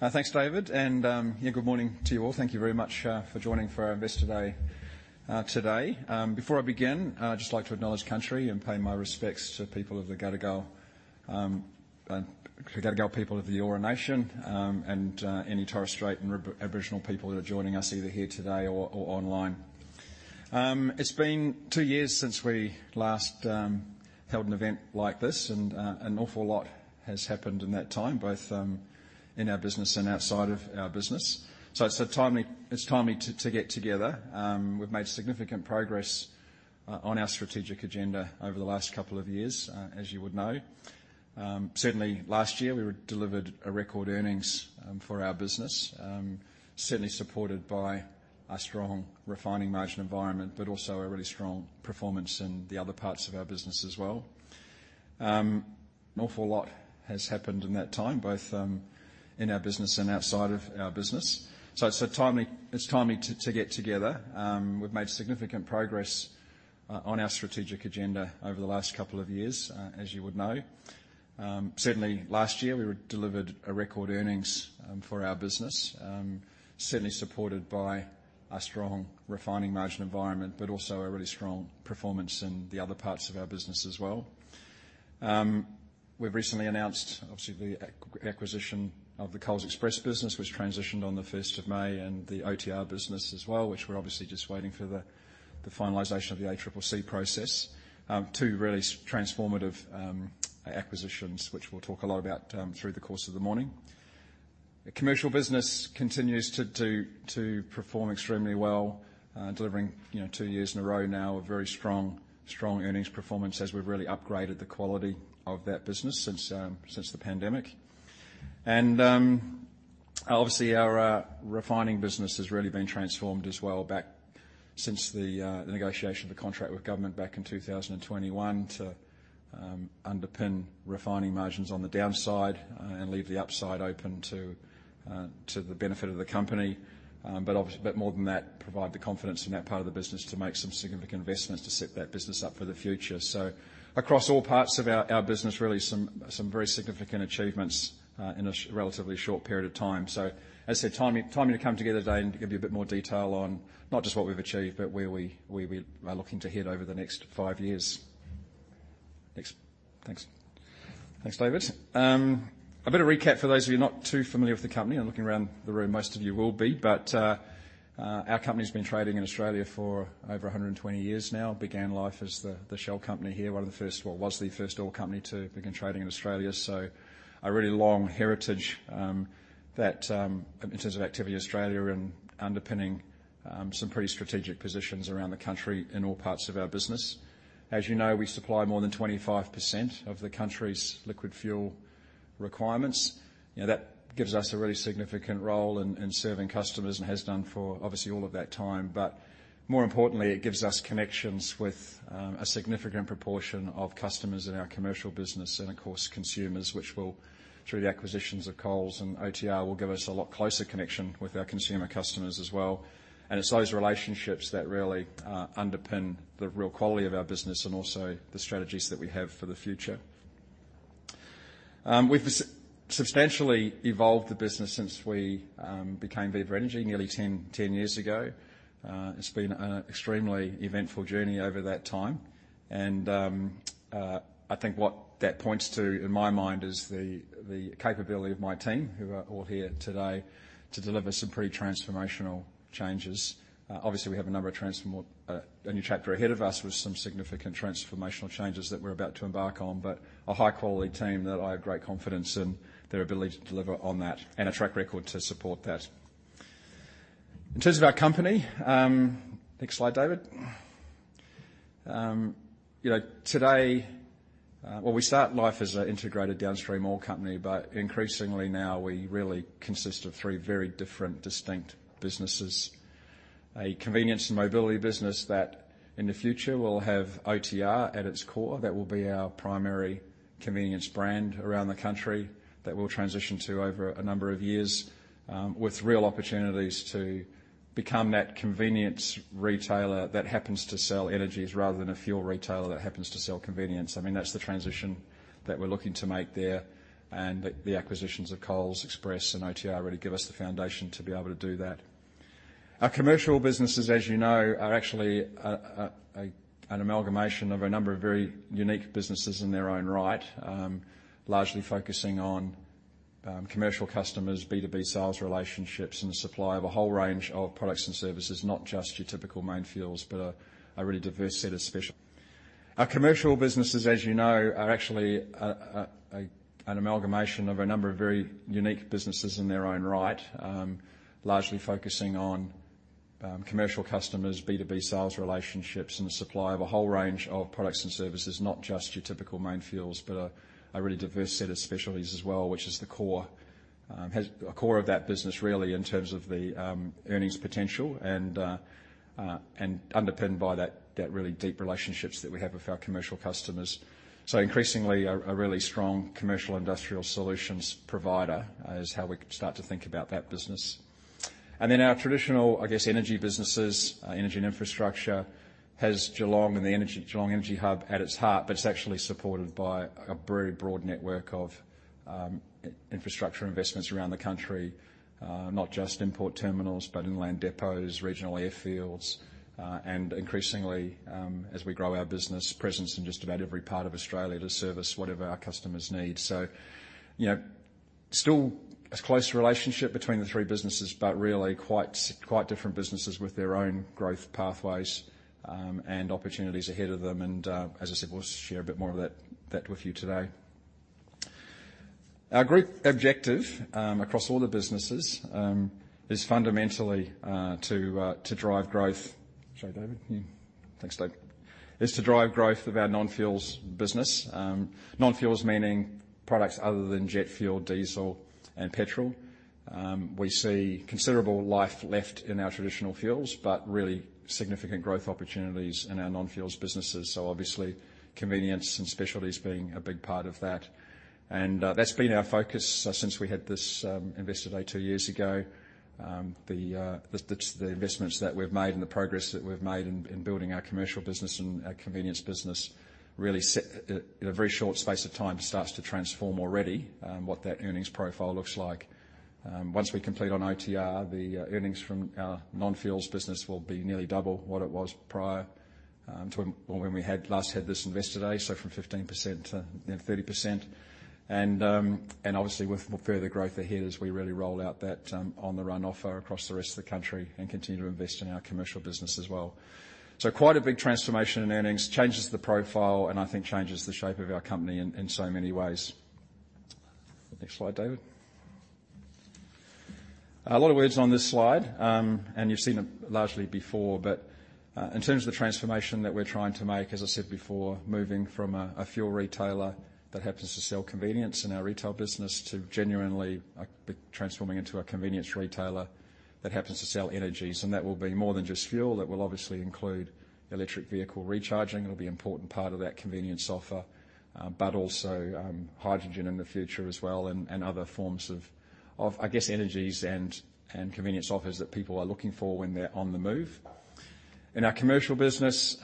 Thanks, David, and yeah, good morning to you all. Thank you very much for joining for our Investor Day today. Before I begin, I'd just like to acknowledge country and pay my respects to the people of the Gadigal, the Gadigal people of the Eora Nation, and any Torres Strait and Aboriginal people that are joining us either here today or online. It's been two years since we last held an event like this, and an awful lot has happened in that time, both in our business and outside of our business. So it's timely to get together. We've made significant progress on our strategic agenda over the last couple of years, as you would know. Certainly last year, we delivered a record earnings for our business, certainly supported by a strong refining margin environment, but also a really strong performance in the other parts of our business as well. An awful lot has happened in that time, both in our business and outside of our business, so it's timely to get together. We've made significant progress on our strategic agenda over the last couple of years, as you would know. Certainly last year, we delivered a record earnings for our business, certainly supported by a strong refining margin environment, but also a really strong performance in the other parts of our business as well. We've recently announced, obviously, the acquisition of the Coles Express business, which transitioned on the first of May, and the OTR business as well, which we're obviously just waiting for the finalization of the ACCC process. Two really transformative acquisitions, which we'll talk a lot about through the course of the morning. The commercial business continues to perform extremely well, delivering, you know, two years in a row now, a very strong earnings performance as we've really upgraded the quality of that business since the pandemic. Obviously, our refining business has really been transformed as well back since the negotiation of the contract with government back in 2021 to underpin refining margins on the downside, and leave the upside open to the benefit of the company. But obviously, but more than that, provide the confidence in that part of the business to make some significant investments to set that business up for the future. So across all parts of our, our business, really some, some very significant achievements, in a relatively short period of time. So as I said, timely, timely to come together today and to give you a bit more detail on not just what we've achieved, but where we, we, we are looking to head over the next five years. Thanks. Thanks. Thanks, David. A bit of recap for those of you not too familiar with the company, and looking around the room, most of you will be. But, our company's been trading in Australia for over 120 years now. Began life as the Shell company here, one of the first, well, was the first oil company to begin trading in Australia. So a really long heritage, that in terms of activity in Australia and underpinning some pretty strategic positions around the country in all parts of our business. As you know, we supply more than 25% of the country's liquid fuel requirements. You know, that gives us a really significant role in serving customers and has done for obviously all of that time. But more importantly, it gives us connections with a significant proportion of customers in our commercial business and, of course, consumers, which will, through the acquisitions of Coles and OTR, give us a lot closer connection with our consumer customers as well. It's those relationships that really underpin the real quality of our business and also the strategies that we have for the future. We've substantially evolved the business since we became Viva Energy nearly 10, 10 years ago. It's been an extremely eventful journey over that time, and I think what that points to, in my mind, is the capability of my team, who are all here today, to deliver some pretty transformational changes. Obviously, we have a number of transformational, a new chapter ahead of us with some significant transformational changes that we're about to embark on, but a high-quality team that I have great confidence in their ability to deliver on that and a track record to support that. In terms of our company, next slide, David. You know, today, well, we start life as an integrated downstream oil company, but increasingly now we really consist of three very different distinct businesses. A convenience and mobility business that in the future will have OTR at its core. That will be our primary convenience brand around the country that we'll transition to over a number of years, with real opportunities to become that convenience retailer that happens to sell energies rather than a fuel retailer that happens to sell convenience. I mean, that's the transition that we're looking to make there, and the acquisitions of Coles Express and OTR really give us the foundation to be able to do that. Our commercial businesses, as you know, are actually an amalgamation of a number of very unique businesses in their own right. Our commercial businesses, as you know, are actually an amalgamation of a number of very unique businesses in their own right. Largely focusing on commercial customers, B2B sales relationships, and the supply of a whole range of products and services, not just your typical main fuels, but a really diverse set of specialties as well, which is the core, has a core of that business, really, in terms of the earnings potential and, and underpinned by that, that really deep relationships that we have with our commercial customers. So increasingly, a really strong commercial industrial solutions provider is how we can start to think about that business. And then our traditional, I guess, energy businesses, energy and infrastructure, has Geelong and the Geelong Energy Hub at its heart, but it's actually supported by a very broad network of infrastructure investments around the country. Not just import terminals, but inland depots, regional airfields, and increasingly, as we grow our business, presence in just about every part of Australia to service whatever our customers need. So, you know, still a close relationship between the three businesses, but really quite different businesses with their own growth pathways, and opportunities ahead of them. And, as I said, we'll share a bit more of that with you today. Our group objective across all the businesses is fundamentally to drive growth. Sorry, David? Yeah. Thanks, Dave. Is to drive growth of our non-fuels business. Non-fuels meaning products other than jet fuel, diesel, and petrol. We see considerable life left in our traditional fuels, but really significant growth opportunities in our non-fuels businesses, so obviously, convenience and specialties being a big part of that. And that's been our focus since we had this Investor Day two years ago. The investments that we've made and the progress that we've made in building our commercial business and our convenience business really set, in a very short space of time, starts to transform already what that earnings profile looks like. Once we complete on OTR, the earnings from our non-fuels business will be nearly double what it was prior to when we had last had this Investor Day, so from 15% to 30%. And obviously with further growth ahead as we really roll out that On The Run offer across the rest of the country and continue to invest in our commercial business as well. So quite a big transformation in earnings, changes the profile, and I think changes the shape of our company in so many ways. Next slide, David. A lot of words on this slide, and you've seen them largely before, but, in terms of the transformation that we're trying to make, as I said before, moving from a fuel retailer that happens to sell convenience in our retail business, to genuinely, like, transforming into a convenience retailer that happens to sell energies. And that will be more than just fuel. That will obviously include electric vehicle recharging. It'll be an important part of that convenience offer, but also, hydrogen in the future as well, and, and other forms of, of, I guess, energies and, and convenience offers that people are looking for when they're on the move. In our commercial business,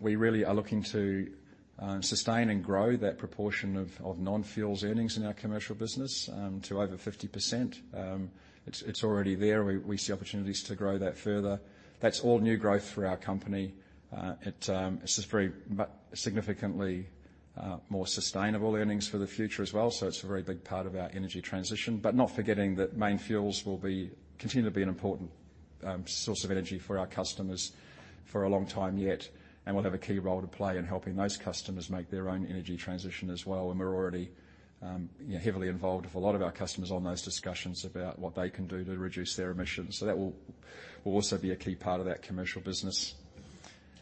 we really are looking to, sustain and grow that proportion of, of non-fuels earnings in our commercial business, to over 50%. It's, it's already there. We see opportunities to grow that further. That's all new growth for our company. It's just very, but significantly, more sustainable earnings for the future as well, so it's a very big part of our energy transition. But not forgetting that main fuels will be... continue to be an important source of energy for our customers for a long time yet, and we'll have a key role to play in helping those customers make their own energy transition as well. And we're already, you know, heavily involved with a lot of our customers on those discussions about what they can do to reduce their emissions. So that will also be a key part of that commercial business.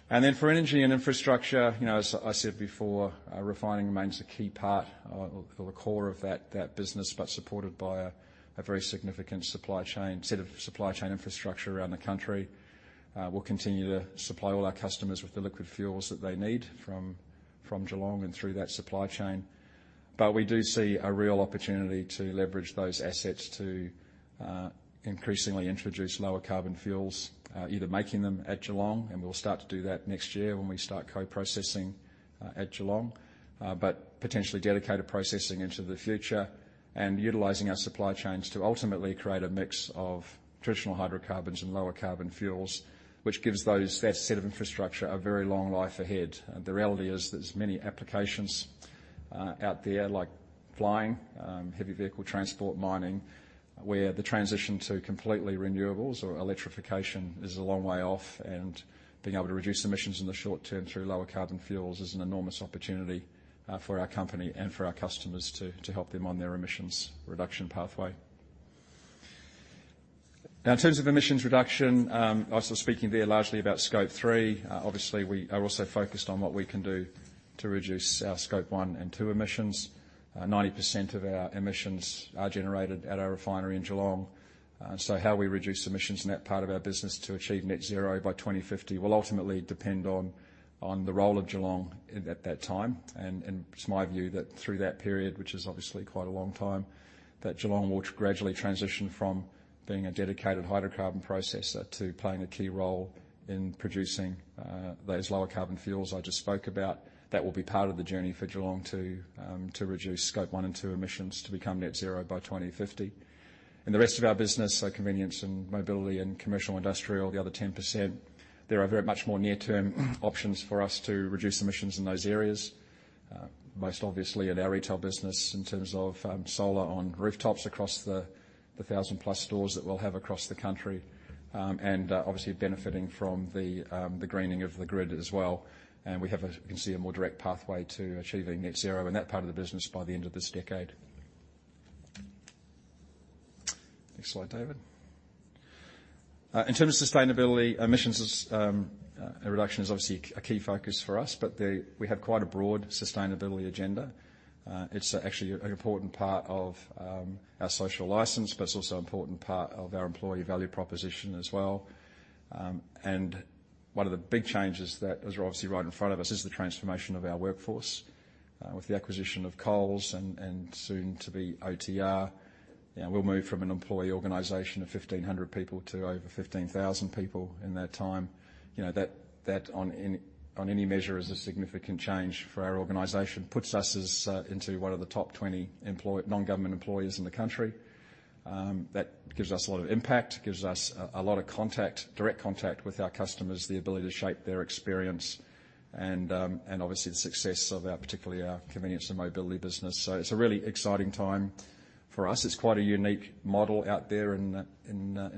Then for Energy and Infrastructure, you know, as I said before, refining remains a key part of the core of that business, but supported by a very significant supply chain, set of supply chain infrastructure around the country. We'll continue to supply all our customers with the liquid fuels that they need from Geelong and through that supply chain. But we do see a real opportunity to leverage those assets to increasingly introduce lower carbon fuels, either making them at Geelong, and we'll start to do that next year when we start co-processing at Geelong, but potentially dedicated processing into the future and utilizing our supply chains to ultimately create a mix of traditional hydrocarbons and lower carbon fuels, which gives that set of infrastructure a very long life ahead. The reality is, there's many applications out there, like flying, heavy vehicle transport, mining, where the transition to completely renewables or electrification is a long way off, and being able to reduce emissions in the short term through lower carbon fuels is an enormous opportunity for our company and for our customers to, to help them on their emissions reduction pathway. Now, in terms of emissions reduction, I was speaking there largely about Scope 3. Obviously, we are also focused on what we can do to reduce our Scope 1 and 2 emissions. 90% of our emissions are generated at our refinery in Geelong. So how we reduce emissions in that part of our business to achieve net zero by 2050 will ultimately depend on the role of Geelong at that time. And it's my view that through that period, which is obviously quite a long time, that Geelong will gradually transition from being a dedicated hydrocarbon processor to playing a key role in producing those lower carbon fuels I just spoke about. That will be part of the journey for Geelong to reduce Scope onw and two emissions to become net zero by 2050. In the rest of our business, so convenience and mobility and commercial, industrial, the other 10%, there are very much more near-term options for us to reduce emissions in those areas. Most obviously at our retail business in terms of solar on rooftops across the 1,000-plus stores that we'll have across the country, and obviously benefiting from the greening of the grid as well. And we have a, you can see, a more direct pathway to achieving net zero in that part of the business by the end of this decade. Next slide, David. In terms of sustainability, emissions reduction is obviously a key focus for us, but we have quite a broad sustainability agenda. It's actually an important part of our social license, but it's also an important part of our employee value proposition as well. And one of the big changes that is obviously right in front of us is the transformation of our workforce with the acquisition of Coles and, and soon to be OTR, you know, we'll move from an employee organization of 1,500 people to over 15,000 people in that time. You know, that on any measure is a significant change for our organization, puts us into one of the top 20 nongovernment employers in the country. That gives us a lot of impact, gives us a lot of contact, direct contact with our customers, the ability to shape their experience, and obviously the success of our, particularly our convenience and mobility business. So it's a really exciting time for us. It's quite a unique model out there in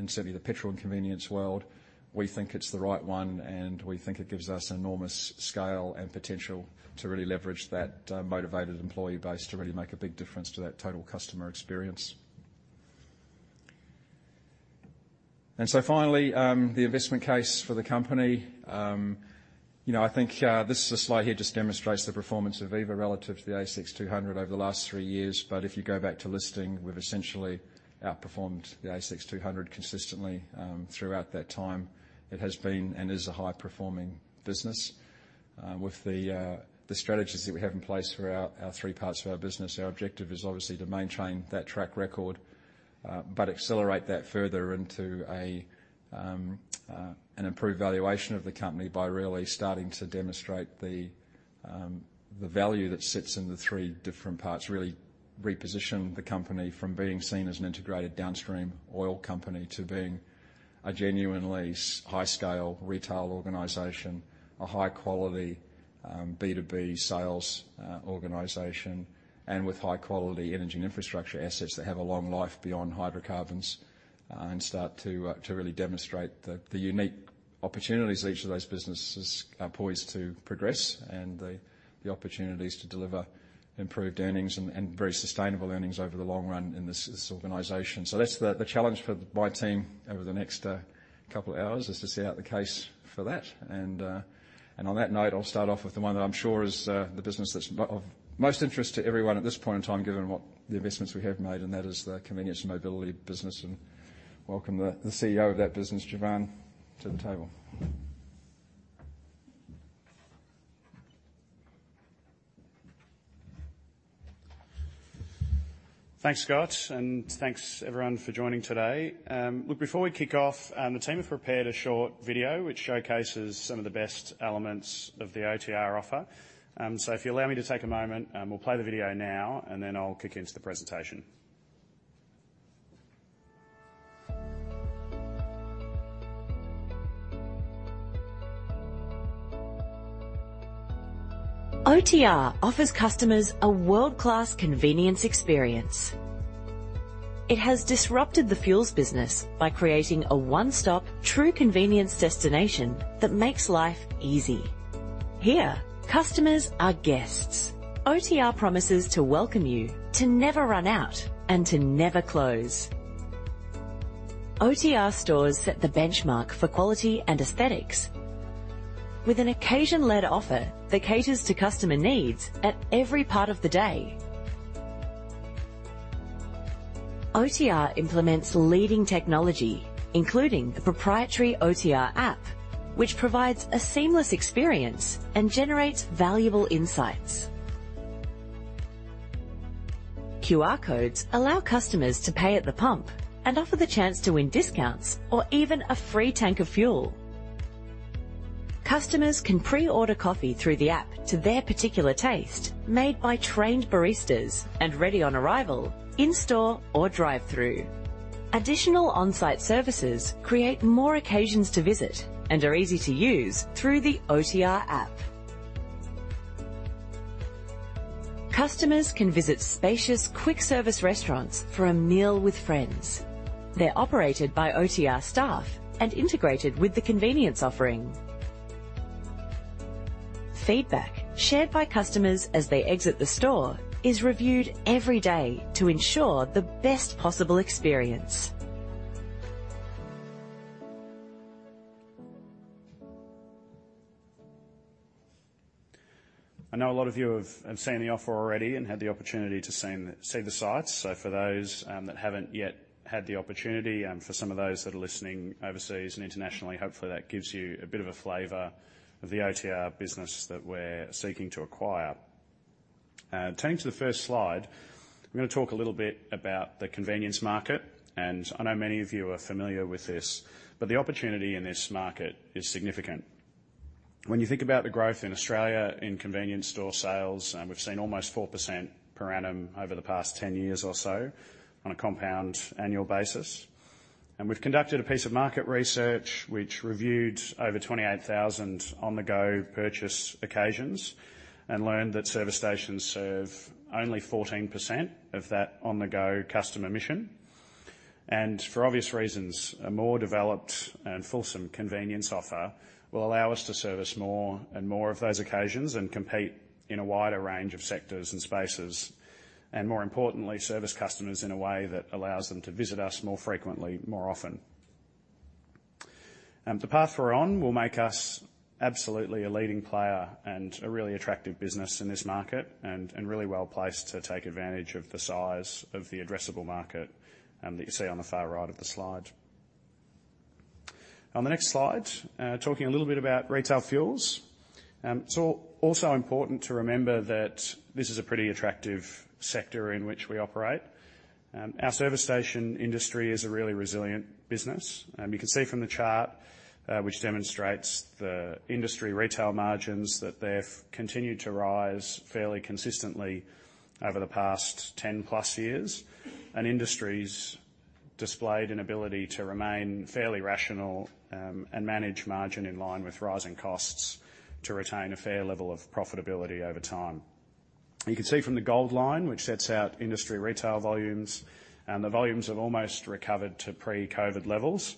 certainly the petrol and convenience world. We think it's the right one, and we think it gives us enormous scale and potential to really leverage that motivated employee base to really make a big difference to that total customer experience. And so finally, the investment case for the company. You know, I think this is a slide here just demonstrates the performance of Viva relative to the ASX 200 over the last three years. But if you go back to listing, we've essentially outperformed the ASX 200 consistently throughout that time. It has been and is a high-performing business. With the strategies that we have in place for our three parts of our business, our objective is obviously to maintain that track record, but accelerate that further into an improved valuation of the company by really starting to demonstrate the value that sits in the three different parts. Really reposition the company from being seen as an integrated downstream oil company to being a genuinely high-scale retail organization, a high-quality, B2B sales, organization, and with high-quality energy and infrastructure assets that have a long life beyond hydrocarbons, and start to really demonstrate the unique opportunities each of those businesses are poised to progress, and the opportunities to deliver improved earnings and very sustainable earnings over the long run in this organization. So that's the challenge for my team over the next couple of hours, is to set out the case for that. and on that note, I'll start off with the one that I'm sure is the business that's of most interest to everyone at this point in time, given what the investments we have made, and that is the convenience and mobility business, and welcome the CEO of that business, Jevan, to the table. Thanks, Scott, and thanks, everyone, for joining today. Look, before we kick off, the team have prepared a short video which showcases some of the best elements of the OTR offer. So if you allow me to take a moment, we'll play the video now, and then I'll kick into the presentation. OTR offers customers a world-class convenience experience. It has disrupted the fuels business by creating a one-stop, true convenience destination that makes life easy. Here, customers are guests. OTR promises to welcome you, to never run out, and to never close. OTR stores set the benchmark for quality and aesthetics with an occasion-led offer that caters to customer needs at every part of the day. OTR implements leading technology, including the proprietary OTR App, which provides a seamless experience and generates valuable insights. QR codes allow customers to pay at the pump and offer the chance to win discounts or even a free tank of fuel. Customers can pre-order coffee through the app to their particular taste, made by trained baristas and ready on arrival in-store or drive-through. Additional on-site services create more occasions to visit and are easy to use through the OTR App. Customers can visit spacious, quick-service restaurants for a meal with friends. They're operated by OTR staff and integrated with the convenience offering. Feedback, shared by customers as they exit the store, is reviewed every day to ensure the best possible experience. I know a lot of you have seen the offer already and had the opportunity to see the sites. So for those that haven't yet had the opportunity, and for some of those that are listening overseas and internationally, hopefully, that gives you a bit of a flavor of the OTR business that we're seeking to acquire. Turning to the first slide, I'm gonna talk a little bit about the convenience market, and I know many of you are familiar with this, but the opportunity in this market is significant. When you think about the growth in Australia in convenience store sales, and we've seen almost 4% per annum over the past 10 years or so on a compound annual basis. We've conducted a piece of market research which reviewed over 28,000 on-the-go purchase occasions and learned that service stations serve only 14% of that on-the-go customer mission. For obvious reasons, a more developed and fulsome convenience offer will allow us to service more and more of those occasions and compete in a wider range of sectors and spaces, and more importantly, service customers in a way that allows them to visit us more frequently, more often. The path we're on will make us absolutely a leading player and a really attractive business in this market, and really well placed to take advantage of the size of the addressable market, that you see on the far right of the slide. On the next slide, talking a little bit about retail fuels. It's also important to remember that this is a pretty attractive sector in which we operate. Our service station industry is a really resilient business. You can see from the chart, which demonstrates the industry retail margins, that they've continued to rise fairly consistently over the past 10+ years, and industry's displayed an ability to remain fairly rational, and manage margin in line with rising costs to retain a fair level of profitability over time. You can see from the gold line, which sets out industry retail volumes, the volumes have almost recovered to pre-COVID levels,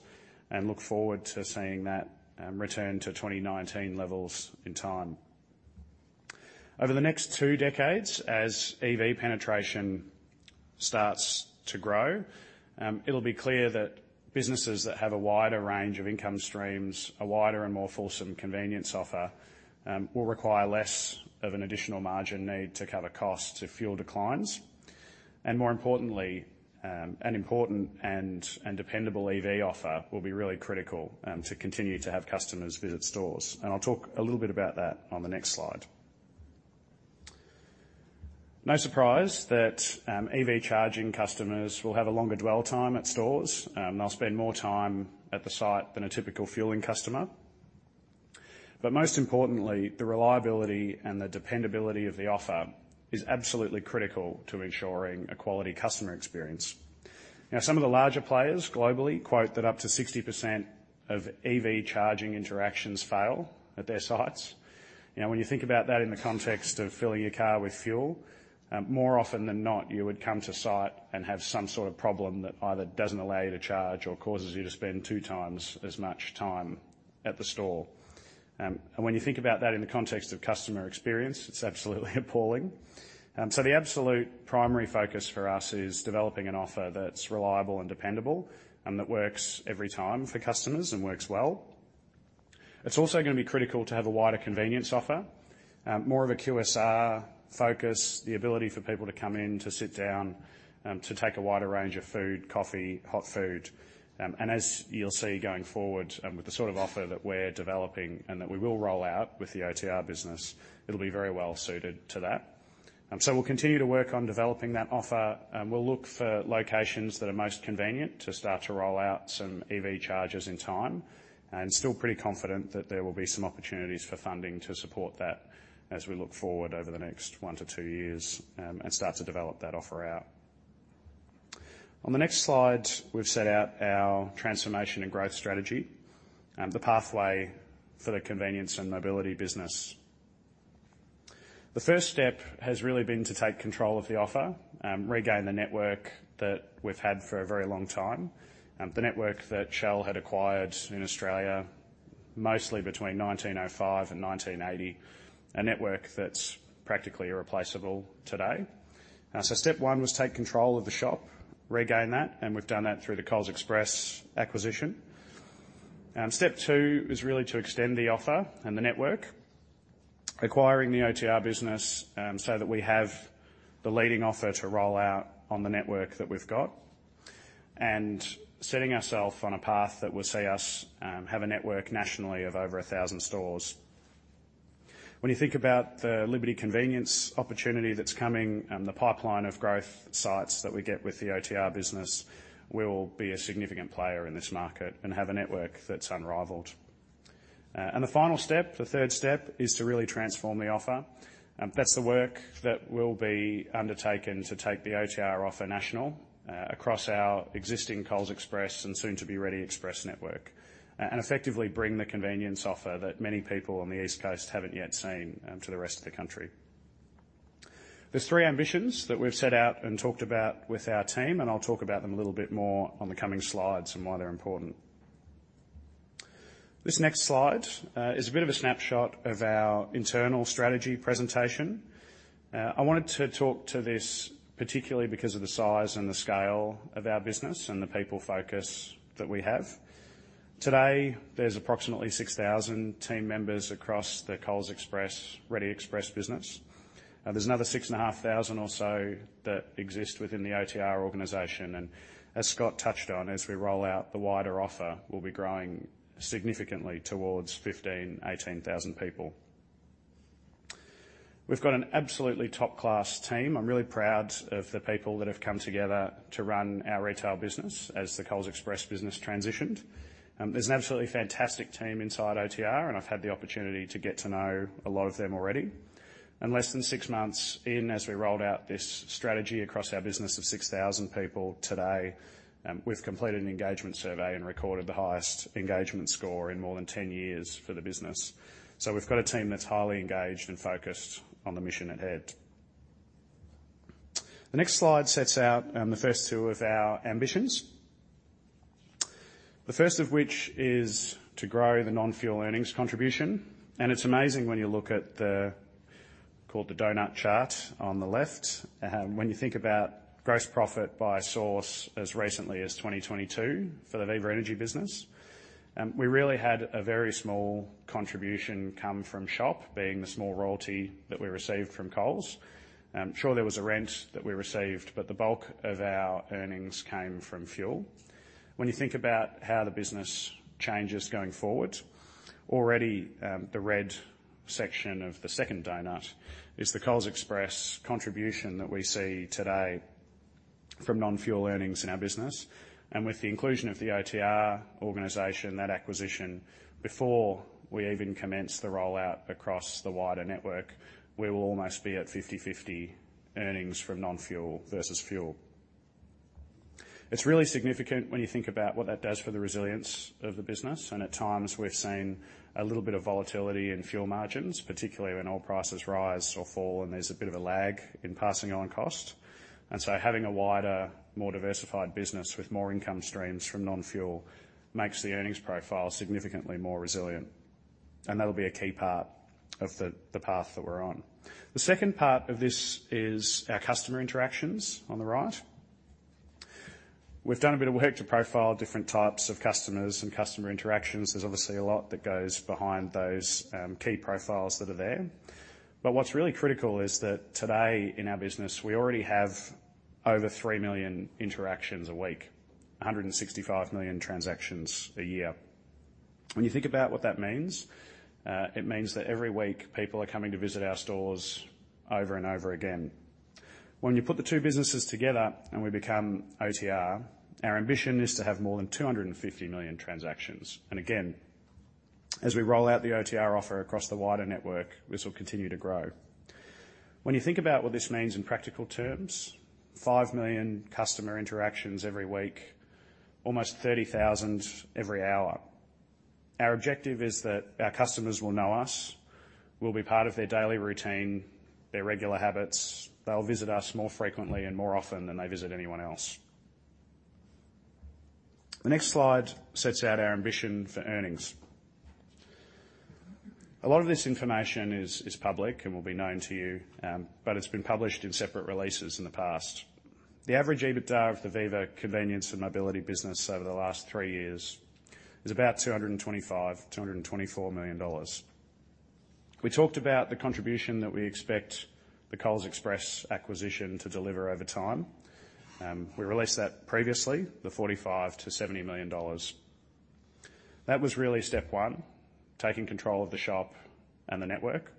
and look forward to seeing that, return to 2019 levels in time. Over the next two decades, as EV penetration starts to grow, it'll be clear that businesses that have a wider range of income streams, a wider and more fulsome convenience offer, will require less of an additional margin need to cover costs if fuel declines. And more importantly, an important and, and dependable EV offer will be really critical, to continue to have customers visit stores. And I'll talk a little bit about that on the next slide. No surprise that, EV charging customers will have a longer dwell time at stores. They'll spend more time at the site than a typical fueling customer. But most importantly, the reliability and the dependability of the offer is absolutely critical to ensuring a quality customer experience. Now, some of the larger players globally quote that up to 60% of EV charging interactions fail at their sites. You know, when you think about that in the context of filling your car with fuel, more often than not, you would come to site and have some sort of problem that either doesn't allow you to charge or causes you to spend two times as much time at the store. When you think about that in the context of customer experience, it's absolutely appalling. The absolute primary focus for us is developing an offer that's reliable and dependable, and that works every time for customers and works well. It's also gonna be critical to have a wider convenience offer, more of a QSR focus, the ability for people to come in, to sit down, to take a wider range of food, coffee, hot food. And as you'll see going forward, with the sort of offer that we're developing and that we will roll out with the OTR business, it'll be very well suited to that. So we'll continue to work on developing that offer, and we'll look for locations that are most convenient to start to roll out some EV chargers in time. And still pretty confident that there will be some opportunities for funding to support that as we look forward over the next 1-2 years, and start to develop that offer out. On the next slide, we've set out our transformation and growth strategy, the pathway for the convenience and mobility business. The first step has really been to take control of the offer, regain the network that we've had for a very long time, the network that Shell had acquired in Australia, mostly between 1905 and 1980, a network that's practically irreplaceable today. So step one was take control of the shop, regain that, and we've done that through the Coles Express acquisition. Step two is really to extend the offer and the network, acquiring the OTR business, so that we have the leading offer to roll out on the network that we've got, and setting ourself on a path that will see us, have a network nationally of over 1,000 stores. When you think about the Liberty Convenience opportunity that's coming and the pipeline of growth sites that we get with the OTR business, we will be a significant player in this market and have a network that's unrivaled. And the final step, the third step, is to really transform the offer. That's the work that will be undertaken to take the OTR offer national, across our existing Coles Express and soon to be Reddy Express network, and effectively bring the convenience offer that many people on the East Coast haven't yet seen, to the rest of the country. There's three ambitions that we've set out and talked about with our team, and I'll talk about them a little bit more on the coming slides and why they're important. This next slide is a bit of a snapshot of our internal strategy presentation. I wanted to talk to this particularly because of the size and the scale of our business and the people focus that we have. Today, there's approximately 6,000 team members across the Coles Express, Reddy Express business. There's another 6,500 or so that exist within the OTR organization, and as Scott touched on, as we roll out the wider offer, we'll be growing significantly towards 15,000, 18,000 people. We've got an absolutely top-class team. I'm really proud of the people that have come together to run our retail business as the Coles Express business transitioned. There's an absolutely fantastic team inside OTR, and I've had the opportunity to get to know a lot of them already. Less than six months in, as we rolled out this strategy across our business of 6,000 people, today, we've completed an engagement survey and recorded the highest engagement score in more than 10 years for the business. So we've got a team that's highly engaged and focused on the mission at hand. The next slide sets out the first two of our ambitions, the first of which is to grow the non-fuel earnings contribution. It's amazing when you look at the called the donut chart on the left. When you think about gross profit by source as recently as 2022 for the Viva Energy business, we really had a very small contribution come from shop, being the small royalty that we received from Coles. I'm sure there was a rent that we received, but the bulk of our earnings came from fuel. When you think about how the business changes going forward, already, the red section of the second donut is the Coles Express contribution that we see today from non-fuel earnings in our business, and with the inclusion of the OTR organization, that acquisition, before we even commence the rollout across the wider network, we will almost be at 50/50 earnings from non-fuel versus fuel. It's really significant when you think about what that does for the resilience of the business, and at times we've seen a little bit of volatility in fuel margins, particularly when oil prices rise or fall, and there's a bit of a lag in passing on cost. And so having a wider, more diversified business with more income streams from non-fuel makes the earnings profile significantly more resilient, and that'll be a key part of the path that we're on. The second part of this is our customer interactions on the right. We've done a bit of work to profile different types of customers and customer interactions. There's obviously a lot that goes behind those, key profiles that are there. But what's really critical is that today in our business, we already have over three million interactions a week, 165 million transactions a year. When you think about what that means, it means that every week people are coming to visit our stores over and over again. When you put the two businesses together and we become OTR, our ambition is to have more than 250 million transactions. And again, as we roll out the OTR offer across the wider network, this will continue to grow. When you think about what this means in practical terms, five million customer interactions every week, almost 30,000 every hour. Our objective is that our customers will know us, we'll be part of their daily routine, their regular habits. They'll visit us more frequently and more often than they visit anyone else. The next slide sets out our ambition for earnings. A lot of this information is public and will be known to you, but it's been published in separate releases in the past. The average EBITDA of the Viva Convenience and Mobility business over the last three years is about 225, 224 million dollars. We talked about the contribution that we expect the Coles Express acquisition to deliver over time. We released that previously, the 45-70 million dollars. That was really step one, taking control of the shop and the network.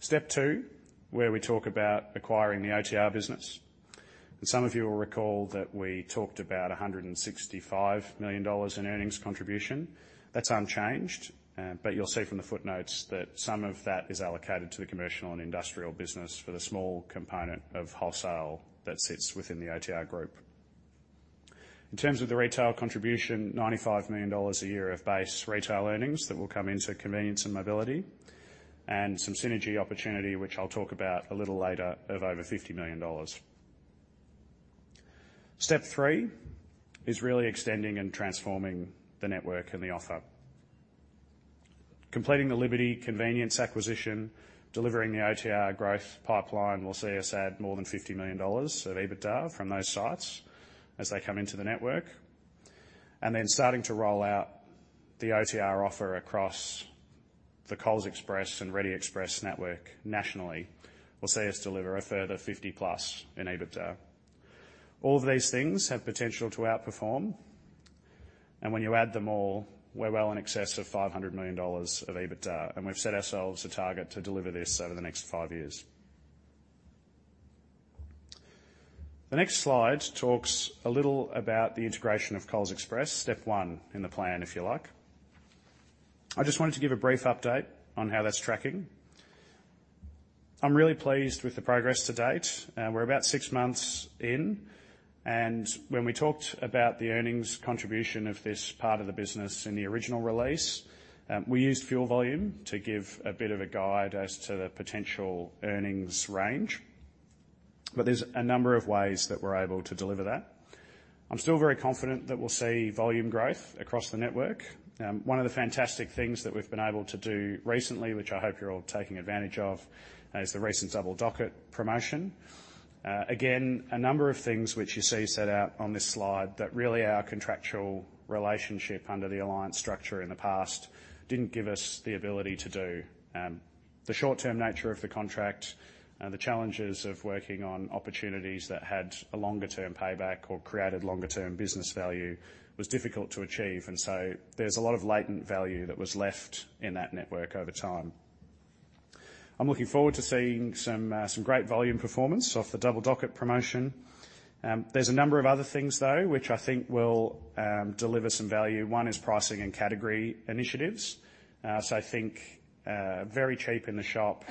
Step two, where we talk about acquiring the OTR business, and some of you will recall that we talked about 165 million dollars in earnings contribution. That's unchanged, but you'll see from the footnotes that some of that is allocated to the commercial and industrial business for the small component of wholesale that sits within the OTR group. In terms of the retail contribution, AUD 95 million a year of base retail earnings that will come into convenience and mobility, and some synergy opportunity, which I'll talk about a little later, of over 50 million dollars. Step three is really extending and transforming the network and the offer. Completing the Liberty Convenience acquisition, delivering the OTR growth pipeline, will see us add more than 50 million dollars of EBITDA from those sites as they come into the network. Then starting to roll out the OTR offer across the Coles Express and Reddy Express network nationally, will see us deliver a further 50+ in EBITDA. All of these things have potential to outperform, and when you add them all, we're well in excess of 500 million dollars of EBITDA, and we've set ourselves a target to deliver this over the next five years. The next slide talks a little about the integration of Coles Express, step one in the plan, if you like. I just wanted to give a brief update on how that's tracking. I'm really pleased with the progress to date. We're about six months in, and when we talked about the earnings contribution of this part of the business in the original release, we used fuel volume to give a bit of a guide as to the potential earnings range, but there's a number of ways that we're able to deliver that. I'm still very confident that we'll see volume growth across the network. One of the fantastic things that we've been able to do recently, which I hope you're all taking advantage of, is the recent Double Docket promotion. Again, a number of things which you see set out on this slide, that really our contractual relationship under the alliance structure in the past didn't give us the ability to do. The short-term nature of the contract, the challenges of working on opportunities that had a longer term payback or created longer term business value, was difficult to achieve, and so there's a lot of latent value that was left in that network over time. I'm looking forward to seeing some great volume performance off the Double Docket promotion. There's a number of other things, though, which I think will deliver some value. One is pricing and category initiatives. So I think very cheap in the shop,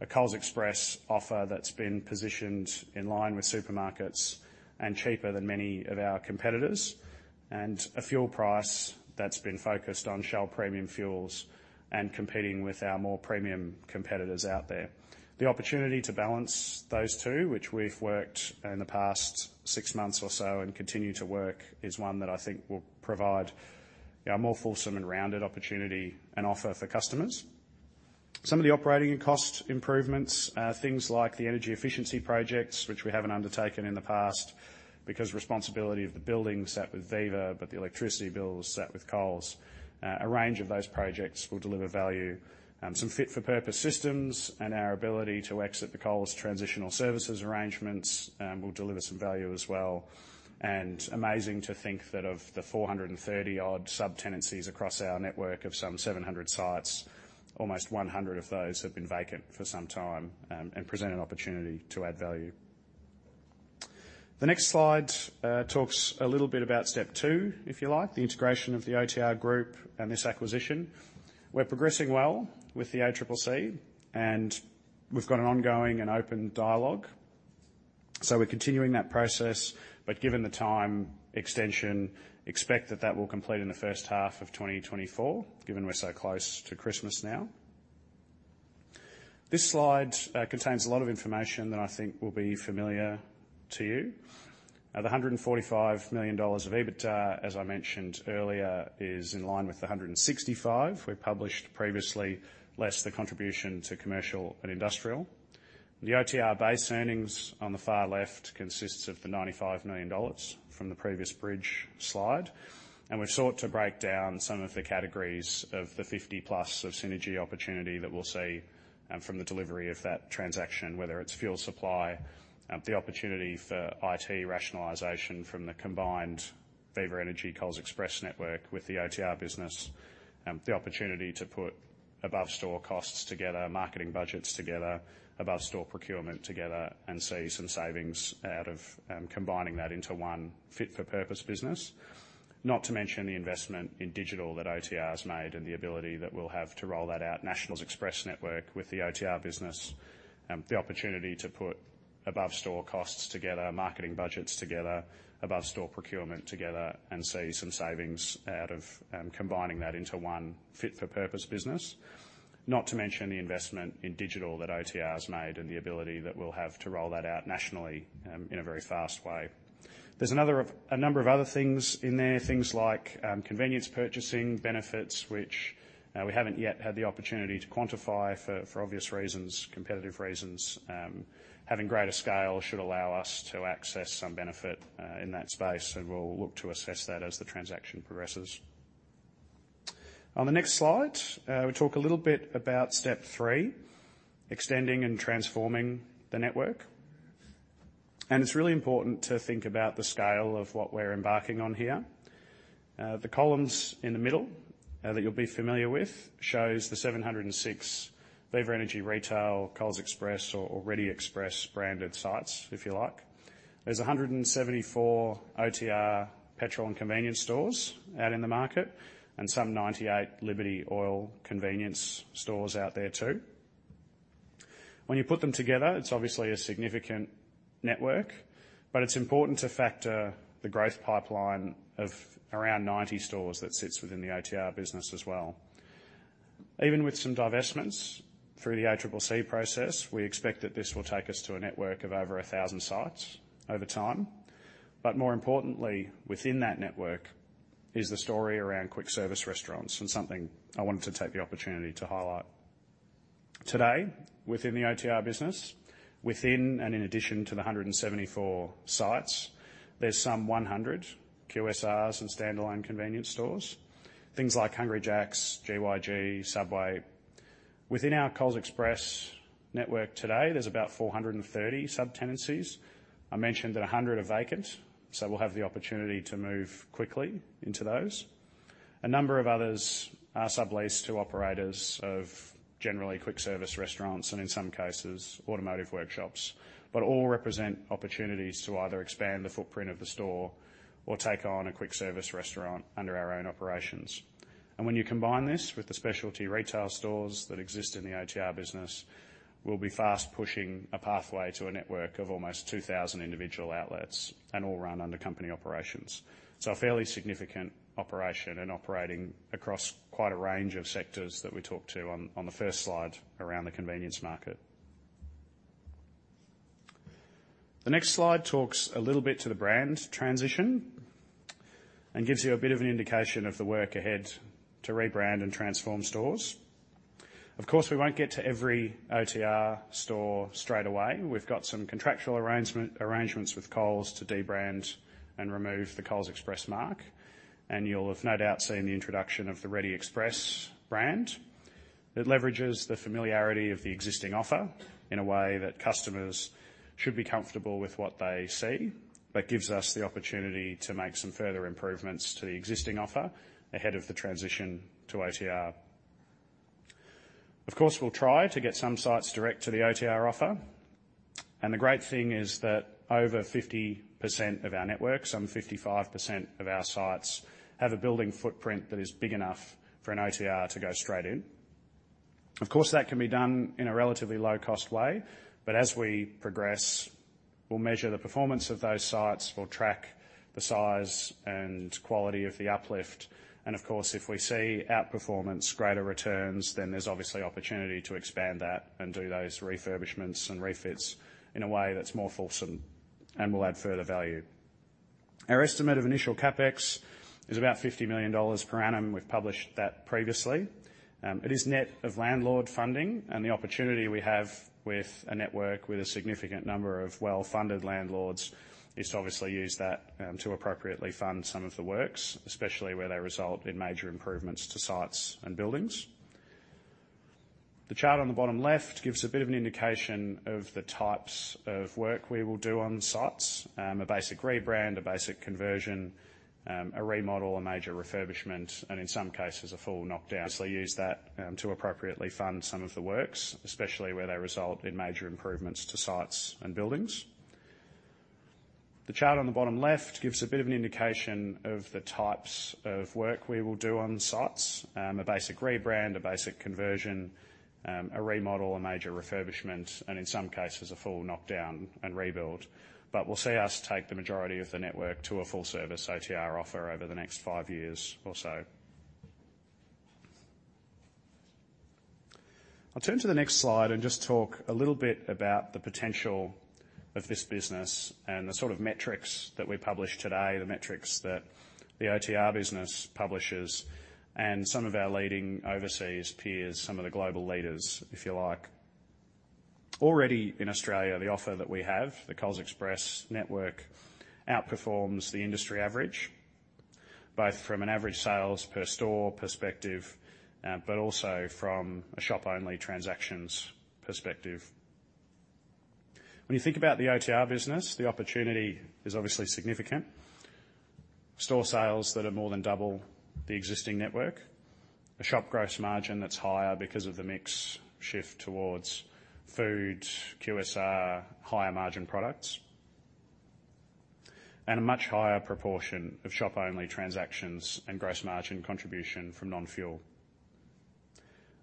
a Coles Express offer that's been positioned in line with supermarkets and cheaper than many of our competitors, and a fuel price that's been focused on Shell premium fuels and competing with our more premium competitors out there.... The opportunity to balance those two, which we've worked in the past six months or so and continue to work, is one that I think will provide a more fulsome and rounded opportunity and offer for customers. Some of the operating and cost improvements are things like the energy efficiency projects, which we haven't undertaken in the past because responsibility of the building sat with Viva, but the electricity bill sat with Coles. A range of those projects will deliver value, some fit-for-purpose systems, and our ability to exit the Coles transitional services arrangements will deliver some value as well. Amazing to think that of the 430-odd sub-tenancies across our network of some 700 sites, almost 100 of those have been vacant for some time, and present an opportunity to add value. The next slide talks a little bit about step two, if you like, the integration of the OTR group and this acquisition. We're progressing well with the ACCC, and we've got an ongoing and open dialogue, so we're continuing that process, but given the time extension, expect that that will complete in the first half of 2024, given we're so close to Christmas now. This slide contains a lot of information that I think will be familiar to you. The 145 million dollars of EBITDA, as I mentioned earlier, is in line with the 165 we published previously, less the contribution to commercial and industrial. The OTR base earnings on the far left consists of the 95 million dollars from the previous bridge slide, and we've sought to break down some of the categories of the 50 plus of synergy opportunity that we'll see, from the delivery of that transaction, whether it's fuel supply, the opportunity for IT rationalization from the combined Viva Energy, Coles Express network with the OTR business, the opportunity to put above-store costs together, marketing budgets together, above-store procurement together, and see some savings out of, combining that into one fit-for-purpose business. Not to mention the investment in digital that OTR has made and the ability that we'll have to roll that out nationally, Express network with the OTR business, the opportunity to put above-store costs together, marketing budgets together, above-store procurement together, and see some savings out of, combining that into one fit-for-purpose business. Not to mention the investment in digital that OTR has made and the ability that we'll have to roll that out nationally in a very fast way. There's a number of other things in there, things like convenience purchasing benefits, which we haven't yet had the opportunity to quantify for obvious reasons, competitive reasons. Having greater scale should allow us to access some benefit in that space, and we'll look to assess that as the transaction progresses. On the next slide, we talk a little bit about step three, extending and transforming the network. It's really important to think about the scale of what we're embarking on here. The columns in the middle that you'll be familiar with shows the 706 Viva Energy Retail, Coles Express, or Reddy Express branded sites, if you like. There's 174 OTR petrol and convenience stores out in the market and some 98 Liberty Oil convenience stores out there, too. When you put them together, it's obviously a significant network, but it's important to factor the growth pipeline of around 90 stores that sits within the OTR business as well. Even with some divestments through the ACCC process, we expect that this will take us to a network of over 1,000 sites over time. But more importantly, within that network is the story around quick-service restaurants and something I wanted to take the opportunity to highlight. Today, within the OTR business, within and in addition to the 174 sites, there's some 100 QSRs and standalone convenience stores, things like Hungry Jack's, GYG, Subway. Within our Coles Express network today, there's about 430 sub-tenancies. I mentioned that 100 are vacant, so we'll have the opportunity to move quickly into those. A number of others are subleased to operators of generally quick-service restaurants and in some cases, automotive workshops, but all represent opportunities to either expand the footprint of the store or take on a quick-service restaurant under our own operations. And when you combine this with the specialty retail stores that exist in the OTR business, we'll be fast pushing a pathway to a network of almost 2,000 individual outlets and all run under company operations. So a fairly significant operation and operating across quite a range of sectors that we talked to on, on the first slide around the convenience market. The next slide talks a little bit to the brand transition and gives you a bit of an indication of the work ahead to rebrand and transform stores. Of course, we won't get to every OTR store straight away. We've got some contractual arrangements with Coles to de-brand and remove the Coles Express mark, and you'll have no doubt seen the introduction of the Reddy Express brand. It leverages the familiarity of the existing offer in a way that customers should be comfortable with what they see, but gives us the opportunity to make some further improvements to the existing offer ahead of the transition to OTR. Of course, we'll try to get some sites direct to the OTR offer, and the great thing is that over 50% of our network, some 55% of our sites, have a building footprint that is big enough for an OTR to go straight in. Of course, that can be done in a relatively low-cost way, but as we progress, we'll measure the performance of those sites. We'll track the size and quality of the uplift, and of course, if we see outperformance, greater returns, then there's obviously opportunity to expand that and do those refurbishments and refits in a way that's more fulsome and will add further value. Our estimate of initial CapEx is about 50 million dollars per annum. We've published that previously. It is net of landlord funding and the opportunity we have with a network with a significant number of well-funded landlords is to obviously use that, to appropriately fund some of the works, especially where they result in major improvements to sites and buildings. The chart on the bottom left gives a bit of an indication of the types of work we will do on sites: a basic rebrand, a basic conversion, a remodel, a major refurbishment, and in some cases, a full knockdown. So use that to appropriately fund some of the works, especially where they result in major improvements to sites and buildings. The chart on the bottom left gives a bit of an indication of the types of work we will do on sites: a basic rebrand, a basic conversion, a remodel, a major refurbishment, and in some cases, a full knockdown and rebuild. But we'll see us take the majority of the network to a full-service OTR offer over the next five years or so. I'll turn to the next slide and just talk a little bit about the potential of this business and the sort of metrics that we published today, the metrics that the OTR business publishes and some of our leading overseas peers, some of the global leaders, if you like. Already in Australia, the offer that we have, the Coles Express network, outperforms the industry average, both from an average sales per store perspective, but also from a shop-only transactions perspective. When you think about the OTR business, the opportunity is obviously significant. Store sales that are more than double the existing network, a shop gross margin that's higher because of the mix shift towards food, QSR, higher-margin products, and a much higher proportion of shop-only transactions and gross margin contribution from non-fuel.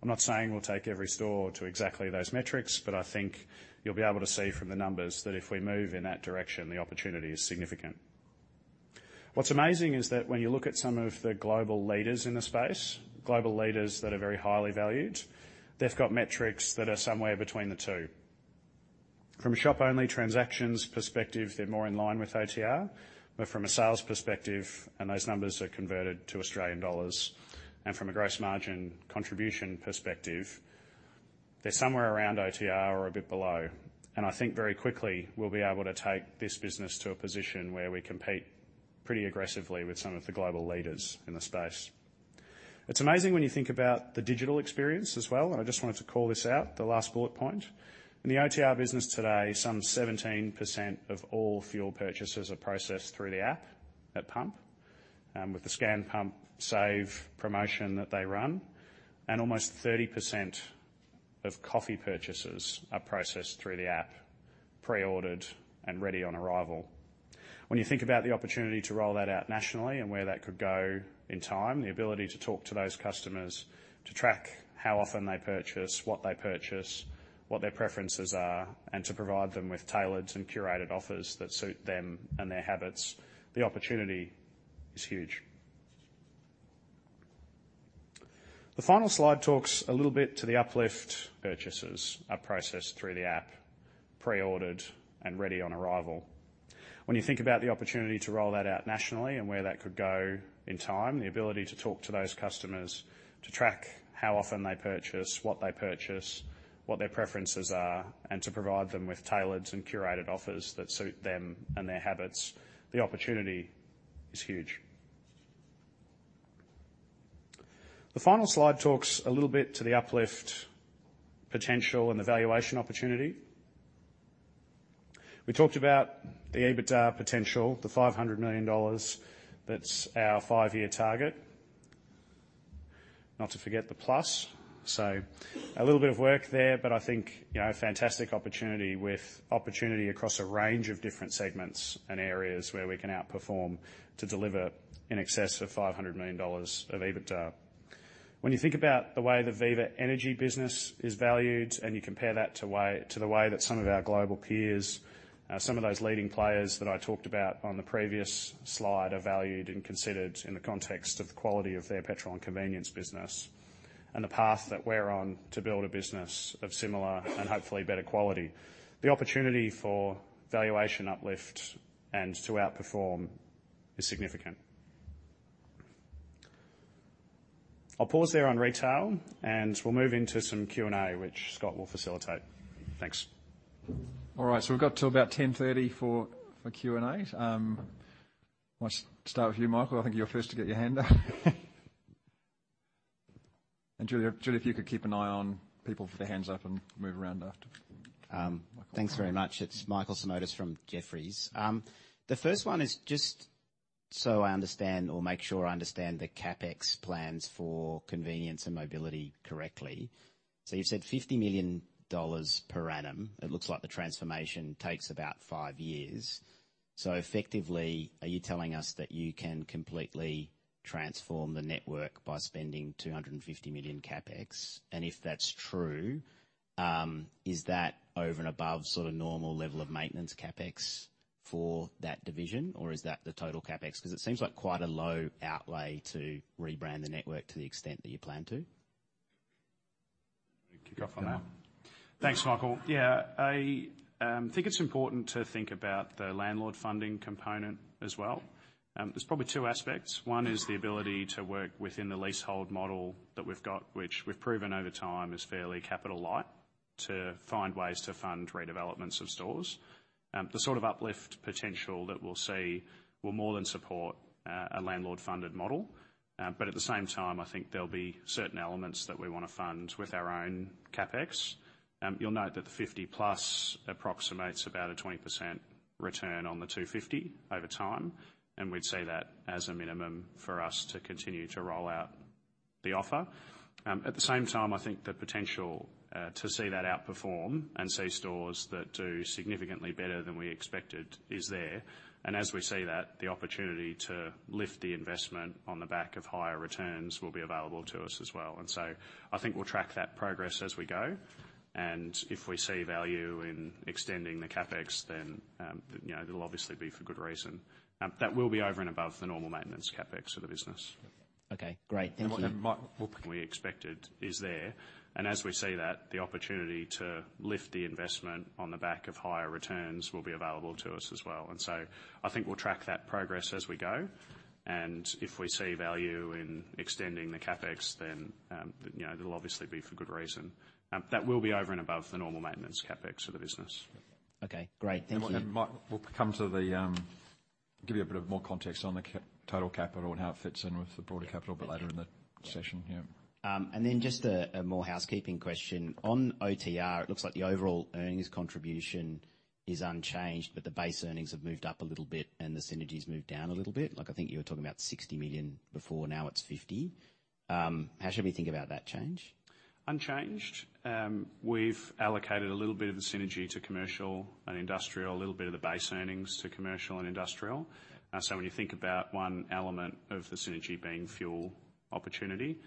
I'm not saying we'll take every store to exactly those metrics, but I think you'll be able to see from the numbers that if we move in that direction, the opportunity is significant. What's amazing is that when you look at some of the global leaders in the space, global leaders that are very highly valued, they've got metrics that are somewhere between the two. From a shop-only transactions perspective, they're more in line with OTR, but from a sales perspective, and those numbers are converted to Australian dollars, and from a gross margin contribution perspective, they're somewhere around OTR or a bit below. I think very quickly, we'll be able to take this business to a position where we compete pretty aggressively with some of the global leaders in the space. It's amazing when you think about the digital experience as well, and I just wanted to call this out, the last bullet point. In the OTR business today, some 17% of all fuel purchases are processed through the app at pump with the Scan Pump Save promotion that they run, and almost 30% of coffee purchases are processed through the app, pre-ordered and ready on arrival. When you think about the opportunity to roll that out nationally and where that could go in time, the ability to talk to those customers, to track how often they purchase, what they purchase, what their preferences are, and to provide them with tailored and curated offers that suit them and their habits, the opportunity is huge. The final slide talks a little bit to the uplift... purchases are processed through the app, pre-ordered and ready on arrival. When you think about the opportunity to roll that out nationally and where that could go in time, the ability to talk to those customers, to track how often they purchase, what they purchase, what their preferences are, and to provide them with tailored and curated offers that suit them and their habits, the opportunity is huge. The final slide talks a little bit to the uplift potential and the valuation opportunity. We talked about the EBITDA potential, the 500 million dollars, that's our five-year target. Not to forget the plus. So a little bit of work there, but I think, you know, a fantastic opportunity with opportunity across a range of different segments and areas where we can outperform to deliver in excess of 500 million dollars of EBITDA. When you think about the way the Viva Energy business is valued, and you compare that to the way that some of our global peers, some of those leading players that I talked about on the previous slide, are valued and considered in the context of the quality of their petrol and convenience business and the path that we're on to build a business of similar and hopefully better quality, the opportunity for valuation uplift and to outperform is significant. I'll pause there on retail, and we'll move into some Q&A, which Scott will facilitate. Thanks. All right, so we've got till about 10:30 A.M. for Q&A. Let's start with you, Michael. I think you're first to get your hand up. Julia, if you could keep an eye on people with their hands up and move around after. Thanks very much. It's Michael Simotas from Jefferies. The first one is just so I understand or make sure I understand the CapEx plans for convenience and mobility correctly. So you've said 50 million dollars per annum. It looks like the transformation takes about five years. So effectively, are you telling us that you can completely transform the network by spending 250 million CapEx? And if that's true, is that over and above sort of normal level of maintenance CapEx for that division? Or is that the total CapEx? Because it seems like quite a low outlay to rebrand the network to the extent that you plan to. Kick off on that. Thanks, Michael. Yeah, I think it's important to think about the landlord funding component as well. There's probably two aspects. One is the ability to work within the leasehold model that we've got, which we've proven over time is fairly capital light, to find ways to fund redevelopments of stores. The sort of uplift potential that we'll see will more than support a landlord-funded model. But at the same time, I think there'll be certain elements that we wanna fund with our own CapEx. You'll note that the 50+ approximates about a 20% return on the 250 over time, and we'd see that as a minimum for us to continue to roll out the offer. At the same time, I think the potential to see that outperform and see stores that do significantly better than we expected is there. As we see that, the opportunity to lift the investment on the back of higher returns will be available to us as well. I think we'll track that progress as we go, and if we see value in extending the CapEx, then, you know, it'll obviously be for good reason. That will be over and above the normal maintenance CapEx of the business. Okay, great. Thank you. Mike, we expected is there, and as we see that, the opportunity to lift the investment on the back of higher returns will be available to us as well, and so I think we'll track that progress as we go. If we see value in extending the CapEx, then, you know, it'll obviously be for good reason. That will be over and above the normal maintenance CapEx of the business. Okay, great. Thank you. Mike, we'll come to the total capital and give you a bit of more context on the total capital and how it fits in with the broader capital a bit later in the session. Yeah. And then just a more housekeeping question. On OTR, it looks like the overall earnings contribution is unchanged, but the base earnings have moved up a little bit and the synergies moved down a little bit. Like, I think you were talking about 60 million before, now it's 50 million. How should we think about that change? Unchanged. We've allocated a little bit of the synergy to commercial and industrial, a little bit of the base earnings to commercial and industrial. So when you think about one element of the synergy being fuel opportunity,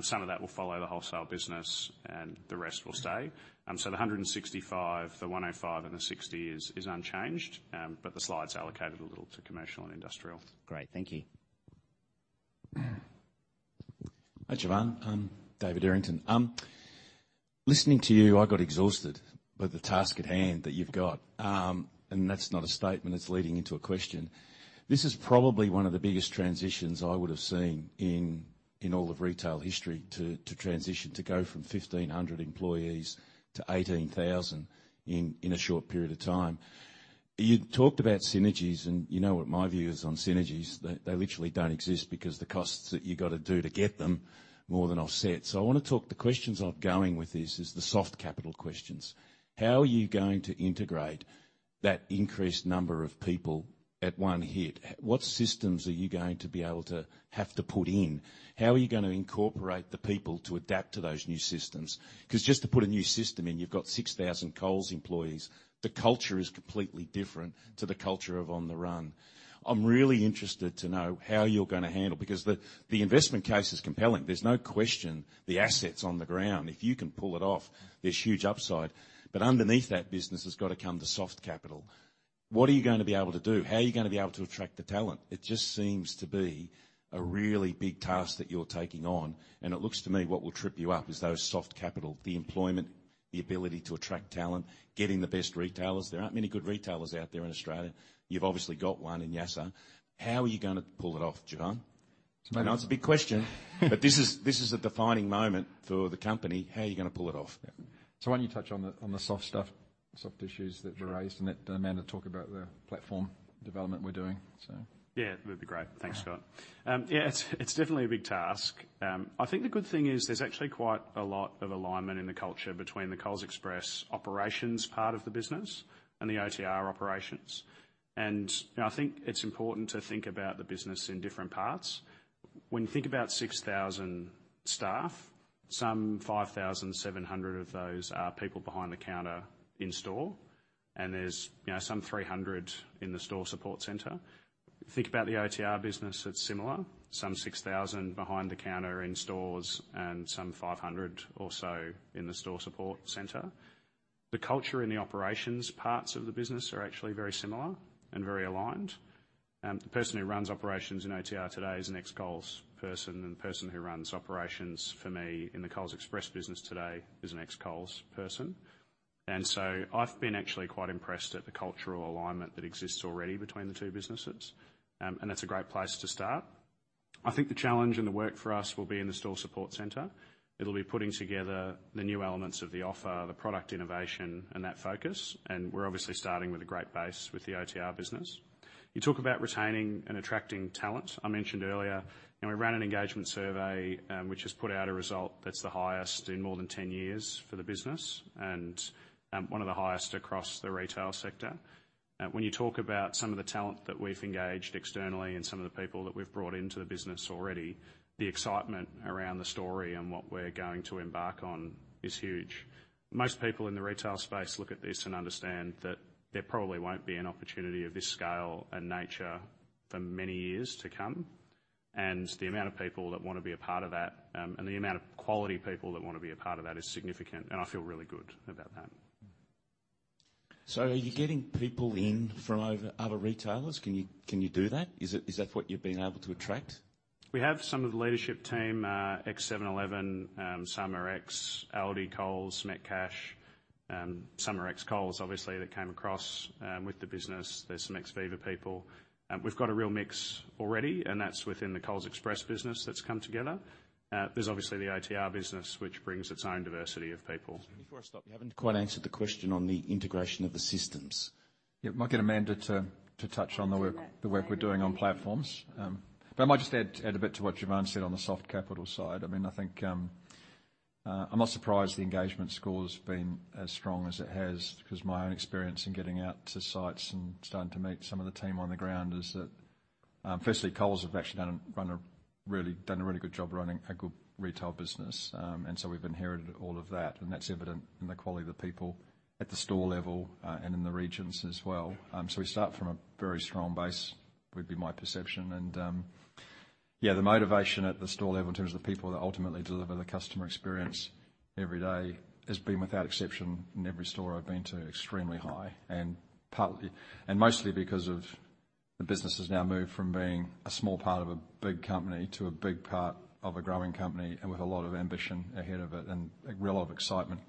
some of that will follow the wholesale business and the rest will stay. So the 165, the 105 and the 60 is, is unchanged, but the slide's allocated a little to commercial and industrial. Great. Thank you. Hi, Jevan. David Errington. Listening to you, I got exhausted by the task at hand that you've got. And that's not a statement, it's leading into a question. This is probably one of the biggest transitions I would have seen in all of retail history, to transition, to go from 1,500 employees to 18,000 in a short period of time. You talked about synergies, and you know what my view is on synergies. They literally don't exist because the costs that you've got to do to get them more than offset. So I want to talk, the questions I've going with this is the soft capital questions. How are you going to integrate that increased number of people at one hit? What systems are you going to be able to have to put in? How are you gonna incorporate the people to adapt to those new systems? Because just to put a new system in, you've got 6,000 Coles employees. The culture is completely different to the culture of On The Run. I'm really interested to know how you're gonna handle, because the investment case is compelling. There's no question the assets on the ground. If you can pull it off, there's huge upside, but underneath that business has got to come the soft capital. What are you going to be able to do? How are you going to be able to attract the talent? It just seems to be a really big task that you're taking on, and it looks to me, what will trip you up is those soft capital, the employment, the ability to attract talent, getting the best retailers. There aren't many good retailers out there in Australia. You've obviously got one in Yasser. How are you gonna pull it off, Jevan? I know it's a big question - but this is, this is a defining moment for the company. How are you gonna pull it off? So why don't you touch on the soft stuff, soft issues that were raised, and then, Amanda, talk about the platform development we're doing, so. Yeah, that'd be great. Thanks, Scott. Yeah, it's definitely a big task. I think the good thing is there's actually quite a lot of alignment in the culture between the Coles Express operations part of the business and the OTR operations. And, you know, I think it's important to think about the business in different parts. When you think about 6,000 staff, some 5,700 of those are people behind the counter in store, and there's, you know, some 300 in the store support center. Think about the OTR business, it's similar. Some 6,000 behind the counter in stores and some 500 or so in the store support center. The culture in the operations parts of the business are actually very similar and very aligned. The person who runs operations in OTR today is an ex-Coles person, and the person who runs operations for me in the Coles Express business today is an ex-Coles person. And so I've been actually quite impressed at the cultural alignment that exists already between the two businesses, and that's a great place to start. I think the challenge and the work for us will be in the store support center. It'll be putting together the new elements of the offer, the product innovation, and that focus, and we're obviously starting with a great base with the OTR business. You talk about retaining and attracting talent. I mentioned earlier, you know, we ran an engagement survey, which has put out a result that's the highest in more than 10 years for the business and, one of the highest across the retail sector. When you talk about some of the talent that we've engaged externally and some of the people that we've brought into the business already, the excitement around the story and what we're going to embark on is huge. Most people in the retail space look at this and understand that there probably won't be an opportunity of this scale and nature for many years to come... and the amount of people that want to be a part of that, and the amount of quality people that want to be a part of that is significant, and I feel really good about that. So are you getting people in from over other retailers? Can you, can you do that? Is it—Is that what you've been able to attract? We have some of the leadership team, ex-7-Eleven, some are ex-Aldi, Coles, Metcash, some are ex-Coles, obviously, that came across with the business. There's some ex-Viva people. We've got a real mix already, and that's within the Coles Express business that's come together. There's obviously the OTR business, which brings its own diversity of people. Before I stop, you haven't quite answered the question on the integration of the systems. Yeah, I might get Amanda to touch on the work- I can do that.... the work we're doing on platforms. But I might just add, add a bit to what Jevan said on the soft capital side. I mean, I think, I'm not surprised the engagement score has been as strong as it has, 'cause my own experience in getting out to sites and starting to meet some of the team on the ground is that, firstly, Coles have actually done a, run a really, done a really good job running a good retail business. And so we've inherited all of that, and that's evident in the quality of the people at the store level, and in the regions as well. So we start from a very strong base, would be my perception. Yeah, the motivation at the store level in terms of the people that ultimately deliver the customer experience every day has been, without exception, in every store I've been to, extremely high, and partly... And mostly because of the business has now moved from being a small part of a big company to a big part of a growing company, and with a lot of ambition ahead of it, and a real lot of excitement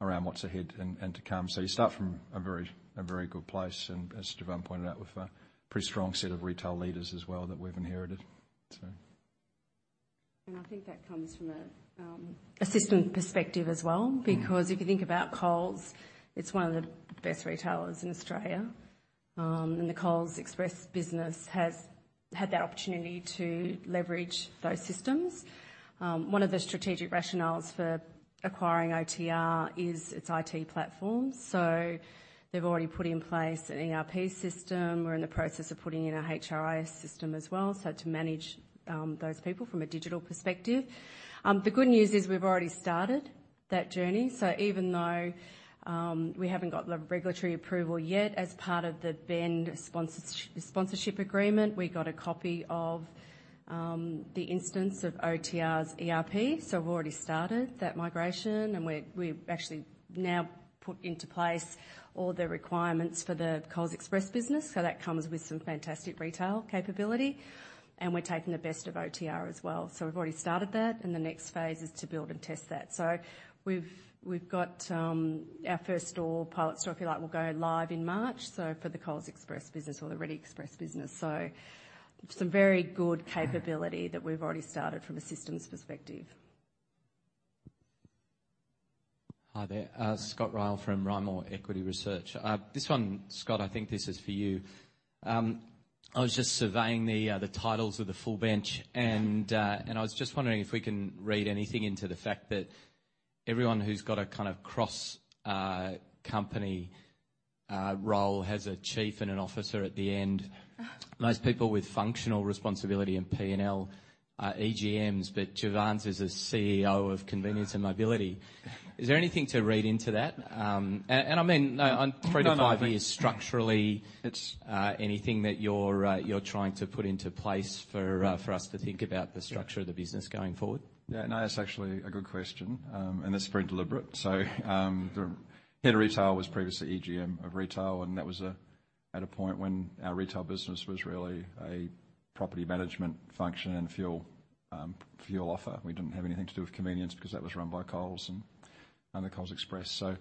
around what's ahead and, and to come. So you start from a very, a very good place, and as Jevan pointed out, with a pretty strong set of retail leaders as well that we've inherited, so. I think that comes from a system perspective as well because if you think about Coles, it's one of the best retailers in Australia. The Coles Express business has had that opportunity to leverage those systems. One of the strategic rationales for acquiring OTR is its IT platform, so they've already put in place an ERP system. We're in the process of putting in a HRIS system as well, so to manage those people from a digital perspective. The good news is we've already started that journey, so even though we haven't got the regulatory approval yet, as part of the vendor sponsorship agreement, we got a copy of the instance of OTR's ERP, so we've already started that migration, and we've actually now put into place all the requirements for the Coles Express business, so that comes with some fantastic retail capability, and we're taking the best of OTR as well. So we've already started that, and the next phase is to build and test that. So we've got our first store, pilot store, if you like, will go live in March, so for the Coles Express business or the Reddy Express business. So some very good capability that we've already started from a systems perspective. Hi there, Scott Ryall from Rimor Equity Research. This one, Scott, I think this is for you. I was just surveying the titles of the full bench, and I was just wondering if we can read anything into the fact that everyone who's got a kind of cross, company, role has a chief and an officer at the end. Most people with functional responsibility in P&L are EGMs, but Jevan's is a CEO of Convenience and Mobility. Is there anything to read into that? And I mean, on 3-5 years- No, no Structurally, anything that you're trying to put into place for us to think about the structure of the business going forward? Yeah, no, that's actually a good question, and it's very deliberate. So, the Head of Retail was previously EGM of Retail, and that was at a point when our retail business was really a property management function and fuel, fuel offer. We didn't have anything to do with convenience because that was run by Coles and the Coles Express. So,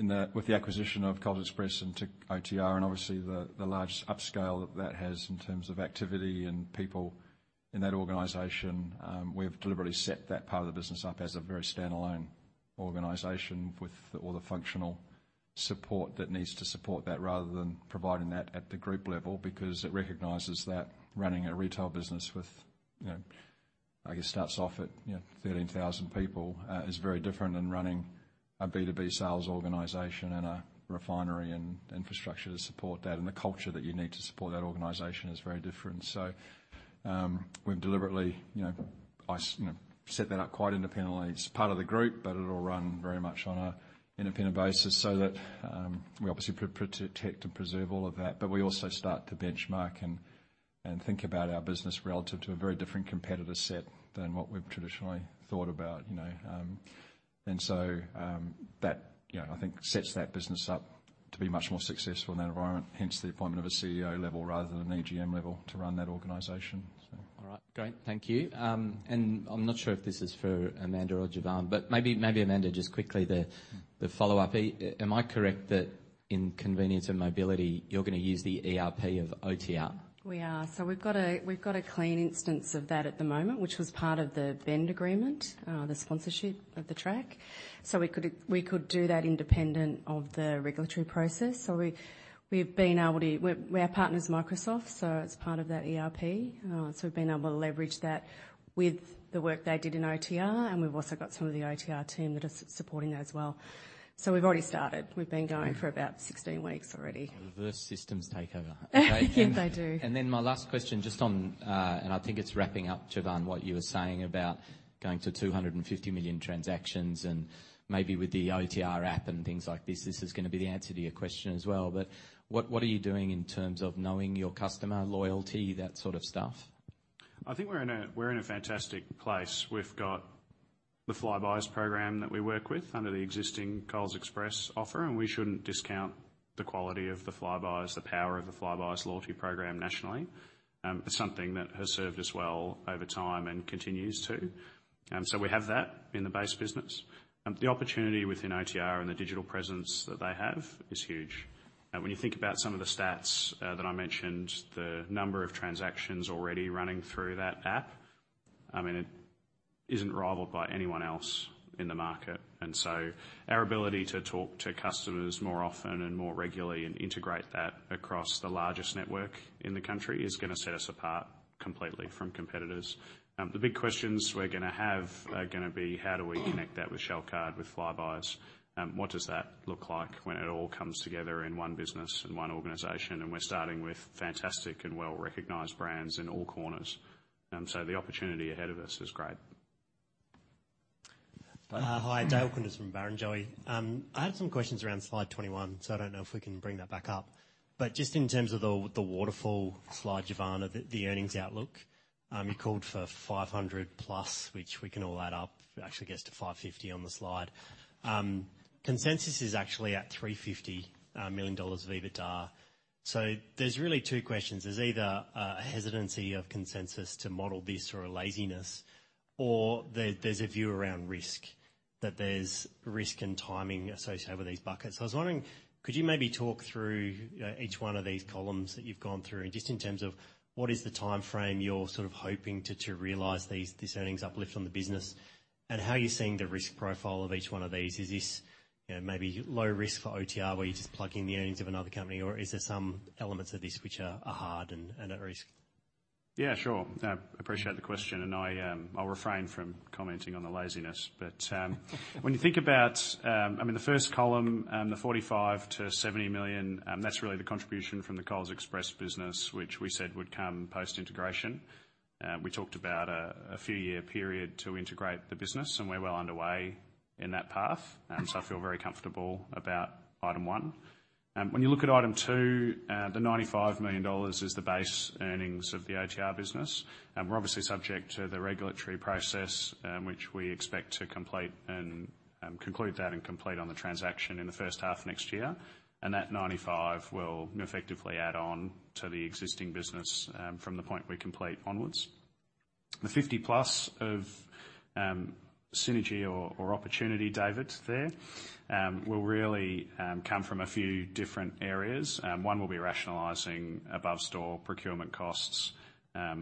in the, with the acquisition of Coles Express into OTR and obviously the, the large upscale that that has in terms of activity and people in that organization, we've deliberately set that part of the business up as a very standalone organization with all the functional support that needs to support that, rather than providing that at the group level, because it recognizes that running a retail business with, you know, I guess, starts off at, you know, 13,000 people, is very different than running a B2B sales organization and a refinery and infrastructure to support that, and the culture that you need to support that organization is very different. So, we've deliberately, you know, I, you know, set that up quite independently. It's part of the group, but it'll run very much on an independent basis so that we obviously protect and preserve all of that, but we also start to benchmark and think about our business relative to a very different competitor set than what we've traditionally thought about, you know. And so, that, you know, I think sets that business up to be much more successful in that environment, hence the appointment of a CEO level rather than an EGM level to run that organization, so. All right, great. Thank you. I'm not sure if this is for Amanda or Jevan, but maybe Amanda, just quickly, the follow-up. Am I correct that in Convenience and Mobility, you're gonna use the ERP of OTR? We are. So we've got a clean instance of that at the moment, which was part of the brand agreement, the sponsorship of the track. So we could do that independent of the regulatory process. So we've been able to. Our partner is Microsoft, so it's part of that ERP. So we've been able to leverage that with the work they did in OTR, and we've also got some of the OTR team that are supporting that as well. So we've already started. We've been going for about 16 weeks already. Reverse systems takeover. Yes, they do. Then my last question, just on, and I think it's wrapping up, Jevan, what you were saying about going to 250 million transactions and maybe with the OTR app and things like this, this is gonna be the answer to your question as well, but what, what are you doing in terms of knowing your customer loyalty, that sort of stuff?... I think we're in a fantastic place. We've got the Flybuys program that we work with under the existing Coles Express offer, and we shouldn't discount the quality of the Flybuys, the power of the Flybuys loyalty program nationally. It's something that has served us well over time and continues to. So we have that in the base business. The opportunity within OTR and the digital presence that they have is huge. And when you think about some of the stats that I mentioned, the number of transactions already running through that app, I mean, it isn't rivaled by anyone else in the market. And so, our ability to talk to customers more often and more regularly and integrate that across the largest network in the country, is gonna set us apart completely from competitors. The big questions we're gonna have are gonna be: How do we connect that with Shell Card, with Flybuys? What does that look like when it all comes together in one business and one organization? And we're starting with fantastic and well-recognized brands in all corners. So the opportunity ahead of us is great. Hi, Dale Saunders from Barrenjoey. I had some questions around slide 21, so I don't know if we can bring that back up. But just in terms of the waterfall slide, Jevan, the earnings outlook, you called for 500+, which we can all add up. It actually gets to 550 on the slide. Consensus is actually at 35 million dollars of EBITDA. So there's really two questions. There's either a hesitancy of consensus to model this or a laziness, or there's a view around risk, that there's risk and timing associated with these buckets. I was wondering, could you maybe talk through each one of these columns that you've gone through, and just in terms of what is the timeframe you're sort of hoping to realize these earnings uplift on the business? How are you seeing the risk profile of each one of these? Is this maybe low risk for OTR, where you're just plugging the earnings of another company, or is there some elements of this which are hard and at risk? Yeah, sure. I appreciate the question, and I, I'll refrain from commenting on the laziness. But, when you think about, I mean, the first column, the 45-70 million, that's really the contribution from the Coles Express business, which we said would come post-integration. We talked about a few year period to integrate the business, and we're well underway in that path, so I feel very comfortable about item one. When you look at item two, the 95 million dollars is the base earnings of the OTR business. And we're obviously subject to the regulatory process, which we expect to complete and conclude that and complete on the transaction in the first half next year. And that 95 will effectively add on to the existing business, from the point we complete onwards. The 50+ of synergy or opportunity, David, there will really come from a few different areas. One will be rationalizing above-store procurement costs.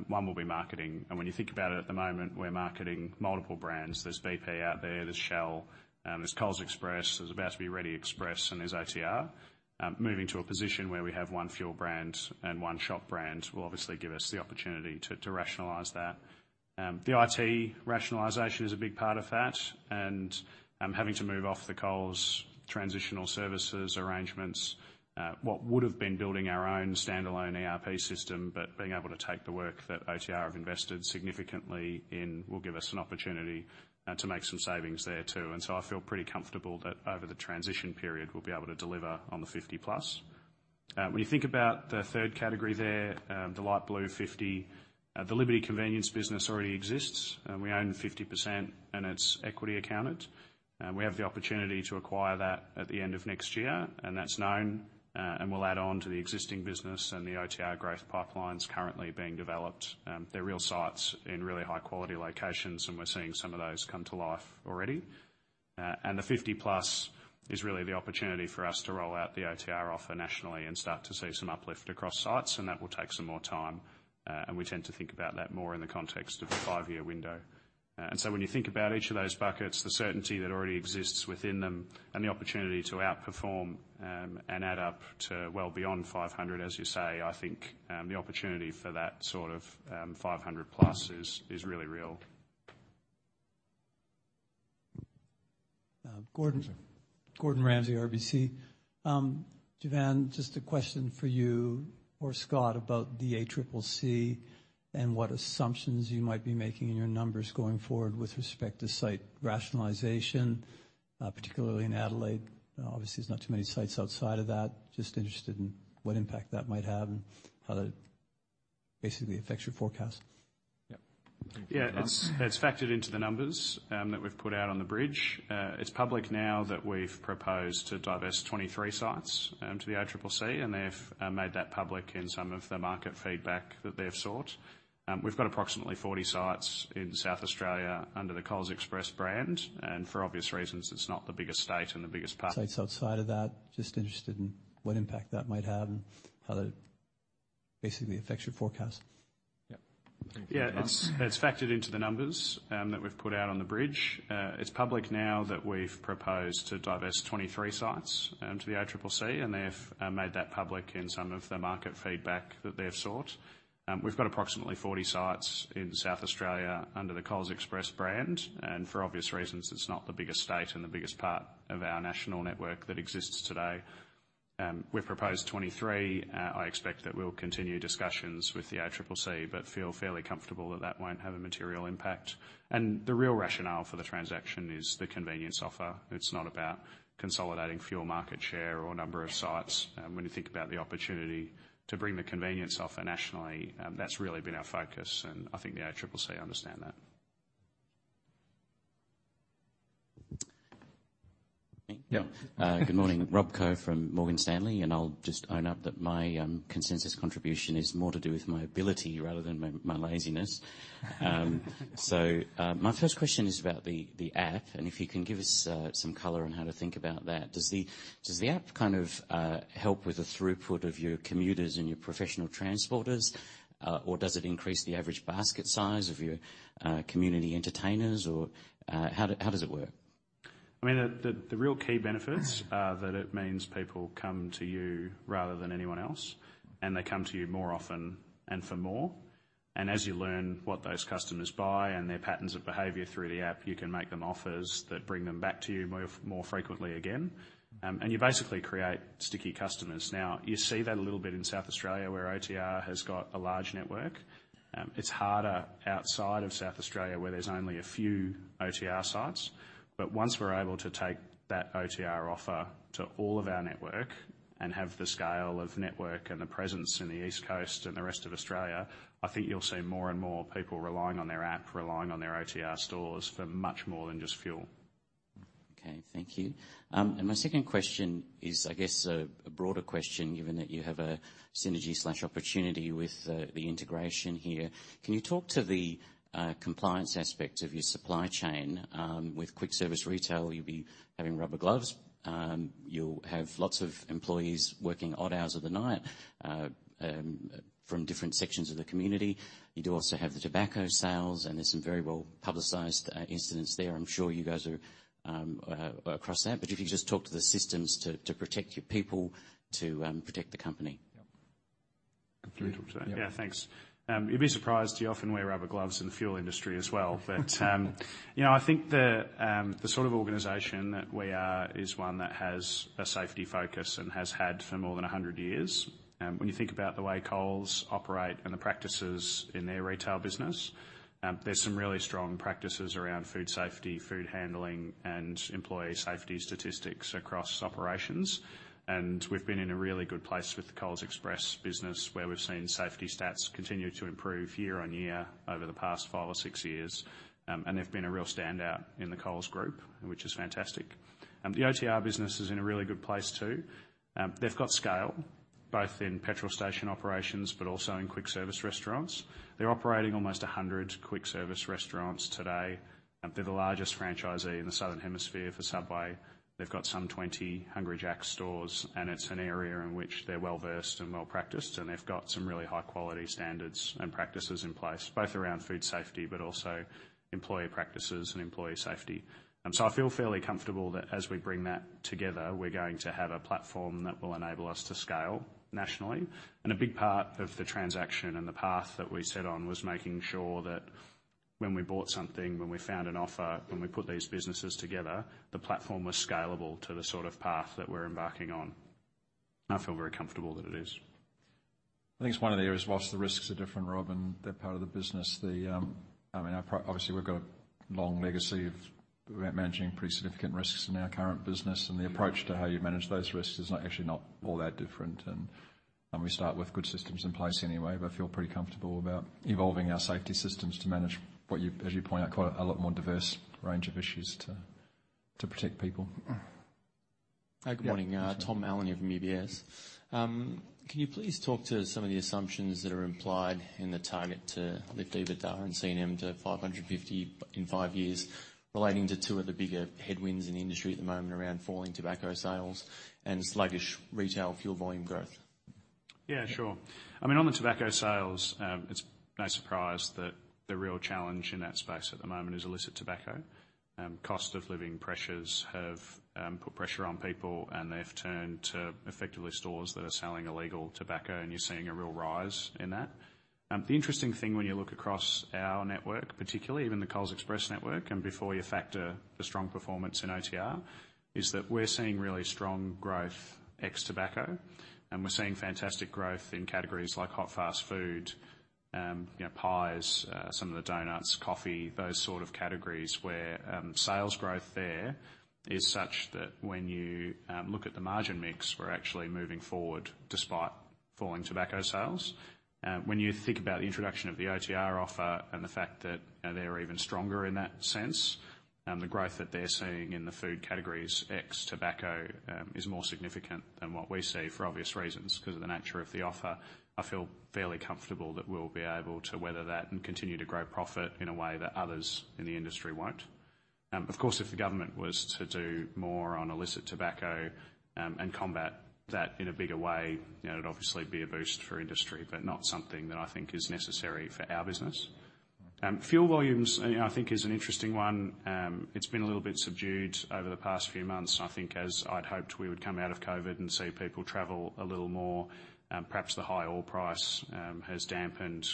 One will be marketing. And when you think about it, at the moment, we're marketing multiple brands. There's BP out there, there's Shell, there's Coles Express, there's about to be Reddy Express and there's OTR. Moving to a position where we have one fuel brand and one shop brand will obviously give us the opportunity to rationalize that. The IT rationalization is a big part of that, and having to move off the Coles transitional services arrangements, what would have been building our own standalone ERP system, but being able to take the work that OTR have invested significantly in, will give us an opportunity to make some savings there, too. And so I feel pretty comfortable that over the transition period, we'll be able to deliver on the 50+. When you think about the third category there, the light blue 50, the Liberty Convenience business already exists, and we own 50%, and it's equity accounted. We have the opportunity to acquire that at the end of next year, and that's known, and will add on to the existing business, and the OTR growth pipeline's currently being developed. They're real sites in really high-quality locations, and we're seeing some of those come to life already. The 50+ is really the opportunity for us to roll out the OTR offer nationally and start to see some uplift across sites, and that will take some more time, and we tend to think about that more in the context of a 5-year window. So when you think about each of those buckets, the certainty that already exists within them and the opportunity to outperform, and add up to well beyond 500, as you say, I think, the opportunity for that sort of 500+ is really real. Gordon? Gordon Ramsay, RBC. Jevan, just a question for you or Scott about the ACCC and what assumptions you might be making in your numbers going forward with respect to site rationalization, particularly in Adelaide. Obviously, there's not too many sites outside of that. Just interested in what impact that might have and how that basically affects your forecast. Yep. Yeah, it's, it's factored into the numbers that we've put out on the bridge. It's public now that we've proposed to divest 23 sites to the ACCC, and they've made that public in some of the market feedback that they've sought. We've got approximately 40 sites in South Australia under the Coles Express brand, and for obvious reasons, it's not the biggest state and the biggest part- -sites outside of that. Just interested in what impact that might have and how that basically affects your forecast. Yep. Yeah, it's, it's factored into the numbers that we've put out on the bridge. It's public now that we've proposed to divest 23 sites to the ACCC, and they've made that public in some of the market feedback that they've sought. We've got approximately 40 sites in South Australia under the Coles Express brand, and for obvious reasons, it's not the biggest state and the biggest part of our national network that exists today. We've proposed 23. I expect that we'll continue discussions with the ACCC, but feel fairly comfortable that that won't have a material impact. And the real rationale for the transaction is the convenience offer. It's not about consolidating fuel market share or number of sites. When you think about the opportunity to bring the convenience offer nationally, that's really been our focus, and I think the ACCC understand that. ... Me? Yeah. Good morning. Rob Koh from Morgan Stanley, and I'll just own up that my consensus contribution is more to do with my ability rather than my laziness. So, my first question is about the app, and if you can give us some color on how to think about that. Does the app help with the throughput of your commuters and your professional transporters? Or does it increase the average basket size of your community entertainers? Or, how does it work? I mean, the real key benefits are that it means people come to you rather than anyone else, and they come to you more often and for more. And as you learn what those customers buy and their patterns of behavior through the app, you can make them offers that bring them back to you more, more frequently again. And you basically create sticky customers. Now, you see that a little bit in South Australia, where OTR has got a large network. It's harder outside of South Australia, where there's only a few OTR sites. Once we're able to take that OTR offer to all of our network and have the scale of network and the presence in the East Coast and the rest of Australia, I think you'll see more and more people relying on their app, relying on their OTR stores for much more than just fuel. Okay, thank you. And my second question is, I guess, a broader question, given that you have a synergy/opportunity with the integration here. Can you talk to the compliance aspect of your supply chain? With quick service retail, you'll be having rubber gloves. You'll have lots of employees working odd hours of the night, from different sections of the community. You do also have the tobacco sales, and there's some very well-publicized incidents there. I'm sure you guys are across that. But if you just talk to the systems to protect your people, to protect the company? Yep. Completely talk to that. Yeah, thanks. You'd be surprised, you often wear rubber gloves in the fuel industry as well. But, you know, I think the sort of organization that we are, is one that has a safety focus and has had for more than 100 years. When you think about the way Coles operate and the practices in their retail business, there's some really strong practices around food safety, food handling, and employee safety statistics across operations. And we've been in a really good place with the Coles Express business, where we've seen safety stats continue to improve year-on-year over the past five or six years. And they've been a real standout in the Coles group, which is fantastic. The OTR business is in a really good place, too. They've got scale, both in petrol station operations, but also in quick-service restaurants. They're operating almost 100 quick-service restaurants today. They're the largest franchisee in the Southern Hemisphere for Subway. They've got some 20 Hungry Jack's stores, and it's an area in which they're well-versed and well-practiced, and they've got some really high-quality standards and practices in place, both around food safety, but also employee practices and employee safety. So I feel fairly comfortable that as we bring that together, we're going to have a platform that will enable us to scale nationally. And a big part of the transaction and the path that we set on, was making sure that when we bought something, when we found an offer, when we put these businesses together, the platform was scalable to the sort of path that we're embarking on. I feel very comfortable that it is. I think it's one of the areas, while the risks are different, Rob, and they're part of the business. I mean, obviously, we've got a long legacy of managing pretty significant risks in our current business, and the approach to how you manage those risks is not, actually not all that different. And we start with good systems in place anyway, but I feel pretty comfortable about evolving our safety systems to manage what you, as you point out, quite a lot more diverse range of issues to protect people. Mm-hmm. Good morning, Tom Allen here from UBS. Can you please talk to some of the assumptions that are implied in the target to lift EBITDA and C&M to 550 in five years, relating to two of the bigger headwinds in the industry at the moment around falling tobacco sales and sluggish retail fuel volume growth? Yeah, sure. I mean, on the tobacco sales, it's no surprise that the real challenge in that space at the moment is illicit tobacco. Cost of living pressures have put pressure on people, and they've turned to effectively stores that are selling illegal tobacco, and you're seeing a real rise in that. The interesting thing when you look across our network, particularly even the Coles Express network, and before you factor the strong performance in OTR, is that we're seeing really strong growth ex tobacco, and we're seeing fantastic growth in categories like hot fast food, you know, pies, some of the donuts, coffee, those sort of categories, where sales growth there is such that when you look at the margin mix, we're actually moving forward despite falling tobacco sales. When you think about the introduction of the OTR offer and the fact that they're even stronger in that sense, the growth that they're seeing in the food categories, ex tobacco, is more significant than what we see for obvious reasons, 'cause of the nature of the offer. I feel fairly comfortable that we'll be able to weather that and continue to grow profit in a way that others in the industry won't. Of course, if the government was to do more on illicit tobacco, and combat that in a bigger way, you know, it'd obviously be a boost for industry, but not something that I think is necessary for our business. Fuel volumes, I think, is an interesting one. It's been a little bit subdued over the past few months. I think as I'd hoped we would come out of COVID and see people travel a little more. Perhaps the high oil price has dampened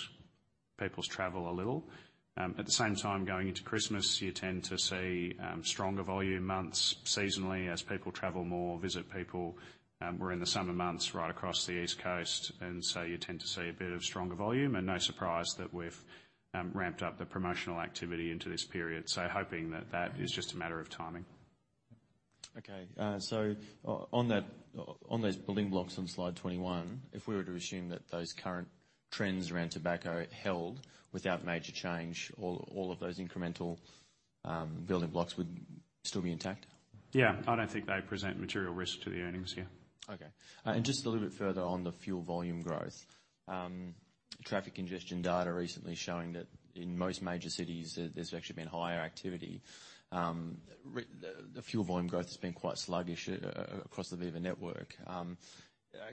people's travel a little. At the same time, going into Christmas, you tend to see stronger volume months seasonally as people travel more, visit people. We're in the summer months right across the East Coast, and so you tend to see a bit of stronger volume, and no surprise that we've ramped up the promotional activity into this period. So hoping that that is just a matter of timing. ... Okay, so on that, on those building blocks on slide 21, if we were to assume that those current trends around tobacco held without major change, all, all of those incremental building blocks would still be intact? Yeah, I don't think they present material risk to the earnings, yeah. Okay. Just a little bit further on the fuel volume growth. Traffic congestion data recently showing that in most major cities, there, there's actually been higher activity. The fuel volume growth has been quite sluggish across the Viva network.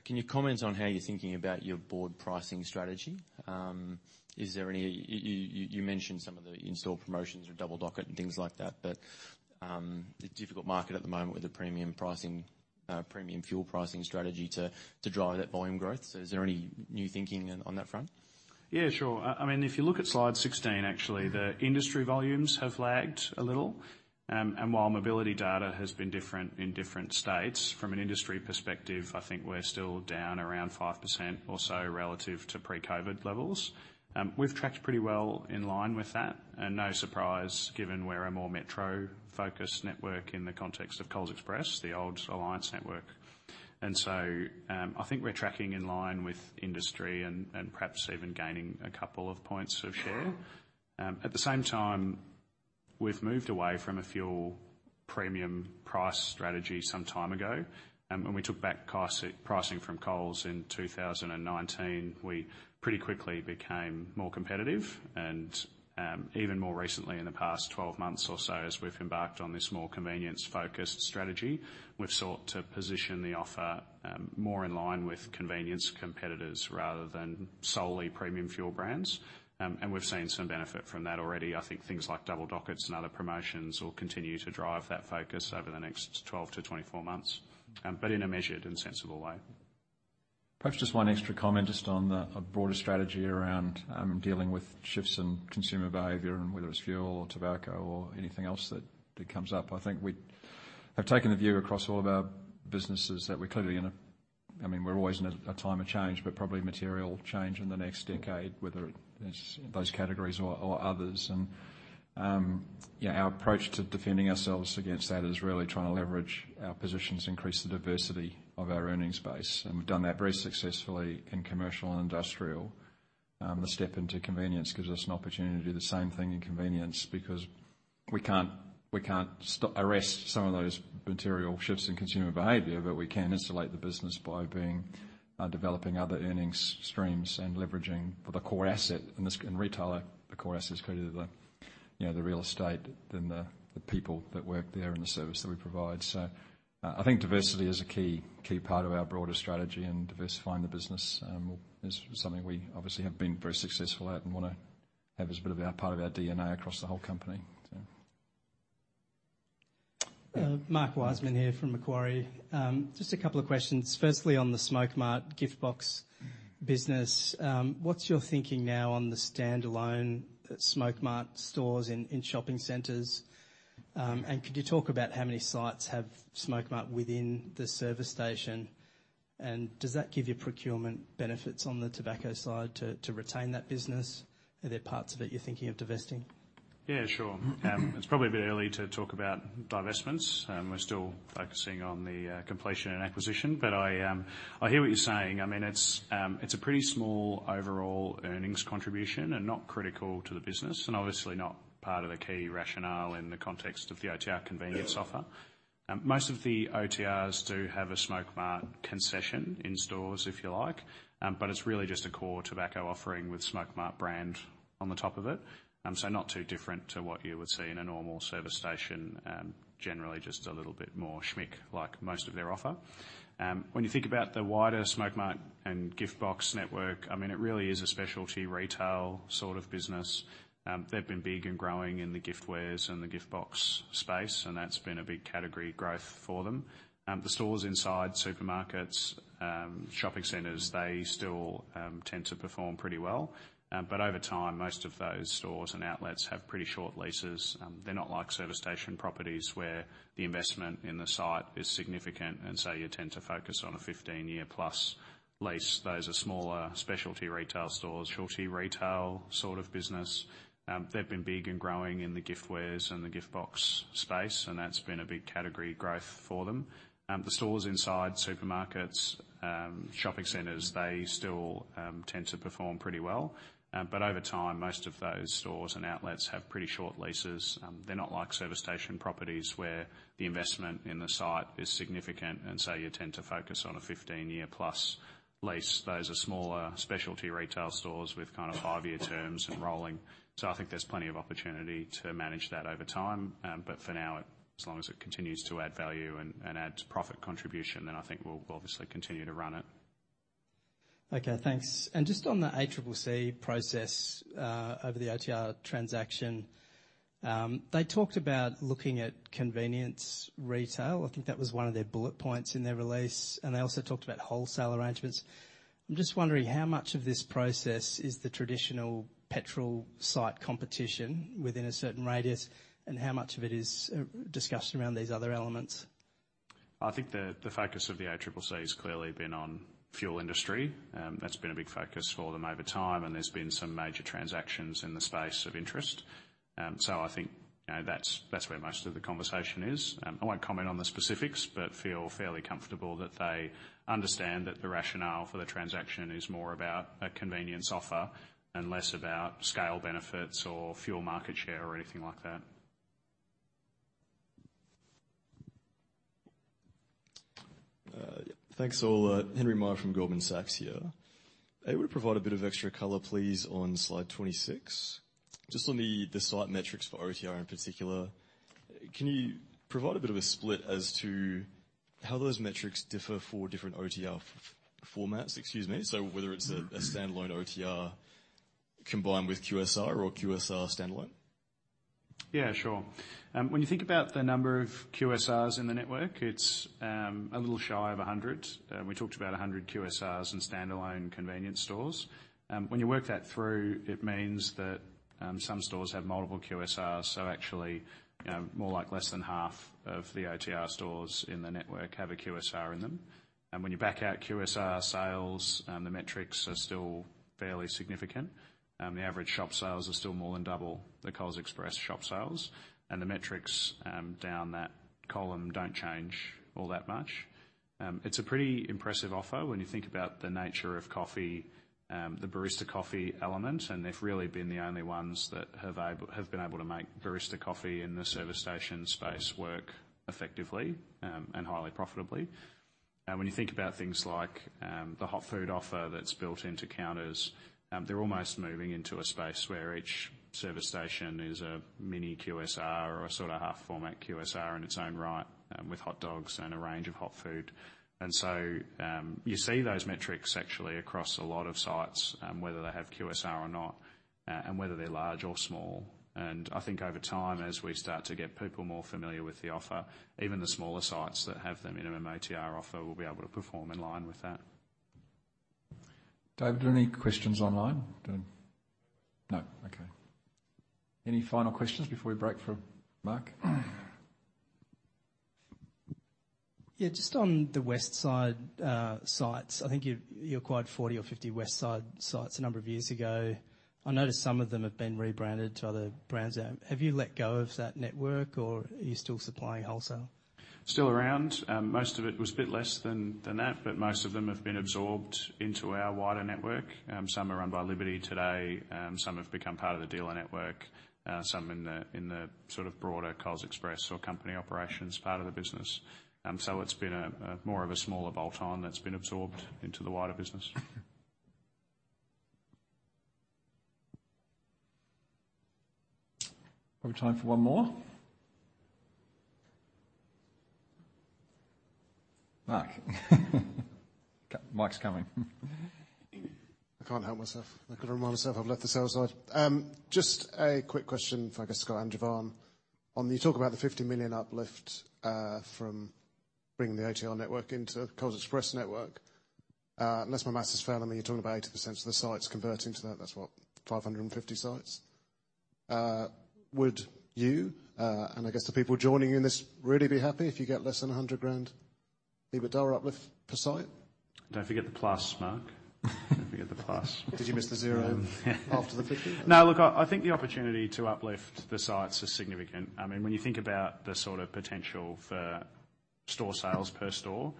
Can you comment on how you're thinking about your broad pricing strategy? Is there any... You mentioned some of the in-store promotions or Double Docket and things like that, but a difficult market at the moment with the premium pricing, premium fuel pricing strategy to drive that volume growth. Is there any new thinking on that front? Yeah, sure. I mean, if you look at slide 16, actually, the industry volumes have lagged a little. And while mobility data has been different in different states, from an industry perspective, I think we're still down around 5% or so relative to pre-COVID levels. We've tracked pretty well in line with that, and no surprise, given we're a more metro-focused network in the context of Coles Express, the old Alliance network. And so, I think we're tracking in line with industry and perhaps even gaining a couple of points of share. At the same time, we've moved away from a fuel premium price strategy some time ago, and when we took back pricing from Coles in 2019, we pretty quickly became more competitive, and, even more recently, in the past 12 months or so, as we've embarked on this more convenience-focused strategy, we've sought to position the offer, more in line with convenience competitors rather than solely premium fuel brands. And we've seen some benefit from that already. I think things like Double Docket and other promotions will continue to drive that focus over the next 12-24 months, but in a measured and sensible way. Perhaps just one extra comment, just on a broader strategy around dealing with shifts in consumer behavior and whether it's fuel or tobacco or anything else that comes up. I think we have taken the view across all of our businesses that we're clearly in a—I mean, we're always in a time of change, but probably material change in the next decade, whether it's those categories or others. Yeah, our approach to defending ourselves against that is really trying to leverage our positions, increase the diversity of our earnings base, and we've done that very successfully in commercial and industrial. The step into convenience gives us an opportunity to do the same thing in convenience, because we can't arrest some of those material shifts in consumer behavior, but we can insulate the business by developing other earnings streams and leveraging the core asset. In this, in retailer, the core asset is clearly the, you know, the real estate, then the people that work there and the service that we provide. So, I think diversity is a key, key part of our broader strategy, and diversifying the business is something we obviously have been very successful at and wanna have as a part of our DNA across the whole company, so. Mark Wiseman here from Macquarie. Just a couple of questions. Firstly, on the Smokemart and GiftBox business, what's your thinking now on the standalone Smokemart stores in, in shopping centers? And could you talk about how many sites have Smokemart within the service station, and does that give you procurement benefits on the tobacco side to, to retain that business? Are there parts of it you're thinking of divesting? Yeah, sure. It's probably a bit early to talk about divestments. We're still focusing on the completion and acquisition, but I hear what you're saying. I mean, it's a pretty small overall earnings contribution and not critical to the business and obviously not part of the key rationale in the context of the OTR convenience offer. Most of the OTRs do have a Smokemart concession in stores, if you like, but it's really just a core tobacco offering with Smokemart brand on the top of it. So not too different to what you would see in a normal service station, generally just a little bit more schmick, like most of their offer. When you think about the wider Smokemart and GiftBox network, I mean, it really is a specialty retail sort of business. They've been big and growing in the giftwares and the Giftbox space, and that's been a big category growth for them. The stores inside supermarkets, shopping centers, they still tend to perform pretty well. But over time, most of those stores and outlets have pretty short leases. They're not like service station properties, where the investment in the site is significant, and so you tend to focus on a 15-year-plus lease. Those are smaller specialty retail stores, specialty retail sort of business. They've been big and growing in the giftwares and the Giftbox space, and that's been a big category growth for them. The stores inside supermarkets, shopping centers, they still tend to perform pretty well. But over time, most of those stores and outlets have pretty short leases. They're not like service station properties, where the investment in the site is significant, and so you tend to focus on a 15-year-plus lease. Those are smaller specialty retail stores with kind of 5-year terms and rolling. So I think there's plenty of opportunity to manage that over time, but for now, as long as it continues to add value and, and add profit contribution, then I think we'll, we'll obviously continue to run it. Okay, thanks. Just on the ACCC process over the OTR transaction, they talked about looking at convenience retail. I think that was one of their bullet points in their release, and they also talked about wholesale arrangements. I'm just wondering, how much of this process is the traditional petrol site competition within a certain radius, and how much of it is discussion around these other elements?... I think the focus of the ACCC has clearly been on fuel industry. That's been a big focus for them over time, and there's been some major transactions in the space of interest. So I think, you know, that's where most of the conversation is. I won't comment on the specifics, but feel fairly comfortable that they understand that the rationale for the transaction is more about a convenience offer and less about scale benefits or fuel market share or anything like that. Thanks, all. Henry Meyer from Goldman Sachs here. Would you provide a bit of extra color, please, on slide 26? Just on the site metrics for OTR in particular, can you provide a bit of a split as to how those metrics differ for different OTR formats? Excuse me. So whether it's a standalone OTR combined with QSR or QSR standalone. Yeah, sure. When you think about the number of QSRs in the network, it's a little shy of 100. We talked about 100 QSRs in standalone convenience stores. When you work that through, it means that some stores have multiple QSRs, so actually more like less than half of the OTR stores in the network have a QSR in them. And when you back out QSR sales, the metrics are still fairly significant. The average shop sales are still more than double the Coles Express shop sales, and the metrics down that column don't change all that much. It's a pretty impressive offer when you think about the nature of coffee, the barista coffee element, and they've really been the only ones that have been able to make barista coffee in the service station space work effectively, and highly profitably. When you think about things like the hot food offer that's built into counters, they're almost moving into a space where each service station is a mini QSR or a sort of half-format QSR in its own right, with hot dogs and a range of hot food. So you see those metrics actually across a lot of sites, whether they have QSR or not, and whether they're large or small. I think over time, as we start to get people more familiar with the offer, even the smaller sites that have the minimum OTR offer will be able to perform in line with that. David, are there any questions online? No. Okay. Any final questions before we break for Mark? Yeah, just on the Westside sites, I think you acquired 40 or 50 Westside sites a number of years ago. I noticed some of them have been rebranded to other brands. Have you let go of that network, or are you still supplying wholesale? Still around. Most of it was a bit less than that, but most of them have been absorbed into our wider network. Some are run by Liberty today, some have become part of the dealer network, some in the sort of broader Coles Express or company operations part of the business. So it's been a more of a smaller bolt-on that's been absorbed into the wider business. We have time for one more. Mark, mic's coming. I can't help myself. I've got to remind myself I've left the sales side. Just a quick question for, I guess, Scott and Jevan. You talk about the 50 million uplift from bringing the OTR network into Coles Express network. Unless my math has failed me, you're talking about 80% of the sites converting to that. That's what? 550 sites. Would you, and I guess the people joining you in this, really be happy if you get less than 100,000 EBITDA uplift per site? Don't forget the plus, Mark. Don't forget the plus. Did you miss the zero after the 50? No, look, I think the opportunity to uplift the sites is significant. I mean, when you think about the sort of potential for store sales per store,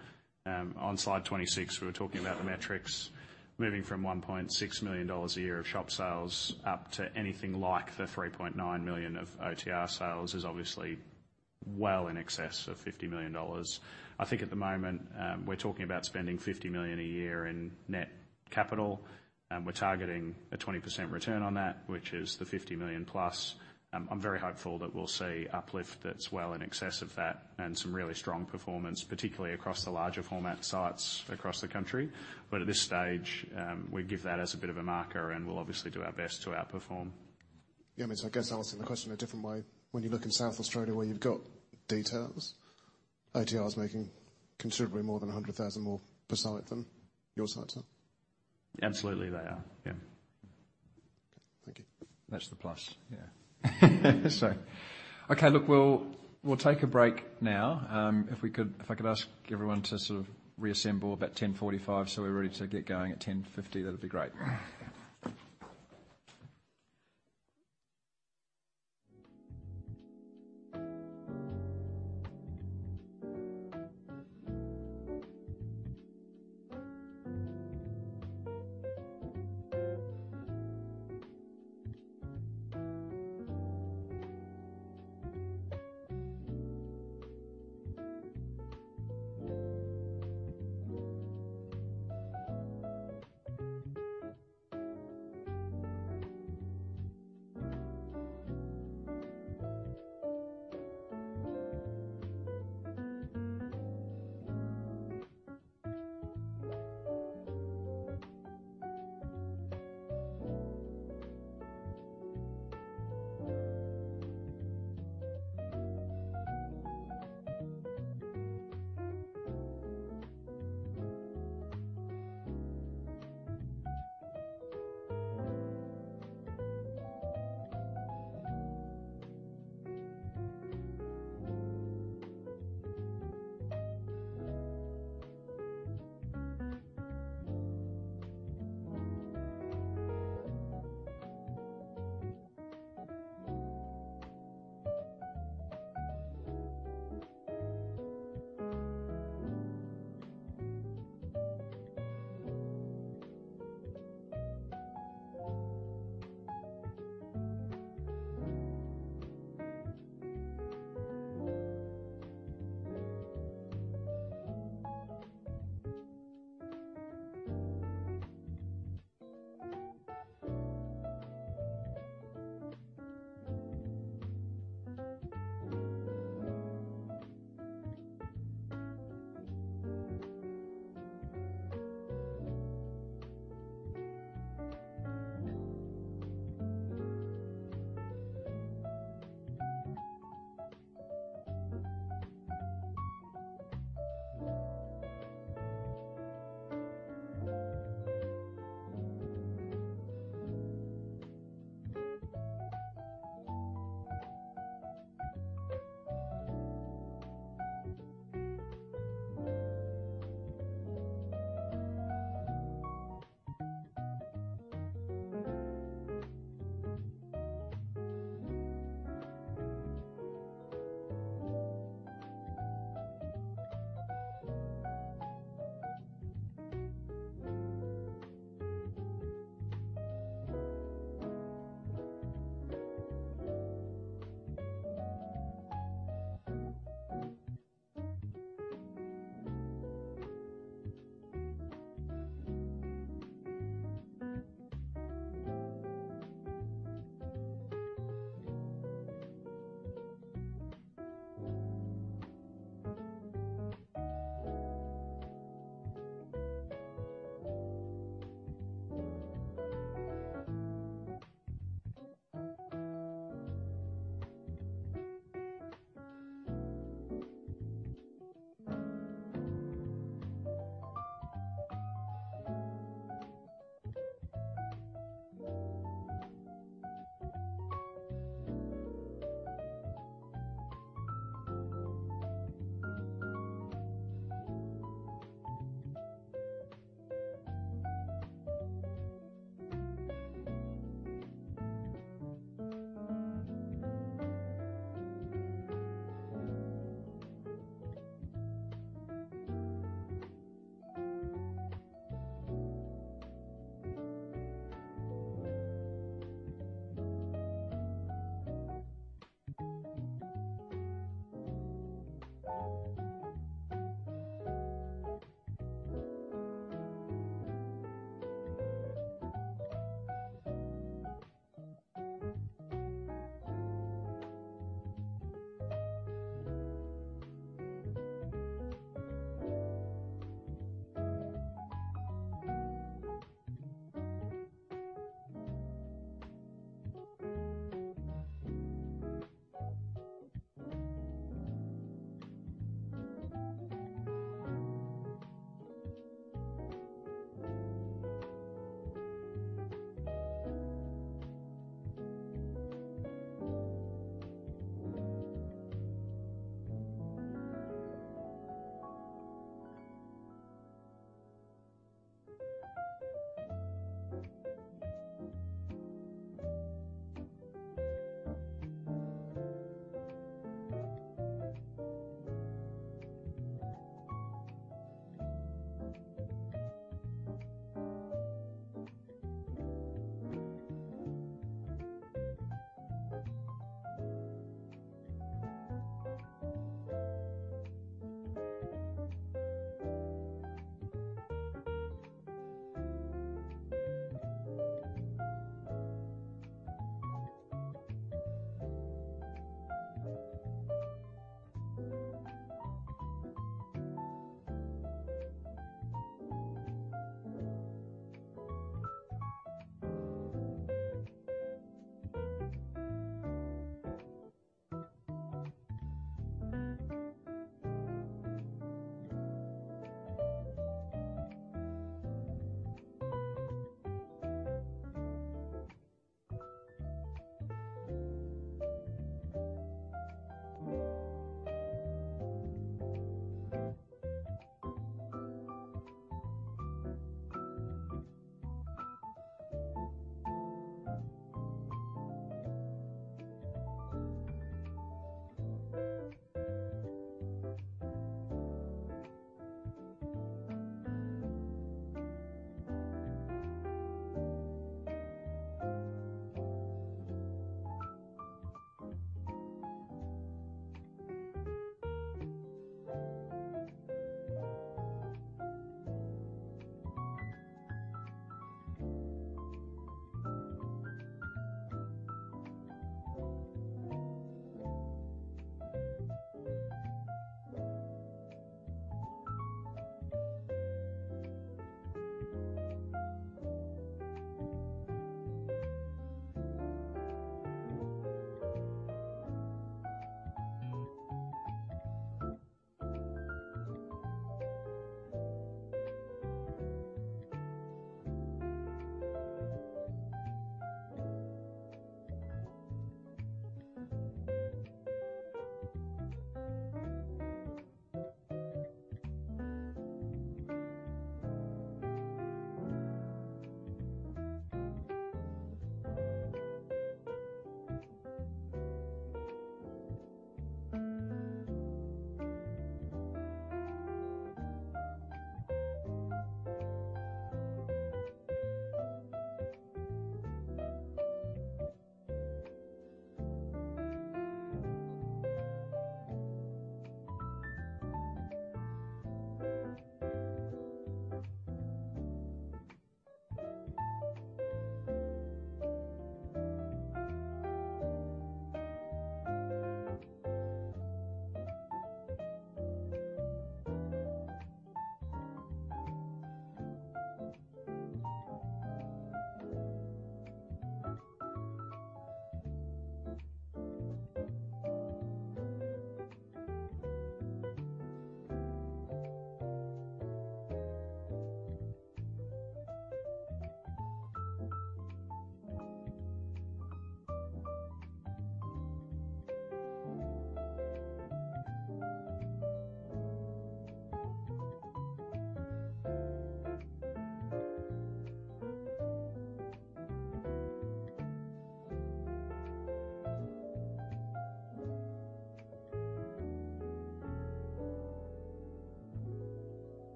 on slide 26, we were talking about the metrics moving from 1.6 million dollars a year of shop sales up to anything like the 3.9 million of OTR sales, is obviously well in excess of 50 million dollars. I think at the moment, we're talking about spending 50 million a year in net capital, and we're targeting a 20% return on that, which is the 50 million plus. I'm very hopeful that we'll see uplift that's well in excess of that and some really strong performance, particularly across the larger format sites across the country. At this stage, we give that as a bit of a marker, and we'll obviously do our best to outperform. Yeah, I mean, so I guess I'll ask the question a different way. When you look in South Australia, where you've got details, OTR is making considerably more than 100,000 more per site than your sites are? Absolutely, they are. Yeah. Thank you. That's the plus. Yeah. So okay, look, we'll, we'll take a break now. If we could, if I could ask everyone to sort of reassemble about 10:45 A.M., so we're ready to get going at 10:50 A.M., that'd be great.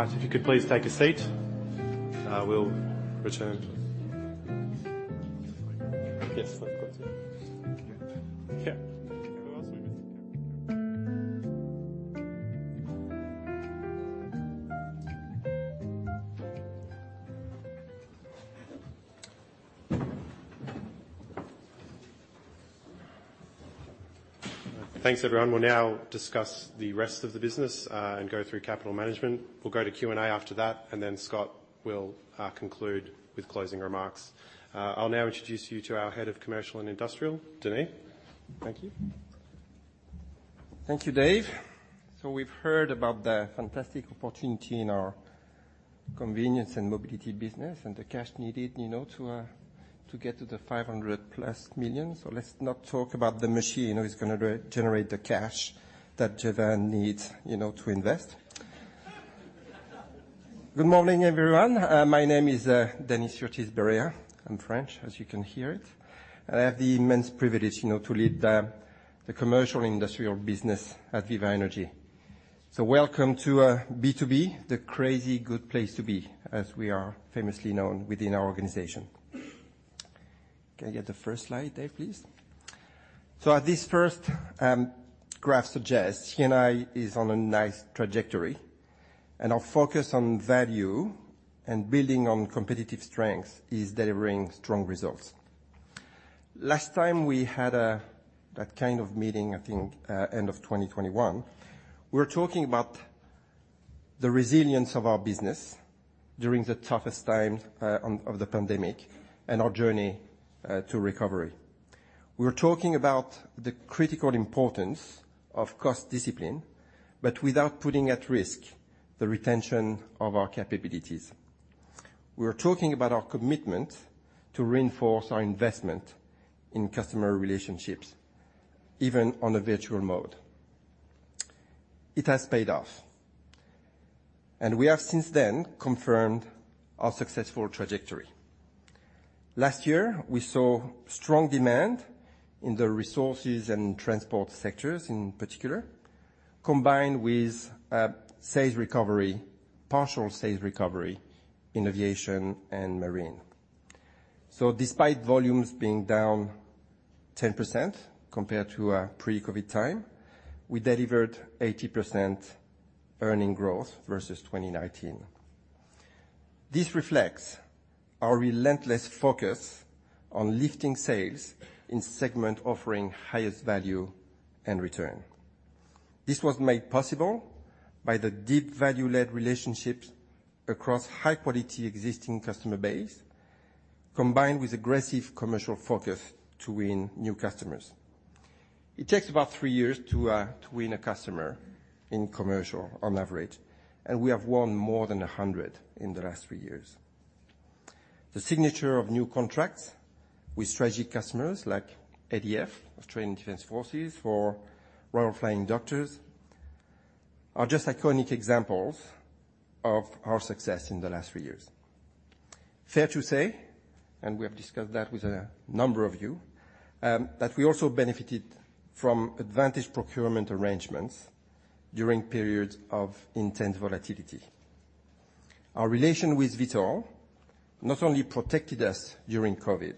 I think we've got a bit of slack in the timing, so we're okay. All right, if you could please take a seat, we'll return. Yes, of course. Yeah. Thanks, everyone. We'll now discuss the rest of the business and go through capital management. We'll go to Q&A after that, and then Scott will conclude with closing remarks. I'll now introduce you to our Head of Commercial and Industrial, Denis. Thank you. Thank you, Dave. So we've heard about the fantastic opportunity in our convenience and mobility business and the cash needed, you know, to get to the 500 million+. So let's not talk about the machine who is gonna re-generate the cash that Jevan needs, you know, to invest. Good morning, everyone. My name is Denis Ortiz Barea. I'm French, as you can hear it. I have the immense privilege, you know, to lead the commercial industrial business at Viva Energy. So welcome to B2B, the crazy good place to be, as we are famously known within our organization. Can I get the first slide, Dave, please? So as this first graph suggests, C&I is on a nice trajectory, and our focus on value and building on competitive strengths is delivering strong results. Last time we had that kind of meeting, I think, end of 2021, we were talking about the resilience of our business during the toughest times of the pandemic and our journey to recovery. We were talking about the critical importance of cost discipline, but without putting at risk the retention of our capabilities. We were talking about our commitment to reinforce our investment in customer relationships, even on a virtual mode. It has paid off, and we have since then confirmed our successful trajectory. Last year, we saw strong demand in the resources and transport sectors in particular, combined with sales recovery, partial sales recovery in aviation and marine. So despite volumes being down 10% compared to pre-COVID time, we delivered 80% earnings growth versus 2019. This reflects our relentless focus on lifting sales in segment, offering highest value and return. This was made possible by the deep value-led relationships across high-quality existing customer base, combined with aggressive commercial focus to win new customers. It takes about three years to win a customer in commercial on average, and we have won more than 100 in the last three years.... The signature of new contracts with strategic customers like ADF, Australian Defense Forces, for Royal Flying Doctor Service, are just iconic examples of our success in the last few years. Fair to say, and we have discussed that with a number of you, that we also benefited from advantage procurement arrangements during periods of intense volatility. Our relation with Vitol not only protected us during COVID,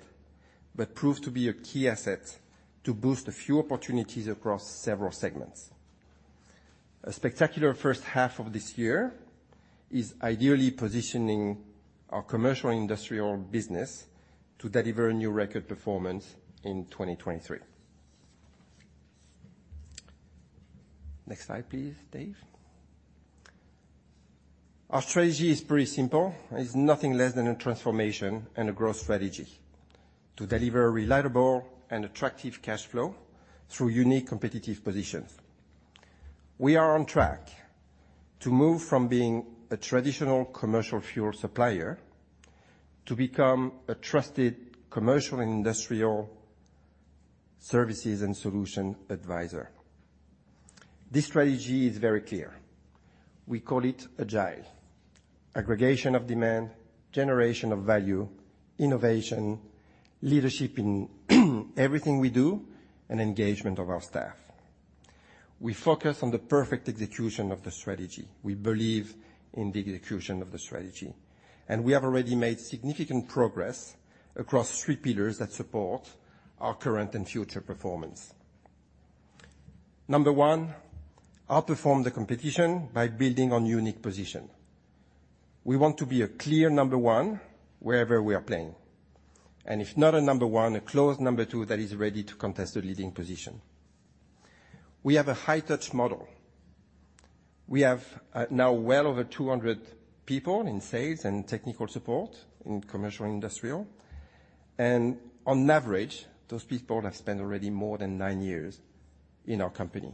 but proved to be a key asset to boost a few opportunities across several segments. A spectacular first half of this year is ideally positioning our commercial and industrial business to deliver a new record performance in 2023. Next slide, please, Dave. Our strategy is pretty simple. It's nothing less than a transformation and a growth strategy to deliver reliable and attractive cash flow through unique competitive positions. We are on track to move from being a traditional commercial fuel supplier to become a trusted commercial and industrial services and solution advisor. This strategy is very clear. We call it agile, aggregation of demand, generation of value, innovation, leadership in everything we do, and engagement of our staff. We focus on the perfect execution of the strategy. We believe in the execution of the strategy, and we have already made significant progress across three pillars that support our current and future performance. Number one, outperform the competition by building on unique position. We want to be a clear number one wherever we are playing, and if not a number one, a close number two that is ready to contest a leading position. We have a high touch model. We have now well over 200 people in sales and technical support in Commercial, Industrial, and on average, those people have spent already more than nine years in our company.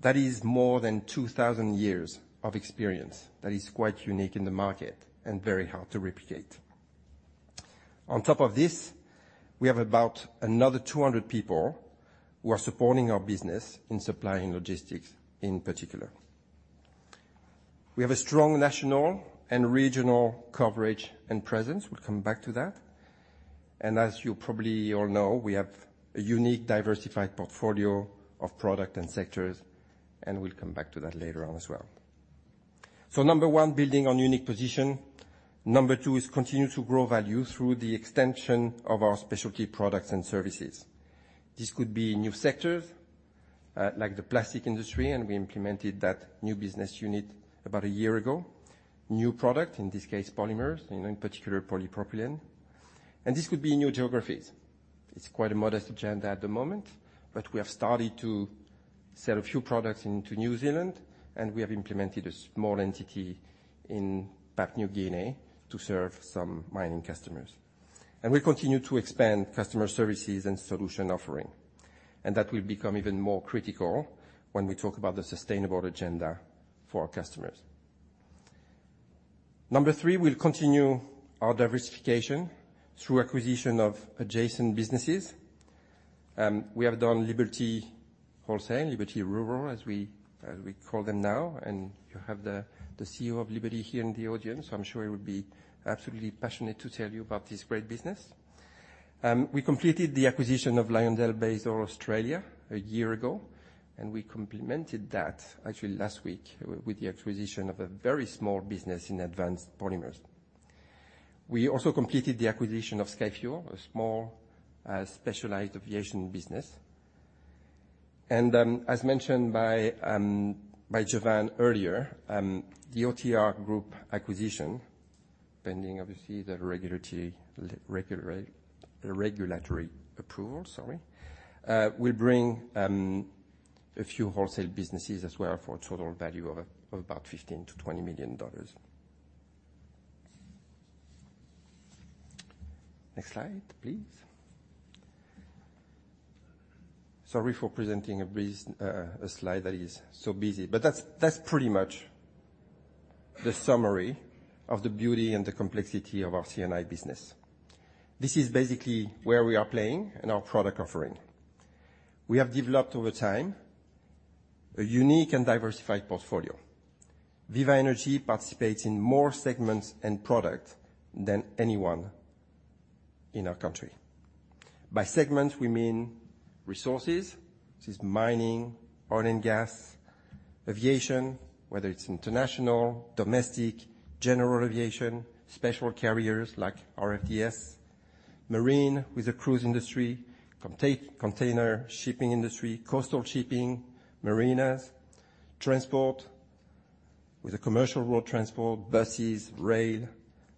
That is more than 2,000 years of experience. That is quite unique in the market and very hard to replicate. On top of this, we have about another 200 people who are supporting our business in supplying logistics, in particular. We have a strong national and regional coverage and presence. We'll come back to that. As you probably all know, we have a unique, diversified portfolio of product and sectors, and we'll come back to that later on as well. Number one, building on unique position. Number two is continue to grow value through the extension of our specialty products and services. This could be new sectors, like the plastic industry, and we implemented that new business unit about a year ago. New product, in this case, polymers, in particular, polypropylene, and this could be new geographies. It's quite a modest agenda at the moment, but we have started to sell a few products into New Zealand, and we have implemented a small entity in Papua New Guinea to serve some mining customers. We continue to expand customer services and solution offering, and that will become even more critical when we talk about the sustainable agenda for our customers. Number three, we'll continue our diversification through acquisition of adjacent businesses. We have done Liberty Wholesale, Liberty Rural, as we call them now, and you have the CEO of Liberty here in the audience, so I'm sure he will be absolutely passionate to tell you about this great business. We completed the acquisition of LyondellBasell Australia a year ago, and we complemented that actually last week with the acquisition of a very small business in advanced polymers. We also completed the acquisition of Skyfuel, a small specialized aviation business. And, as mentioned by Jevan earlier, the OTR Group acquisition, pending obviously the regulatory approval, will bring a few wholesale businesses as well for a total value of about 15 million-20 million dollars. Next slide, please. Sorry for presenting a busy slide, but that's, that's pretty much the summary of the beauty and the complexity of our C&I business. This is basically where we are playing and our product offering. We have developed over time a unique and diversified portfolio. Viva Energy participates in more segments and product than anyone in our country. By segments we mean resources, this is mining, oil and gas, aviation, whether it's international, domestic, general aviation, special carriers like RFDS, marine with the cruise industry, container shipping industry, coastal shipping, marinas, transport with a commercial road transport, buses, rail,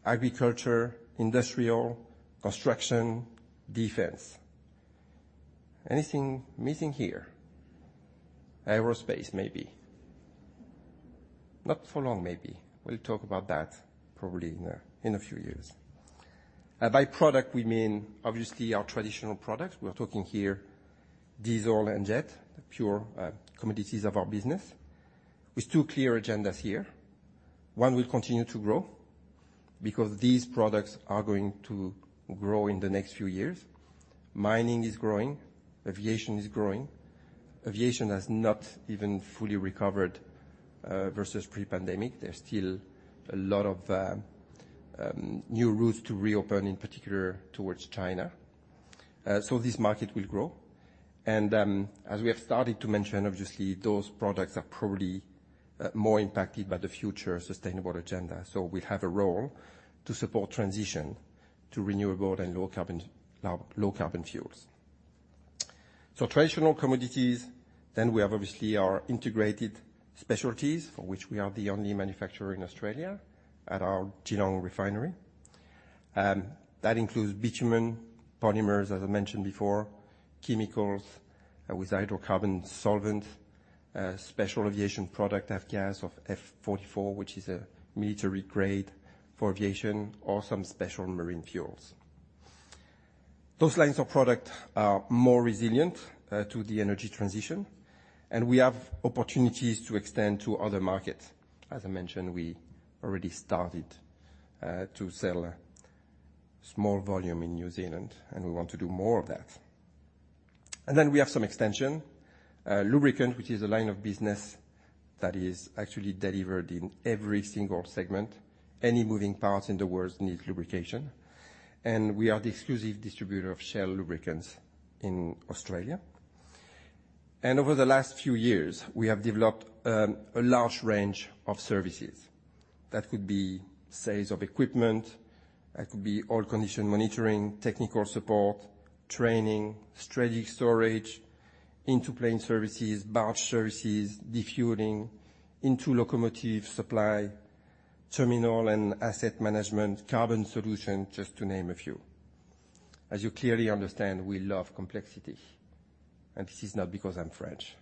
agriculture, industrial, construction, defense. Anything missing here? Aerospace, maybe. Not for long, maybe. We'll talk about that probably in a, in a few years. By product we mean obviously our traditional products. We are talking here diesel and jet, the pure, commodities of our business.... With two clear agendas here. One, we'll continue to grow because these products are going to grow in the next few years. Mining is growing, aviation is growing. Aviation has not even fully recovered versus pre-pandemic. There's still a lot of, new routes to reopen, in particular towards China. So this market will grow, and, as we have started to mention, obviously, those products are probably, more impacted by the future sustainable agenda. So we have a role to support transition to renewable and low carbon, low carbon fuels. So traditional commodities, then we have obviously our integrated specialties, for which we are the only manufacturer in Australia at our Geelong refinery. That includes bitumen, polymers, as I mentioned before, chemicals with hydrocarbon solvent, special aviation product, AVGAS or F-44, which is a military grade for aviation or some special marine fuels. Those lines of product are more resilient to the energy transition, and we have opportunities to extend to other markets. As I mentioned, we already started to sell small volume in New Zealand, and we want to do more of that. And then we have some extension, lubricant, which is a line of business that is actually delivered in every single segment. Any moving parts in the world needs lubrication, and we are the exclusive distributor of Shell lubricants in Australia. And over the last few years, we have developed a large range of services. That could be sales of equipment, that could be all condition monitoring, technical support, training, strategic storage, into plane services, barge services, defueling, into locomotive supply, terminal and asset management, carbon solutions, just to name a few. As you clearly understand, we love complexity, and this is not because I'm French.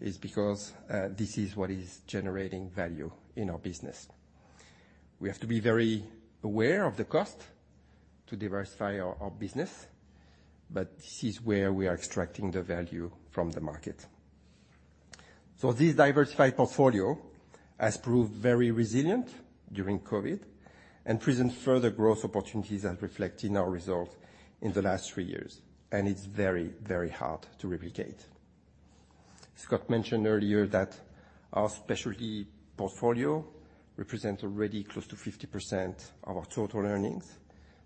It's because this is what is generating value in our business. We have to be very aware of the cost to diversify our, our business, but this is where we are extracting the value from the market. So this diversified portfolio has proved very resilient during COVID and presents further growth opportunities that reflect in our results in the last three years, and it's very, very hard to replicate. Scott mentioned earlier that our specialty portfolio represent already close to 50% of our total earnings.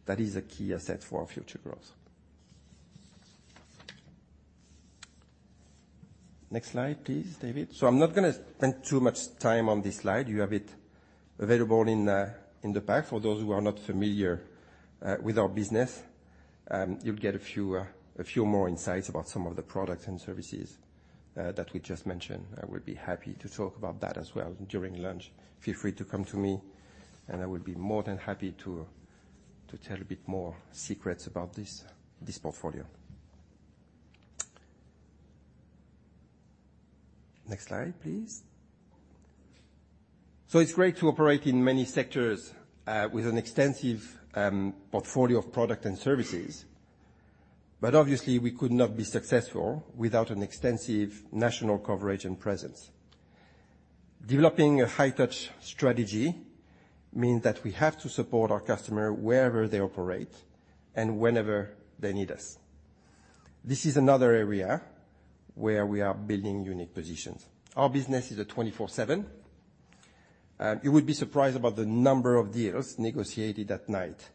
That is a key asset for our future growth. Next slide, please, David. I'm not gonna spend too much time on this slide. You have it available in the pack. For those who are not familiar with our business, you'll get a few more insights about some of the products and services that we just mentioned. I would be happy to talk about that as well during lunch. Feel free to come to me, and I will be more than happy to tell a bit more secrets about this portfolio. Next slide, please. It's great to operate in many sectors with an extensive portfolio of products and services, but obviously, we could not be successful without an extensive national coverage and presence. Developing a high-touch strategy means that we have to support our customer wherever they operate and whenever they need us. This is another area where we are building unique positions. Our business is 24/7. You would be surprised about the number of deals negotiated at night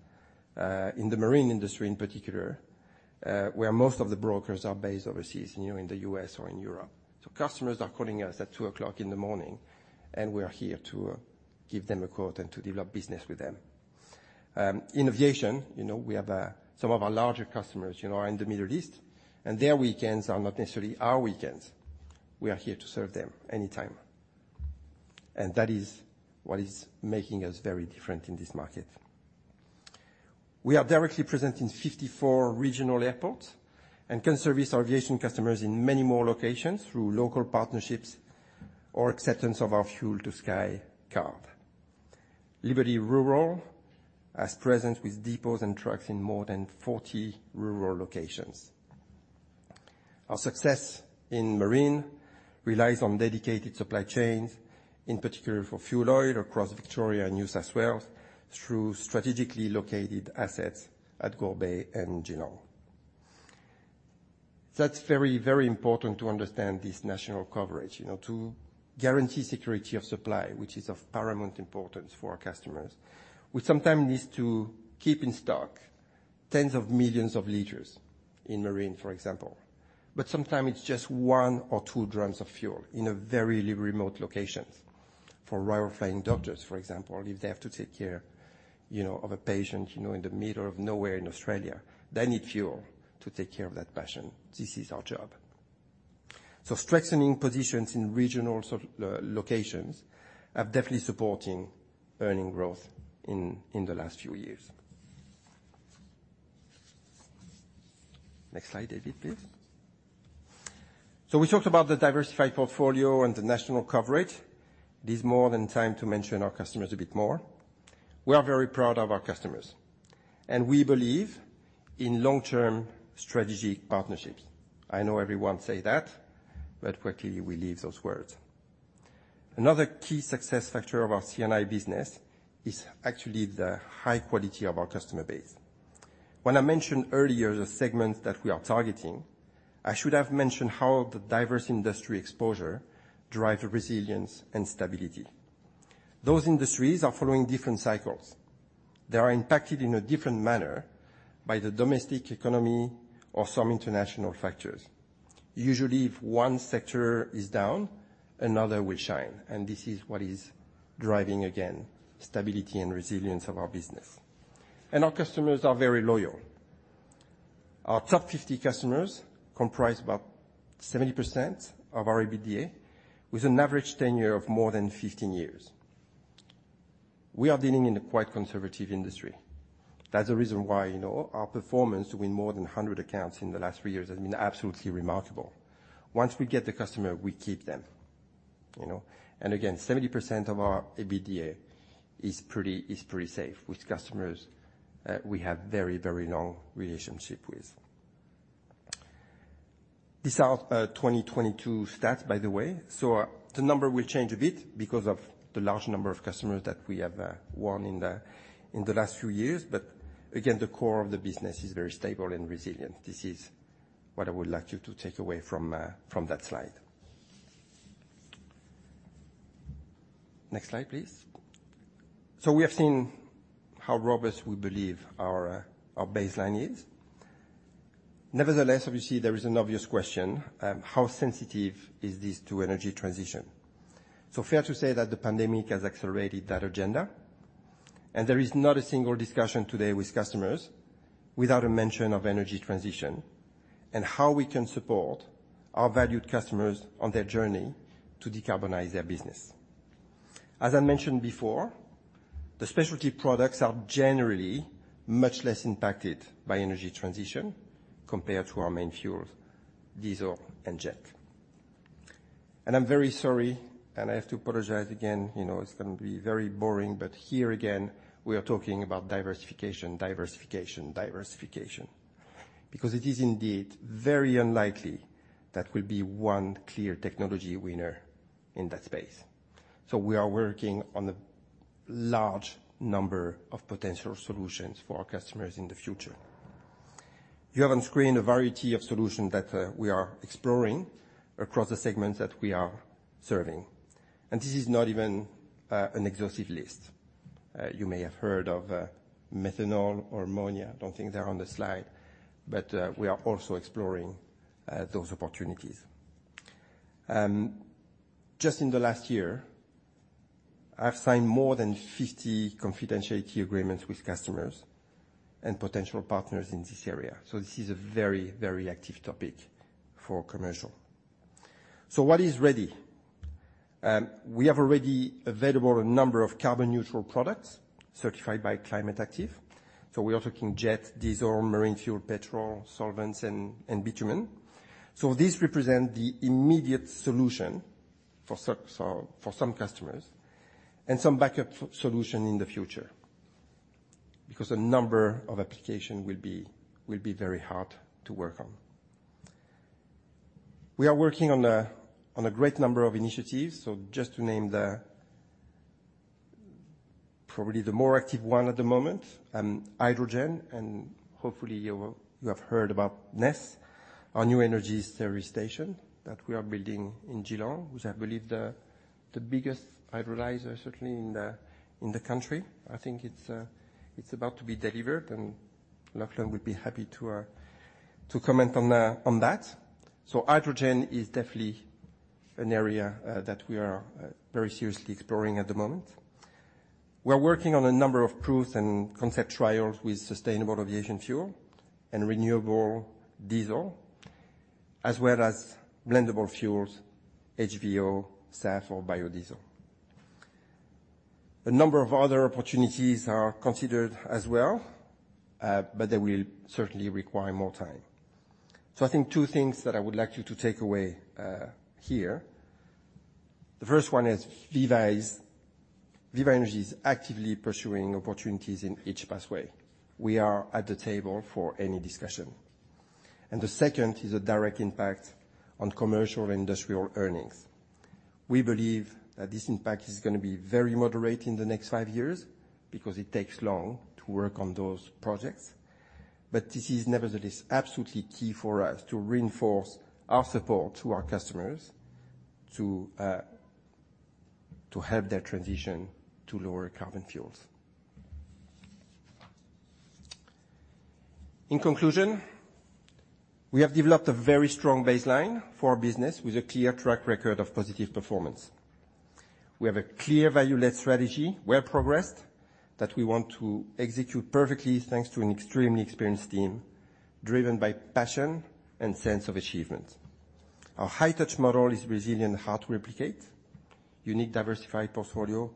in the marine industry in particular, where most of the brokers are based overseas, you know, in the U.S. or in Europe. So customers are calling us at 2:00 A.M., and we are here to give them a quote and to develop business with them. In aviation, you know, we have some of our larger customers, you know, are in the Middle East, and their weekends are not necessarily our weekends. We are here to serve them anytime. That is what is making us very different in this market. We are directly present in 54 regional airports and can service our aviation customers in many more locations through local partnerships or acceptance of our Fuel to Sky card. Liberty Rural has presence with depots and trucks in more than 40 rural locations. Our success in marine relies on dedicated supply chains, in particular for fuel oil across Victoria and New South Wales, through strategically located assets at Gore Bay and Geelong. That's very, very important to understand this national coverage. You know, to guarantee security of supply, which is of paramount importance for our customers. We sometimes need to keep in stock tens of millions of liters in marine, for example, but sometimes it's just one or two drums of fuel in a very remote locations. For Royal Flying Doctor Service, for example, if they have to take care, you know, of a patient, you know, in the middle of nowhere in Australia, they need fuel to take care of that patient. This is our job. Strengthening positions in regional locations is definitely supporting earnings growth in the last few years. Next slide, David, please. We talked about the diversified portfolio and the national coverage. It is more than time to mention our customers a bit more. We are very proud of our customers, and we believe in long-term strategic partnerships. I know everyone says that, but quickly we leave those words. Another key success factor of our C&I business is actually the high quality of our customer base. When I mentioned earlier the segments that we are targeting, I should have mentioned how the diverse industry exposure drive the resilience and stability. Those industries are following different cycles. They are impacted in a different manner by the domestic economy or some international factors. Usually, if one sector is down, another will shine, and this is what is driving, again, stability and resilience of our business. Our customers are very loyal. Our top 50 customers comprise about 70% of our EBITDA, with an average tenure of more than 15 years. We are dealing in a quite conservative industry. That's the reason why, you know, our performance to win more than 100 accounts in the last three years has been absolutely remarkable. Once we get the customer, we keep them, you know. And again, 70% of our EBITDA is pretty, is pretty safe with customers we have very, very long relationship with. These are 2022 stats, by the way, so the number will change a bit because of the large number of customers that we have won in the last few years. But again, the core of the business is very stable and resilient. This is what I would like you to take away from that slide. Next slide, please. So we have seen how robust we believe our baseline is. Nevertheless, obviously, there is an obvious question: How sensitive is this to energy transition? So fair to say that the pandemic has accelerated that agenda, and there is not a single discussion today with customers without a mention of energy transition and how we can support our valued customers on their journey to decarbonize their business. As I mentioned before, the specialty products are generally much less impacted by energy transition compared to our main fuels, diesel and jet. And I'm very sorry, and I have to apologize again. You know, it's going to be very boring, but here again, we are talking about diversification, diversification, diversification. Because it is indeed very unlikely that will be one clear technology winner in that space. So we are working on a large number of potential solutions for our customers in the future. You have on screen a variety of solutions that we are exploring across the segments that we are serving, and this is not even an exhaustive list. You may have heard of methanol or ammonia. I don't think they're on the slide, but we are also exploring those opportunities. Just in the last year, I've signed more than 50 confidentiality agreements with customers and potential partners in this area. So this is a very, very active topic for commercial. So what is ready? We have already available a number of carbon-neutral products certified by Climate Active. So we are talking jet, diesel, marine fuel, petrol, solvents, and bitumen. So this represent the immediate solution for so for some customers and some backup solution in the future, because a number of application will be very hard to work on. We are working on a great number of initiatives, so just to name the... Probably the more active one at the moment, hydrogen, and hopefully you have heard about NESS, our New Energy Service Station, that we are building in Geelong, which I believe the biggest electrolyzer, certainly in the country. I think it's about to be delivered, and Lachlan would be happy to comment on that. So hydrogen is definitely an area that we are very seriously exploring at the moment. We are working on a number of proof and concept trials with sustainable aviation fuel and renewable diesel, as well as blendable fuels, HVO, SAF or biodiesel. A number of other opportunities are considered as well, but they will certainly require more time. So I think two things that I would like you to take away here. The first one is Viva is—Viva Energy is actively pursuing opportunities in each pathway. We are at the table for any discussion. And the second is a direct impact on commercial and industrial earnings. We believe that this impact is going to be very moderate in the next five years because it takes long to work on those projects, but this is nevertheless absolutely key for us to reinforce our support to our customers, to help their transition to lower carbon fuels. In conclusion, we have developed a very strong baseline for our business with a clear track record of positive performance. We have a clear value-led strategy, well progressed, that we want to execute perfectly, thanks to an extremely experienced team driven by passion and sense of achievement. Our high touch model is resilient, hard to replicate, unique, diversified portfolio,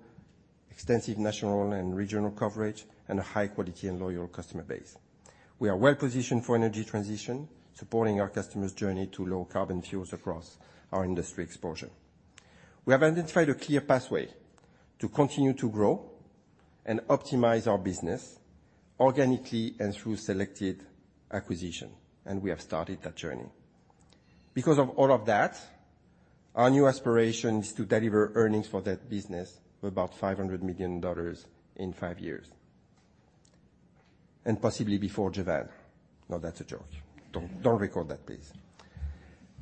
extensive national and regional coverage, and a high quality and loyal customer base. We are well positioned for energy transition, supporting our customers' journey to low carbon fuels across our industry exposure.... We have identified a clear pathway to continue to grow and optimize our business organically and through selected acquisition, and we have started that journey. Because of all of that, our new aspiration is to deliver earnings for that business of about 500 million dollars in five years, and possibly before Jevan. No, that's a joke. Don't, don't record that, please.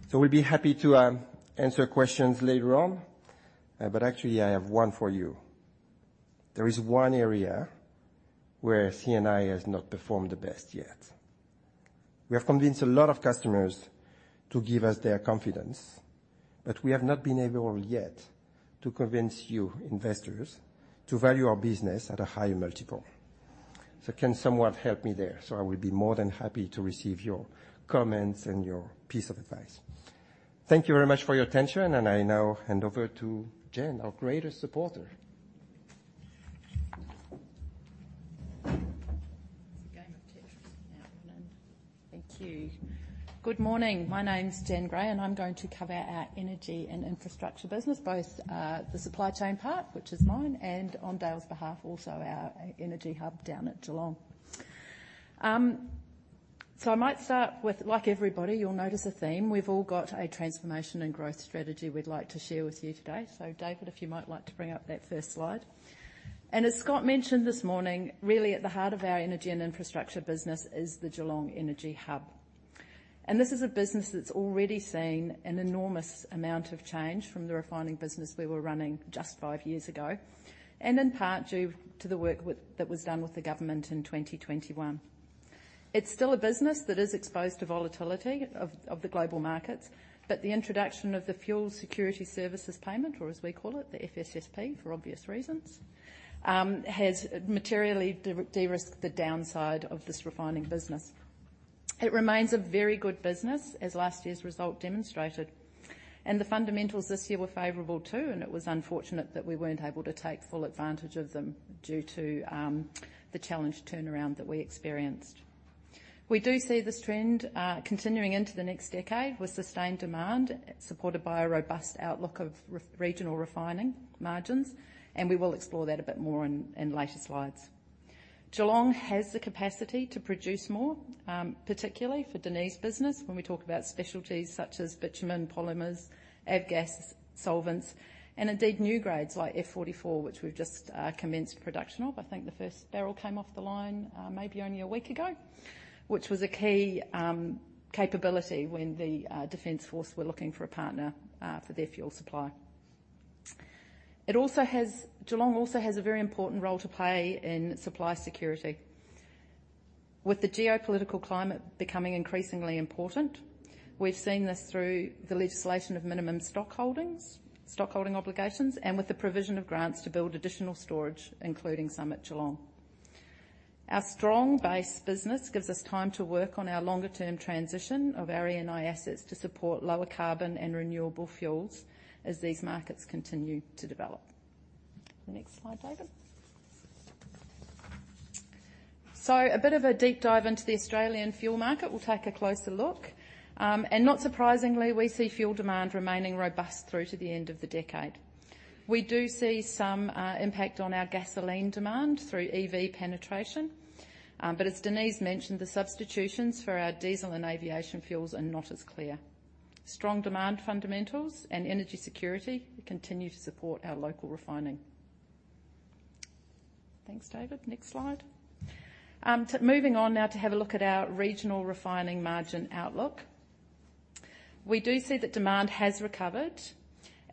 So we'll be happy to answer questions later on, but actually I have one for you. There is one area where C&I has not performed the best yet. We have convinced a lot of customers to give us their confidence, but we have not been able yet to convince you, investors, to value our business at a higher multiple. So can someone help me there? So I will be more than happy to receive your comments and your piece of advice. Thank you very much for your attention, and I now hand over to Jen, our greatest supporter. Thank you. Good morning. My name is Jen Gray, and I'm going to cover our energy and infrastructure business, both the supply chain part, which is mine, and on Dale's behalf, also our Geelong Energy Hub. So I might start with, like everybody, you'll notice a theme. We've all got a transformation and growth strategy we'd like to share with you today. So David, if you might like to bring up that first slide. And as Scott mentioned this morning, really at the heart of our energy and infrastructure business is the Geelong Energy Hub. And this is a business that's already seen an enormous amount of change from the refining business we were running just five years ago, and in part due to the work with-- that was done with the government in 2021. It's still a business that is exposed to volatility of the global markets, but the introduction of the Fuel Security Services Payment, or as we call it, the FSSP, for obvious reasons, has materially de-risked the downside of this refining business. It remains a very good business, as last year's result demonstrated, and the fundamentals this year were favorable too, and it was unfortunate that we weren't able to take full advantage of them due to the challenged turnaround that we experienced. We do see this trend continuing into the next decade with sustained demand, supported by a robust outlook of regional refining margins, and we will explore that a bit more in later slides. Geelong has the capacity to produce more, particularly for Denis's business when we talk about specialties such as bitumen, polymers, avgas, solvents, and indeed new grades like F-44, which we've just commenced production of. I think the first barrel came off the line, maybe only a week ago, which was a key capability when the Defence Force were looking for a partner for their fuel supply. It also has. Geelong also has a very important role to play in supply security. With the geopolitical climate becoming increasingly important, we've seen this through the legislation of minimum stock holdings, stock holding obligations, and with the provision of grants to build additional storage, including some at Geelong. Our strong base business gives us time to work on our longer term transition of our E&I assets to support lower carbon and renewable fuels as these markets continue to develop. The next slide, David. So a bit of a deep dive into the Australian fuel market. We'll take a closer look. And not surprisingly, we see fuel demand remaining robust through to the end of the decade. We do see some impact on our gasoline demand through EV penetration, but as Denis mentioned, the substitutions for our diesel and aviation fuels are not as clear. Strong demand fundamentals and energy security continue to support our local refining. Thanks, David. Next slide. So moving on now to have a look at our regional refining margin outlook. We do see that demand has recovered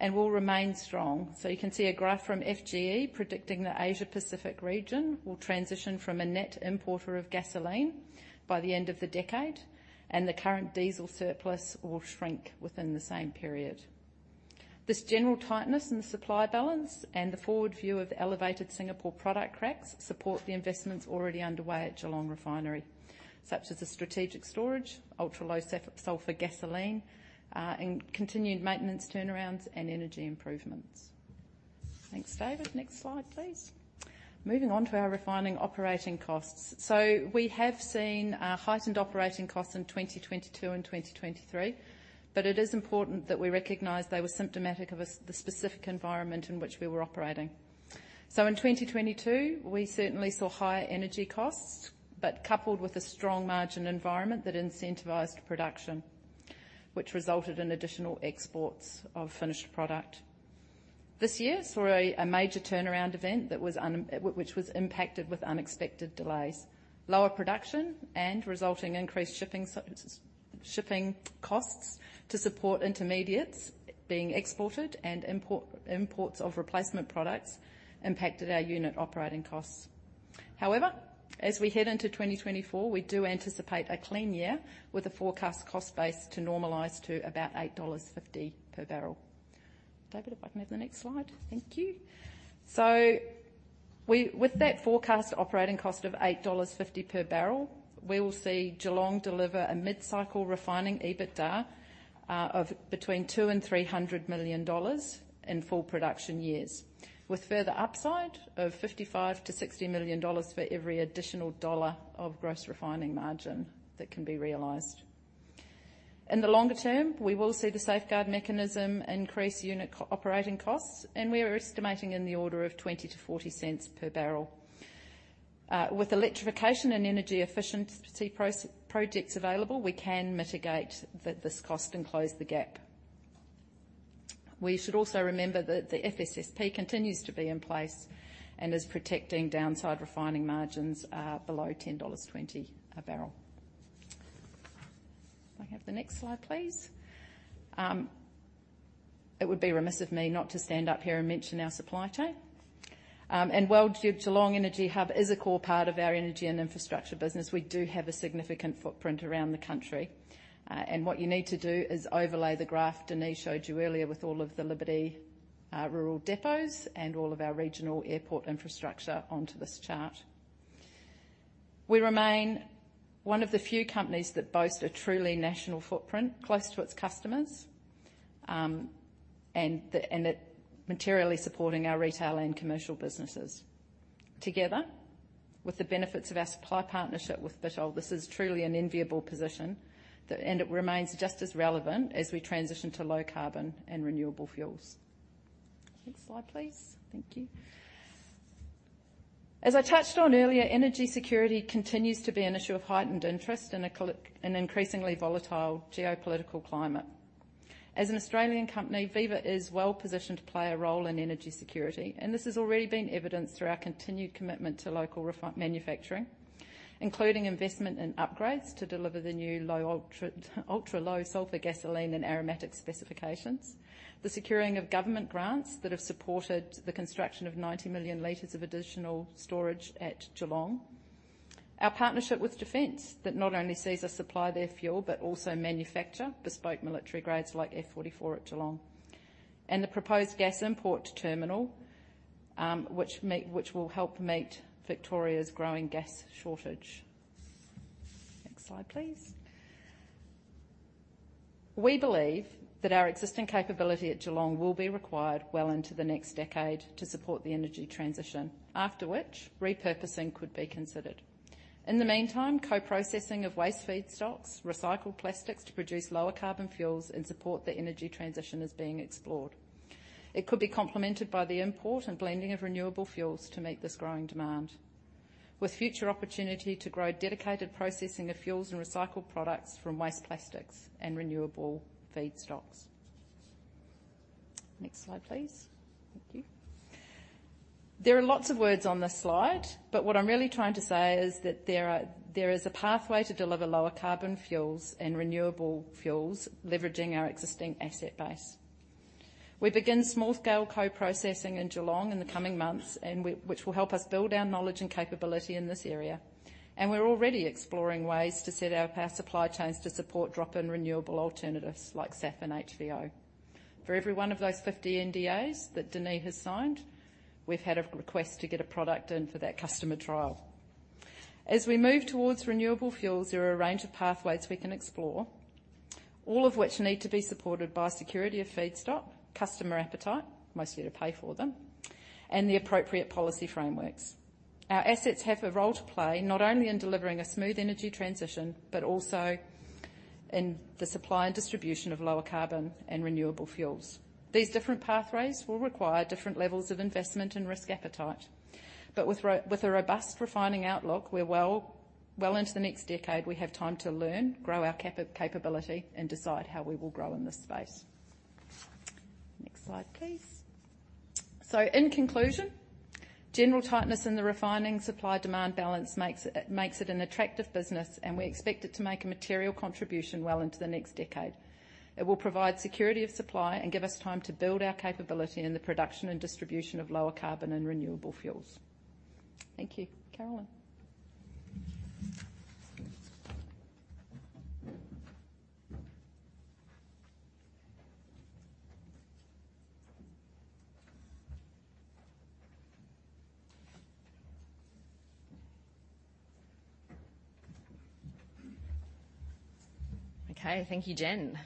and will remain strong. You can see a graph from FGE predicting the Asia Pacific region will transition from a net importer of gasoline by the end of the decade, and the current diesel surplus will shrink within the same period. This general tightness in the supply balance and the forward view of elevated Singapore product cracks support the investments already underway at Geelong Refinery, such as the strategic storage, ultra-low sulfur gasoline, and continued maintenance turnarounds and energy improvements. Thanks, David. Next slide, please. Moving on to our refining operating costs. We have seen heightened operating costs in 2022 and 2023, but it is important that we recognize they were symptomatic of the specific environment in which we were operating. So in 2022, we certainly saw higher energy costs, but coupled with a strong margin environment that incentivized production, which resulted in additional exports of finished product. This year saw a major turnaround event that was impacted with unexpected delays, lower production and resulting increased shipping costs to support intermediates being exported and imports of replacement products impacted our unit operating costs. However, as we head into 2024, we do anticipate a clean year with a forecast cost base to normalize to about $8.50 per barrel. David, if I can have the next slide. Thank you. So with that forecast operating cost of $8.50 per barrel, we will see Geelong deliver a mid-cycle refining EBITDA of between $200 million and $300 million in full production years, with further upside of $55-$60 million for every additional $1 of gross refining margin that can be realized. In the longer term, we will see the safeguard mechanism increase unit co-operating costs, and we are estimating in the order of 20-40 cents per barrel. With electrification and energy efficiency projects available, we can mitigate that, this cost and close the gap. We should also remember that the FSSP continues to be in place and is protecting downside refining margins below $10.20 a barrel. Can I have the next slide, please? It would be remiss of me not to stand up here and mention our supply chain. And while Geelong Energy Hub is a core part of our energy and infrastructure business, we do have a significant footprint around the country. And what you need to do is overlay the graph Denis showed you earlier with all of the Liberty Rural depots and all of our regional airport infrastructure onto this chart. We remain one of the few companies that boast a truly national footprint close to its customers, and it materially supporting our retail and commercial businesses. Together, with the benefits of our supply partnership with Vitol, this is truly an enviable position, and it remains just as relevant as we transition to low carbon and renewable fuels. Next slide, please. Thank you. As I touched on earlier, energy security continues to be an issue of heightened interest in an increasingly volatile geopolitical climate. As an Australian company, Viva is well positioned to play a role in energy security, and this has already been evidenced through our continued commitment to local manufacturing, including investment in upgrades to deliver the new low ultra-low sulfur gasoline and aromatic specifications. The securing of government grants that have supported the construction of 90 million liters of additional storage at Geelong. Our partnership with Defence, that not only sees us supply their fuel, but also manufacture bespoke military grades like F-44 at Geelong. And the proposed gas import terminal, which will help meet Victoria's growing gas shortage. Next slide, please. We believe that our existing capability at Geelong will be required well into the next decade to support the energy transition, after which repurposing could be considered. In the meantime, co-processing of waste feedstocks, recycled plastics to produce lower carbon fuels and support the energy transition is being explored. It could be complemented by the import and blending of renewable fuels to meet this growing demand, with future opportunity to grow dedicated processing of fuels and recycled products from waste plastics and renewable feedstocks. Next slide, please. Thank you. There are lots of words on this slide, but what I'm really trying to say is that there are-- there is a pathway to deliver lower carbon fuels and renewable fuels, leveraging our existing asset base. We begin small scale co-processing in Geelong in the coming months, and which will help us build our knowledge and capability in this area, and we're already exploring ways to set up our supply chains to support drop-in renewable alternatives like SAF and HVO. For every one of those 50 NDAs that Denis has signed, we've had a request to get a product in for that customer trial. As we move towards renewable fuels, there are a range of pathways we can explore, all of which need to be supported by security of feedstock, customer appetite, mostly to pay for them, and the appropriate policy frameworks. Our assets have a role to play, not only in delivering a smooth energy transition, but also in the supply and distribution of lower carbon and renewable fuels. These different pathways will require different levels of investment and risk appetite. But with a robust refining outlook, we're well, well into the next decade, we have time to learn, grow our capability, and decide how we will grow in this space. Next slide, please. So in conclusion, general tightness in the refining supply-demand balance makes it, makes it an attractive business, and we expect it to make a material contribution well into the next decade. It will provide security of supply and give us time to build our capability in the production and distribution of lower carbon and renewable fuels. Thank you. Carolyn? Okay, thank you, Jen.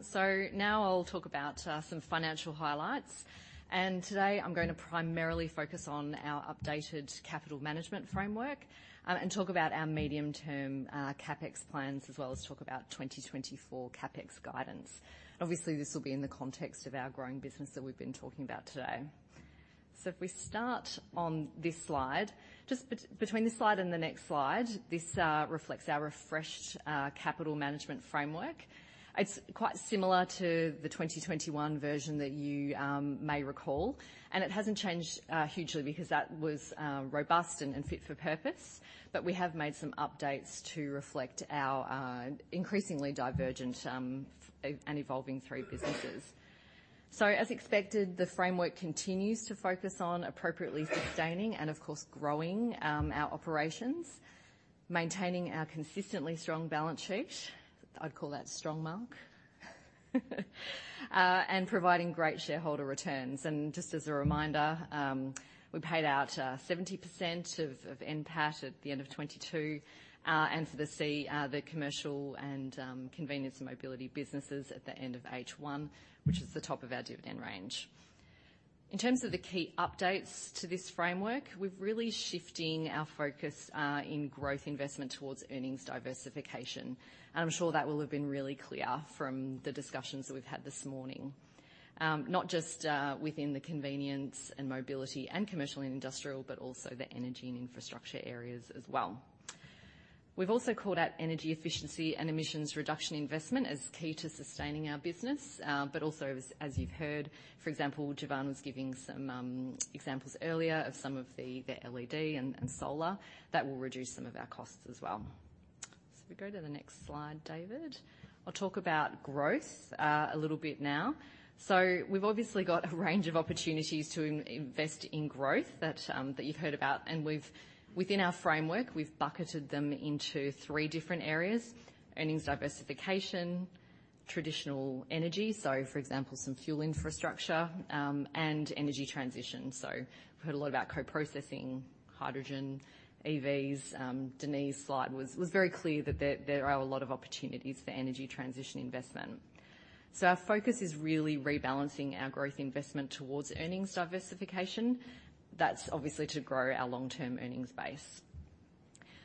So now I'll talk about some financial highlights, and today I'm going to primarily focus on our updated capital management framework, and talk about our medium-term CapEx plans, as well as talk about 2024 CapEx guidance. Obviously, this will be in the context of our growing business that we've been talking about today. So if we start on this slide, between this slide and the next slide, this reflects our refreshed capital management framework. It's quite similar to the 2021 version that you may recall, and it hasn't changed hugely because that was robust and fit for purpose. But we have made some updates to reflect our increasingly divergent and evolving three businesses. So as expected, the framework continues to focus on appropriately sustaining and, of course, growing our operations, maintaining our consistently strong balance sheet. I'd call that strong, Mark, and providing great shareholder returns. And just as a reminder, we paid out 70% of NPAT at the end of 2022, and for the commercial and convenience and mobility businesses at the end of H1, which is the top of our dividend range. In terms of the key updates to this framework, we're really shifting our focus in growth investment towards earnings diversification. And I'm sure that will have been really clear from the discussions that we've had this morning. Not just within the convenience and mobility and commercial and industrial, but also the energy and infrastructure areas as well. We've also called out energy efficiency and emissions reduction investment as key to sustaining our business. But also, as you've heard, for example, Jevan was giving some examples earlier of some of the LED and solar, that will reduce some of our costs as well. So if we go to the next slide, David. I'll talk about growth a little bit now. So we've obviously got a range of opportunities to invest in growth that you've heard about, and we've within our framework, we've bucketed them into three different areas: earnings diversification, traditional energy, so for example, some fuel infrastructure, and energy transition. So we've heard a lot about co-processing hydrogen, EVs. Denis's slide was very clear that there are a lot of opportunities for energy transition investment. So our focus is really rebalancing our growth investment towards earnings diversification. That's obviously to grow our long-term earnings base.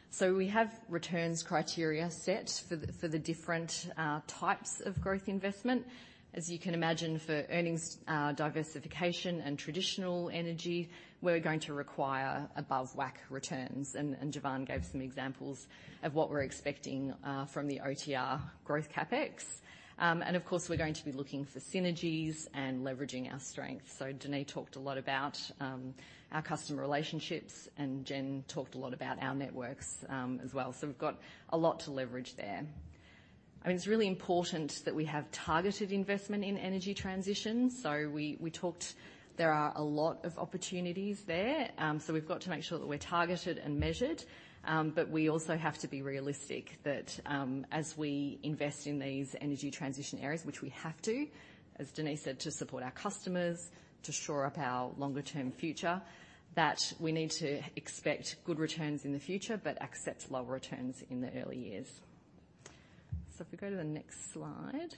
So we have returns criteria set for the different types of growth investment. As you can imagine, for earnings diversification and traditional energy, we're going to require above WACC returns, and Jevan gave some examples of what we're expecting from the OTR growth CapEx. And of course, we're going to be looking for synergies and leveraging our strengths. So Denis talked a lot about our customer relationships, and Jen talked a lot about our networks as well. So we've got a lot to leverage there. I mean, it's really important that we have targeted investment in energy transitions. So we talked, there are a lot of opportunities there, so we've got to make sure that we're targeted and measured. But we also have to be realistic that, as we invest in these energy transition areas, which we have to, as Denis said, to support our customers, to shore up our longer-term future, that we need to expect good returns in the future, but accept lower returns in the early years. So if we go to the next slide.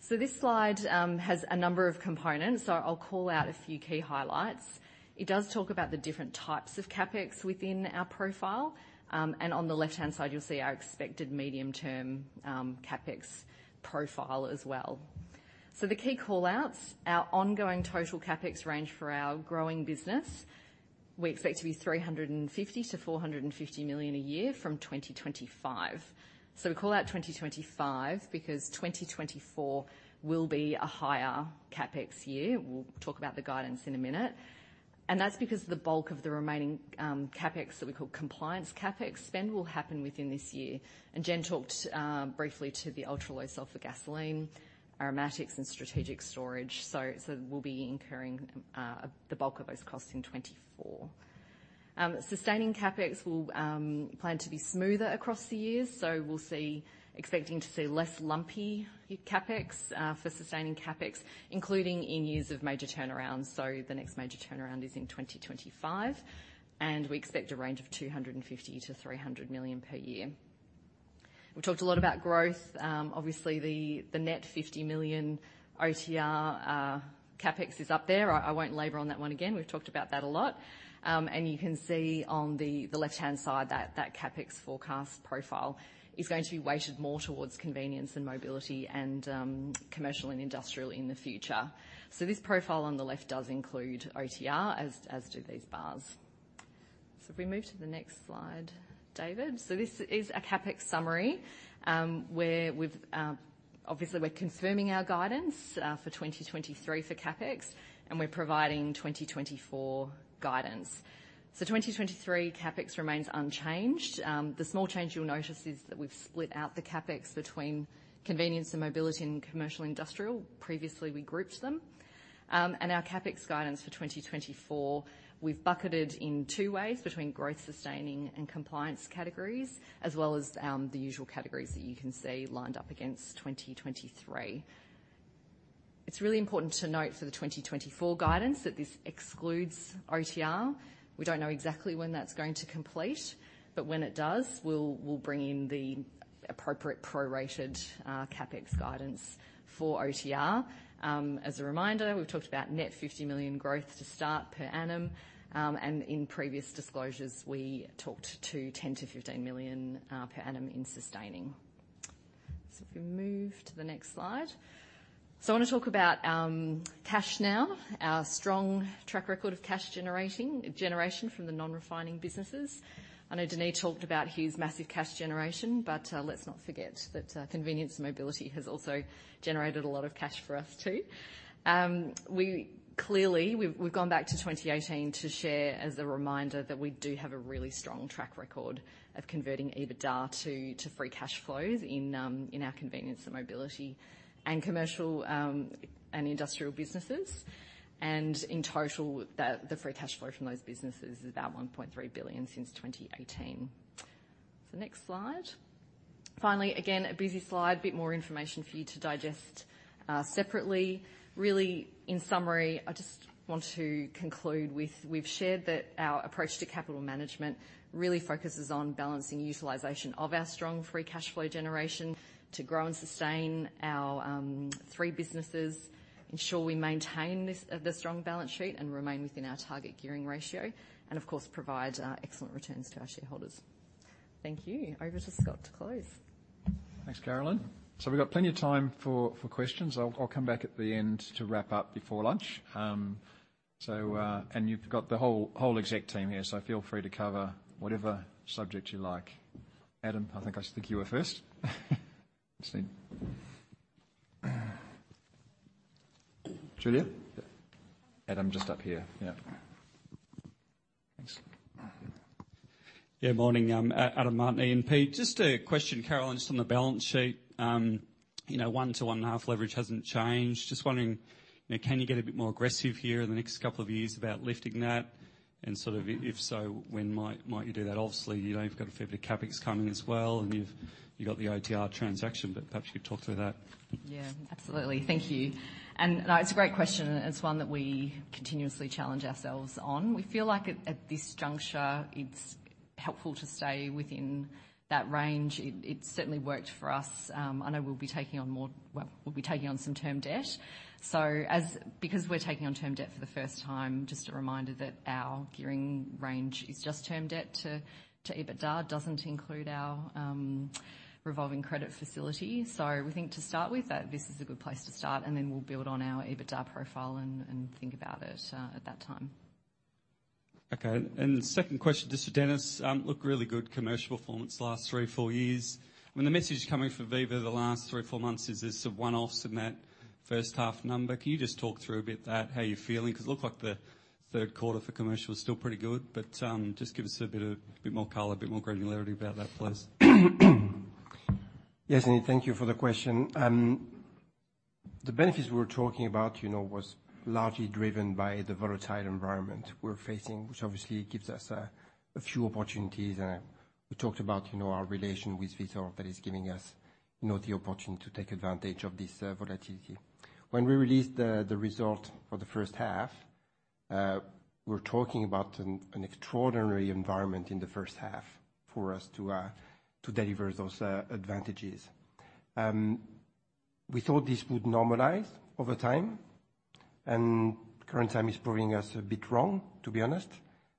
So this slide has a number of components. So I'll call out a few key highlights. It does talk about the different types of CapEx within our profile. And on the left-hand side, you'll see our expected medium-term CapEx profile as well. So the key call-outs, our ongoing total CapEx range for our growing business, we expect to be 350-450 million a year from 2025. So we call out 2025 because 2024 will be a higher CapEx year. We'll talk about the guidance in a minute. And that's because the bulk of the remaining CapEx that we call compliance CapEx spend will happen within this year. And Jen talked briefly to the ultra-low sulfur gasoline, aromatics, and strategic storage, so we'll be incurring the bulk of those costs in 2024. Sustaining CapEx will plan to be smoother across the years, so we'll see, expecting to see less lumpy CapEx for sustaining CapEx, including in years of major turnarounds. So the next major turnaround is in 2025, and we expect a range of 250-300 million per year. We've talked a lot about growth. Obviously, the net 50 million OTR CapEx is up there. I won't labor on that one again. We've talked about that a lot. You can see on the left-hand side that CapEx forecast profile is going to be weighted more towards convenience and mobility and commercial and industrial in the future. This profile on the left does include OTR, as do these bars. If we move to the next slide, David. This is a CapEx summary. Obviously, we're confirming our guidance for 2023 for CapEx, and we're providing 2024 guidance. 2023 CapEx remains unchanged. The small change you'll notice is that we've split out the CapEx between convenience and mobility and commercial industrial. Previously, we grouped them. Our CapEx guidance for 2024, we've bucketed in two ways, between growth, sustaining, and compliance categories, as well as the usual categories that you can see lined up against 2023. It's really important to note for the 2024 guidance that this excludes OTR. We don't know exactly when that's going to complete, but when it does, we'll, we'll bring in the appropriate prorated CapEx guidance for OTR. As a reminder, we've talked about net 50 million growth to start per annum, and in previous disclosures, we talked to 10 million-15 million per annum in sustaining. If we move to the next slide. I want to talk about cash now. Our strong track record of cash generating, generation from the non-refining businesses. I know Denis talked about huge, massive cash generation, but, let's not forget that, convenience and mobility has also generated a lot of cash for us, too. We clearly, we've gone back to 2018 to share as a reminder that we do have a really strong track record of converting EBITDA to free cash flows in our convenience and mobility and commercial and industrial businesses. And in total, the free cash flow from those businesses is about 1.3 billion since 2018. So next slide. Finally, again, a busy slide. A bit more information for you to digest, separately. Really, in summary, I just want to conclude with we've shared that our approach to capital management really focuses on balancing utilization of our strong free cash flow generation to grow and sustain our-... three businesses ensure we maintain this, the strong balance sheet and remain within our target gearing ratio, and of course, provide, excellent returns to our shareholders. Thank you. Over to Scott to close. Thanks, Carolyn. So we've got plenty of time for questions. I'll come back at the end to wrap up before lunch. And you've got the whole exec team here, so feel free to cover whatever subject you like. Adam, I think you were first. Steve? Julia? Yeah. Adam, just up here. Yeah. Thanks. Yeah, morning. Adam Martin, E&P. Just a question, Carolyn, just on the balance sheet. You know, 1-1.5 leverage hasn't changed. Just wondering, you know, can you get a bit more aggressive here in the next couple of years about lifting that? And sort of, if so, when might you do that? Obviously, you know, you've got a fair bit of CapEx coming as well, and you've got the OTR transaction, but perhaps you could talk through that. Yeah, absolutely. Thank you. And it's a great question, and it's one that we continuously challenge ourselves on. We feel like at this juncture, it's helpful to stay within that range. It certainly worked for us. I know we'll be taking on more—well, we'll be taking on some term debt. So as—because we're taking on term debt for the first time, just a reminder that our gearing range is just term debt to EBITDA. Doesn't include our revolving credit facility. So we think to start with, that this is a good place to start, and then we'll build on our EBITDA profile and think about it at that time. Okay. And the second question, just for Denis. Look, really good commercial performance last 3-4 years. I mean, the message coming from Viva the last 3-4 months is there's some one-offs in that first half number. Can you just talk through a bit that, how you're feeling? 'Cause it looked like the third quarter for commercial was still pretty good, but just give us a bit of, bit more color, a bit more granularity about that, please. Yes, and thank you for the question. The benefits we were talking about, you know, was largely driven by the volatile environment we're facing, which obviously gives us a few opportunities. And we talked about, you know, our relation with Vitol that is giving us, you know, the opportunity to take advantage of this volatility. When we released the result for the first half, we're talking about an extraordinary environment in the first half for us to deliver those advantages. We thought this would normalize over time, and current time is proving us a bit wrong, to be honest.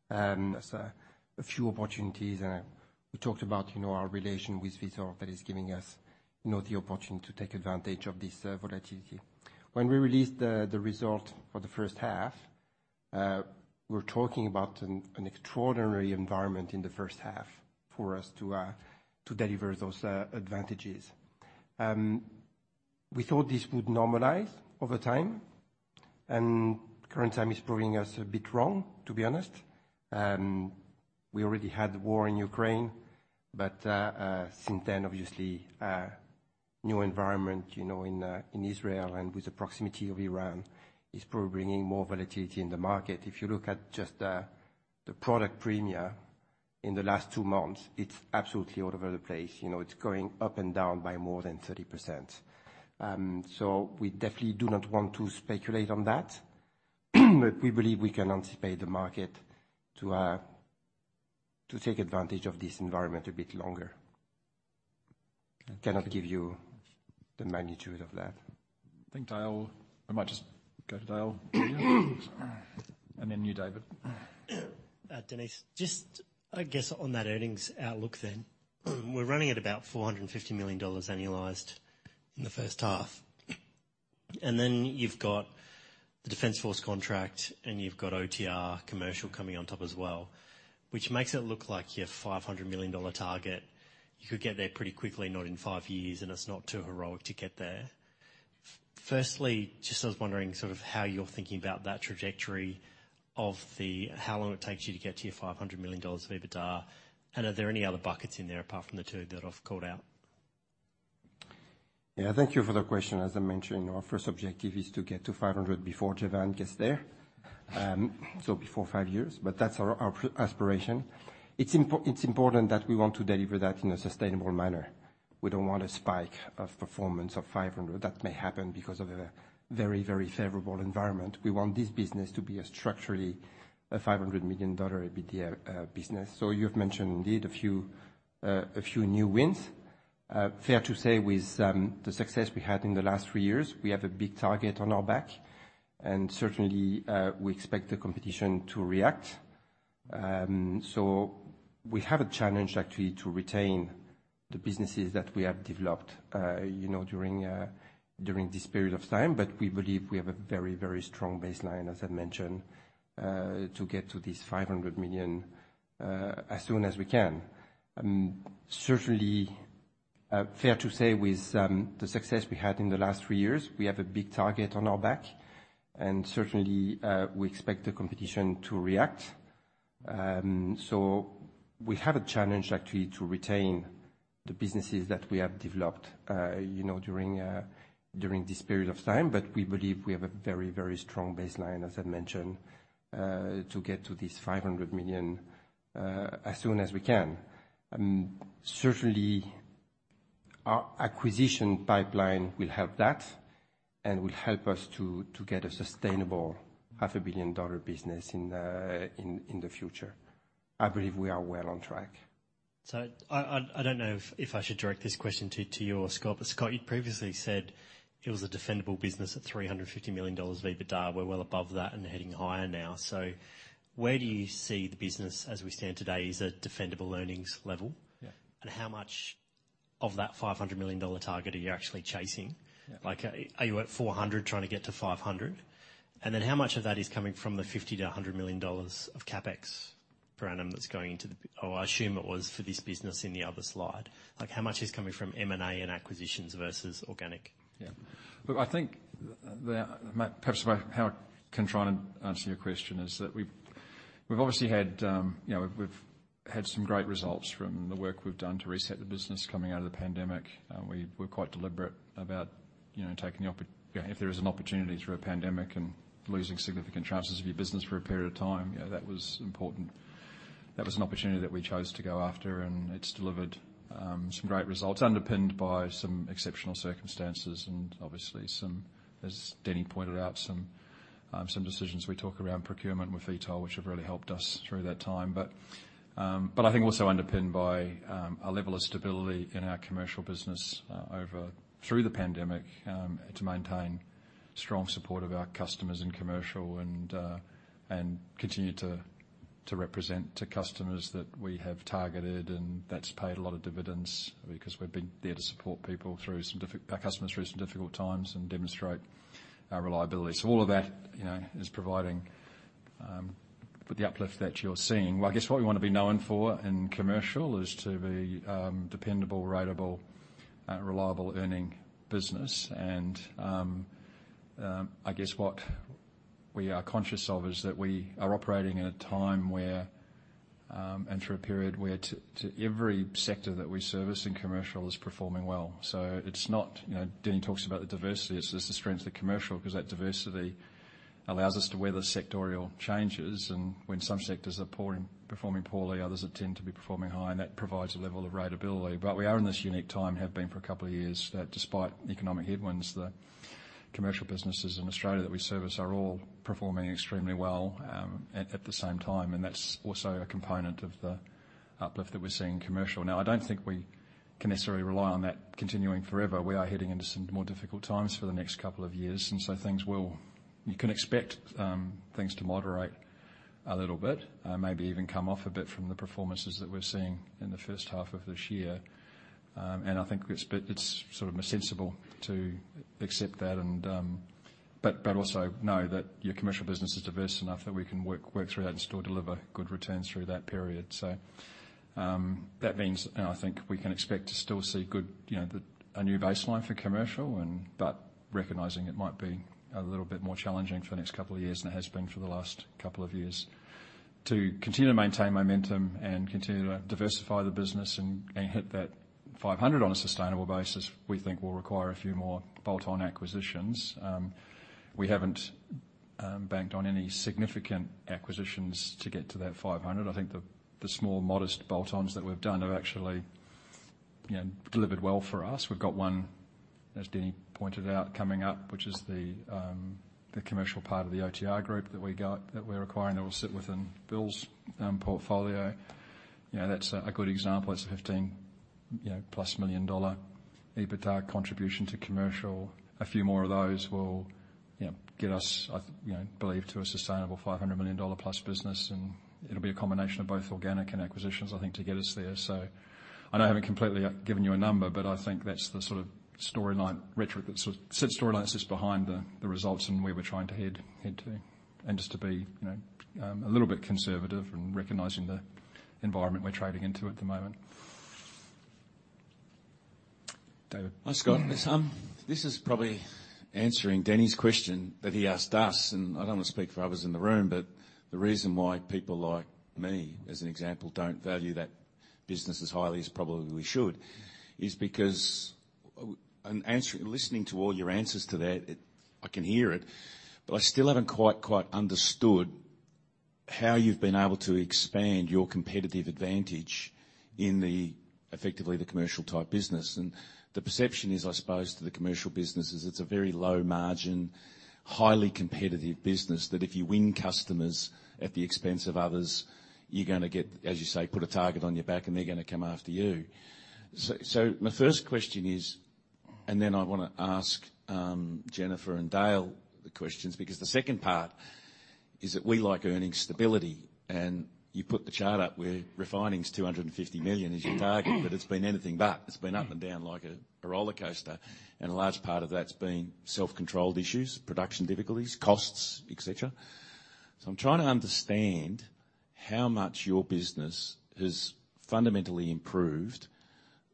There's a few opportunities, and we talked about, you know, our relation with Vitol that is giving us, you know, the opportunity to take advantage of this volatility. When we released the result for the first half, we're talking about an extraordinary environment in the first half for us to deliver those advantages. We thought this would normalize over time, and current time is proving us a bit wrong, to be honest. We already had war in Ukraine, but since then, obviously, a new environment, you know, in Israel and with the proximity of Iran, is probably bringing more volatility in the market. If you look at just the product premia in the last two months, it's absolutely all over the place. You know, it's going up and down by more than 30%. So we definitely do not want to speculate on that, but we believe we can anticipate the market to take advantage of this environment a bit longer. I cannot give you the magnitude of that. I think, Dale, I might just go to Dale. And then you, David. Denis, just I guess on that earnings outlook then, we're running at about 450 million dollars annualized in the first half. And then you've got the Defense Force contract, and you've got OTR commercial coming on top as well, which makes it look like your 500 million dollar target, you could get there pretty quickly, not in five years, and it's not too heroic to get there. Firstly, just I was wondering sort of how you're thinking about that trajectory of how long it takes you to get to your 500 million dollars of EBITDA, and are there any other buckets in there apart from the two that I've called out? Yeah, thank you for the question. As I mentioned, our first objective is to get to 500 before Jevan gets there, so before five years, but that's our, our aspiration. It's important that we want to deliver that in a sustainable manner. We don't want a spike of performance of 500. That may happen because of a very, very favorable environment. We want this business to be structurally a 500 million dollar EBITDA business. So you've mentioned indeed, a few, a few new wins. Fair to say with, the success we had in the last three years, we have a big target on our back, and certainly, we expect the competition to react. So we have a challenge actually, to retain the businesses that we have developed, you know, during, during this period of time. But we believe we have a very, very strong baseline, as I mentioned, to get to this 500 million, as soon as we can. Certainly, fair to say with, the success we had in the last three years, we have a big target on our back, and certainly, we expect the competition to react. So we have a challenge actually, to retain the businesses that we have developed, you know, during, during this period of time. But we believe we have a very, very strong baseline, as I mentioned, to get to this 500 million, as soon as we can. Certainly, our acquisition pipeline will help that and will help us to get a sustainable 500 million dollar business in the future. I believe we are well on track.... So I don't know if I should direct this question to you or Scott, but Scott, you previously said it was a defendable business at 350 million dollars EBITDA. We're well above that and heading higher now. So where do you see the business as we stand today is a defendable earnings level? Yeah. How much of that 500 million dollar target are you actually chasing? Yeah. Like, are you at 400, trying to get to 500? And then how much of that is coming from the 50 million-100 million dollars of CapEx per annum that's going into the— or I assume it was for this business in the other slide. Like, how much is coming from M&A and acquisitions versus organic? Yeah. Look, I think the, perhaps by how I can try and answer your question is that we've, we've obviously had, you know, we've, we've had some great results from the work we've done to reset the business coming out of the pandemic. We were quite deliberate about, you know, If there is an opportunity through a pandemic and losing significant chances of your business for a period of time, you know, that was important. That was an opportunity that we chose to go after, and it's delivered, some great results, underpinned by some exceptional circumstances and obviously some, as Denis pointed out, some, some decisions we talk around procurement with Vitol, which have really helped us through that time. But I think also underpinned by a level of stability in our commercial business over the pandemic to maintain strong support of our customers in commercial and continue to represent to customers that we have targeted, and that's paid a lot of dividends because we've been there to support people through some difficult, our customers through some difficult times and demonstrate our reliability. So all of that, you know, is providing with the uplift that you're seeing. Well, I guess what we want to be known for in commercial is to be dependable, ratable, reliable earning business. And I guess what we are conscious of is that we are operating in a time where and through a period where to every sector that we service in commercial is performing well. So it's not, you know, Denis talks about the diversity, it's the strength of the commercial, because that diversity allows us to weather sectorial changes, and when some sectors are poor, performing poorly, others tend to be performing high, and that provides a level of ratability. But we are in this unique time, have been for a couple of years, that despite economic headwinds, the commercial businesses in Australia that we service are all performing extremely well at the same time, and that's also a component of the uplift that we're seeing in commercial. Now, I don't think we can necessarily rely on that continuing forever. We are heading into some more difficult times for the next couple of years, and so things will... You can expect things to moderate a little bit, maybe even come off a bit from the performances that we're seeing in the first half of this year. I think it's, but it's sort of sensible to accept that and, but also know that your commercial business is diverse enough that we can work through that and still deliver good returns through that period. That means, and I think we can expect to still see good, you know, a new baseline for commercial, but recognizing it might be a little bit more challenging for the next couple of years than it has been for the last couple of years. To continue to maintain momentum and continue to diversify the business and hit that 500 on a sustainable basis, we think will require a few more bolt-on acquisitions. We haven't banked on any significant acquisitions to get to that 500 million. I think the small, modest bolt-ons that we've done have actually, you know, delivered well for us. We've got one, as Denis pointed out, coming up, which is the commercial part of the OTR group that we got, that we're acquiring, that will sit within Bill's portfolio. You know, that's a good example. That's a 15, you know, plus million dollar EBITDA contribution to commercial. A few more of those will, you know, get us, I, you know, believe, to a sustainable 500 million dollar+ business, and it'll be a combination of both organic and acquisitions, I think, to get us there. So I know I haven't completely given you a number, but I think that's the sort of storyline regarding that sort of storylines just behind the results and where we're trying to head to. And just to be, you know, a little bit conservative in recognizing the environment we're trading into at the moment. David? Hi, Scott. This is probably answering Denis's question that he asked us, and I don't want to speak for others in the room, but the reason why people like me, as an example, don't value that business as highly as probably we should, is because, and answering, listening to all your answers to that, it, I can hear it, but I still haven't quite understood how you've been able to expand your competitive advantage in the, effectively, the commercial type business. And the perception is, I suppose, to the commercial business is it's a very low margin, highly competitive business, that if you win customers at the expense of others, you're gonna get, as you say, put a target on your back and they're gonna come after you. So, so my first question is, and then I wanna ask Jennifer and Dale the questions, because the second part is that we like earning stability, and you put the chart up where refining is 250 million is your target, but it's been anything but. It's been up and down like a roller coaster, and a large part of that's been self-controlled issues, production difficulties, costs, et cetera. So I'm trying to understand how much your business has fundamentally improved,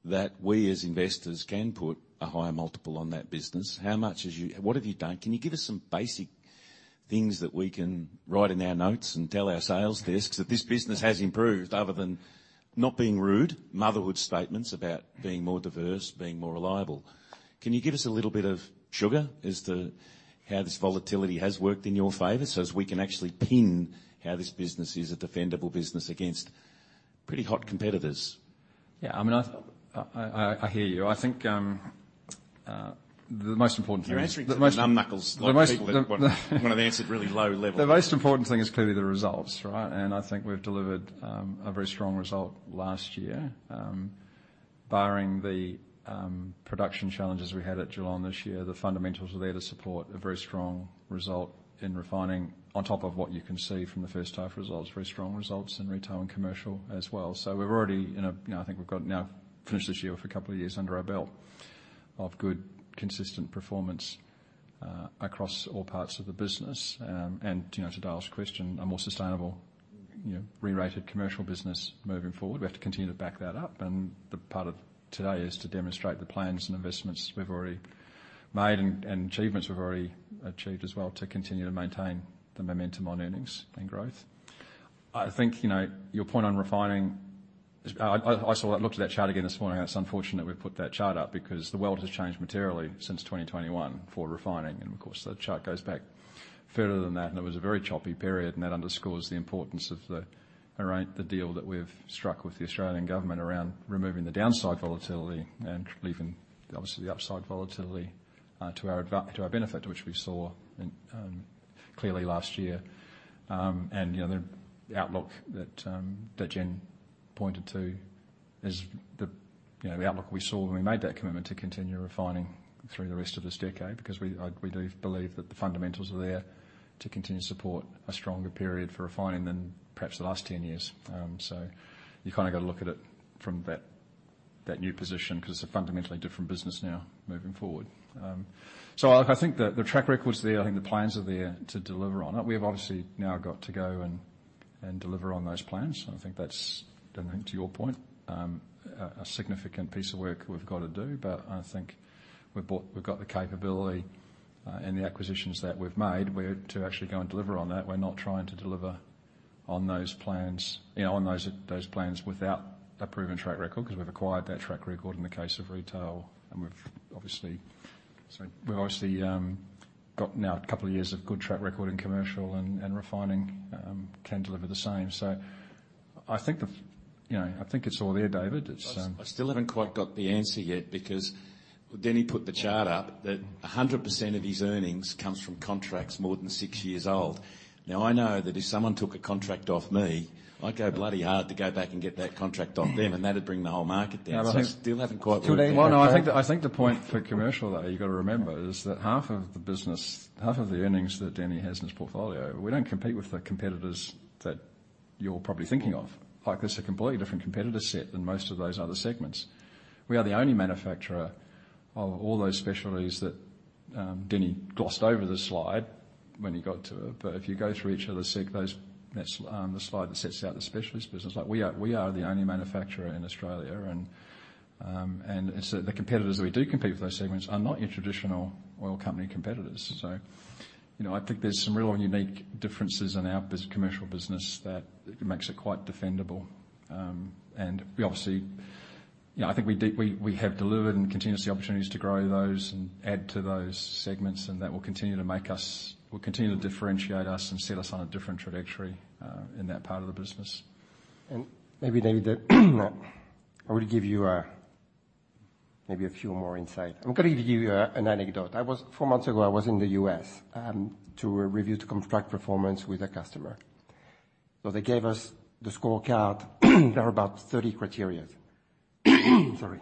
that we as investors can put a higher multiple on that business. How much has you-- what have you done? Can you give us some basic things that we can write in our notes and tell our sales desks that this business has improved, other than not being rude, motherhood statements about being more diverse, being more reliable? Can you give us a little bit of sugar as to how this volatility has worked in your favor so as we can actually pin how this business is a defendable business against pretty hot competitors? Yeah, I mean, I hear you. I think, the most important thing- You're answering to the numb knuckles. The most Like, people that want an answer at really low level. The most important thing is clearly the results, right? And I think we've delivered a very strong result last year. Barring the production challenges we had at Geelong this year, the fundamentals are there to support a very strong result in refining, on top of what you can see from the first half results. Very strong results in retail and commercial as well. So we're already in a, you know, I think we've got now finished this year with a couple of years under our belt of good, consistent performance across all parts of the business. And, you know, to Dale's question, a more sustainable, you know, rerated commercial business moving forward. We have to continue to back that up, and the part of today is to demonstrate the plans and investments we've already made and achievements we've already achieved as well, to continue to maintain the momentum on earnings and growth. I think, you know, your point on refining, I saw that... looked at that chart again this morning. It's unfortunate we put that chart up because the world has changed materially since 2021 for refining, and of course, the chart goes back further than that, and it was a very choppy period, and that underscores the importance around the deal that we've struck with the Australian government around removing the downside volatility and leaving, obviously, the upside volatility to our benefit, which we saw clearly last year. You know, the outlook that Jen pointed to is, you know, the outlook we saw when we made that commitment to continue refining through the rest of this decade, because we do believe that the fundamentals are there to continue to support a stronger period for refining than perhaps the last 10 years. So you've kind of got to look at it from that new position, because it's a fundamentally different business now moving forward. So I think the track record is there. I think the plans are there to deliver on it. We have obviously now got to go and deliver on those plans. I think that's, then to your point, a significant piece of work we've got to do, but I think we've got the capability, and the acquisitions that we've made, we're to actually go and deliver on that. We're not trying to deliver on those plans, you know, on those, those plans without a proven track record, because we've acquired that track record in the case of retail, and we've obviously... So we've obviously got now a couple of years of good track record in commercial and refining, can deliver the same. So I think the, you know, I think it's all there, David. It's- I still haven't quite got the answer yet, because Denis put the chart up that 100% of his earnings comes from contracts more than six years old. Now, I know that if someone took a contract off me, I'd go bloody hard to go back and get that contract off them, and that would bring the whole market down. I think- Still haven't quite- Well, no, I think the point for commercial, though, you've got to remember, is that half of the business, half of the earnings that Denis has in his portfolio, we don't compete with the competitors that you're probably thinking of. Like, there's a completely different competitor set than most of those other segments. We are the only manufacturer of all those specialties that, Denis glossed over the slide when he got to it. But if you go through each of those, that's the slide that sets out the specialist business, like, we are the only manufacturer in Australia, and so the competitors we do compete with those segments are not your traditional oil company competitors. So, you know, I think there's some real unique differences in our commercial business that makes it quite defendable. And we obviously, you know, I think we have delivered and continue to see opportunities to grow those and add to those segments, and that will continue to make us, will continue to differentiate us and set us on a different trajectory, in that part of the business. Maybe, David, I will give you a maybe a few more insights. I'm gonna give you an anecdote. I was four months ago, I was in the U.S. to review to contract performance with a customer. So they gave us the scorecard. There are about 30 criteria. Sorry.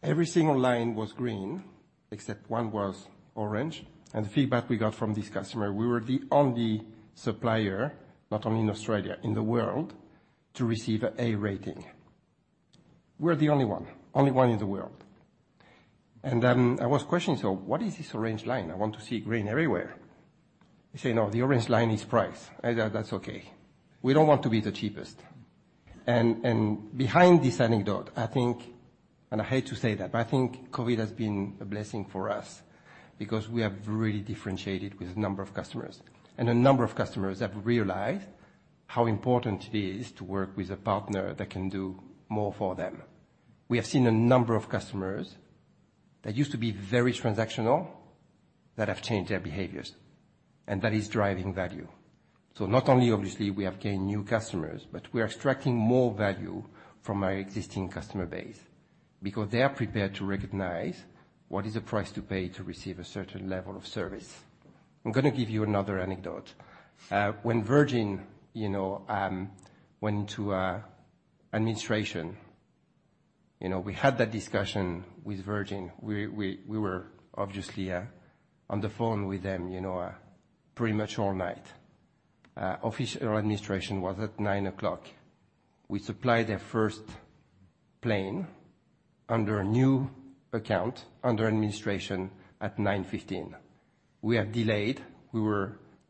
Every single line was green, except one was orange, and the feedback we got from this customer, we were the only supplier, not only in Australia, in the world, to receive an A rating. We're the only one, only one in the world. And then I was questioning, "So what is this orange line? I want to see green everywhere." They say, "No, the orange line is price." I said, "That's okay. We don't want to be the cheapest." And behind this anecdote, I think, and I hate to say that, but I think COVID has been a blessing for us because we have really differentiated with a number of customers, and a number of customers have realized how important it is to work with a partner that can do more for them. We have seen a number of customers that used to be very transactional, that have changed their behaviors, and that is driving value. So not only obviously we have gained new customers, but we are extracting more value from our existing customer base because they are prepared to recognize what is the price to pay to receive a certain level of service. I'm gonna give you another anecdote. When Virgin, you know, went into administration, you know, we had that discussion with Virgin. We were obviously on the phone with them, you know, pretty much all night. Official administration was at 9:00 A.M. We supplied their first plane under a new account, under administration at 9:15 A.M. We have delayed. We were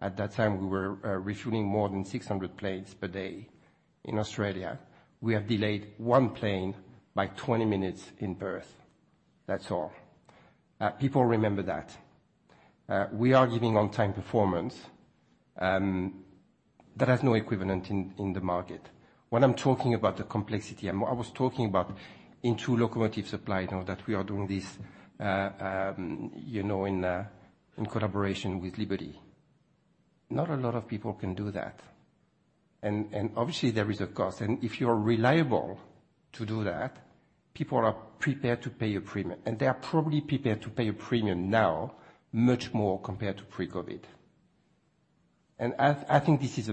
at that time, we were refueling more than 600 planes per day in Australia. We have delayed one plane by 20 minutes in Perth. That's all. People remember that. We are giving on-time performance that has no equivalent in the market. When I'm talking about the complexity and what I was talking about in two locomotive supply, now that we are doing this, you know, in collaboration with Liberty. Not a lot of people can do that. And obviously, there is a cost, and if you are reliable to do that, people are prepared to pay a premium, and they are probably prepared to pay a premium now, much more compared to pre-COVID. And I think this is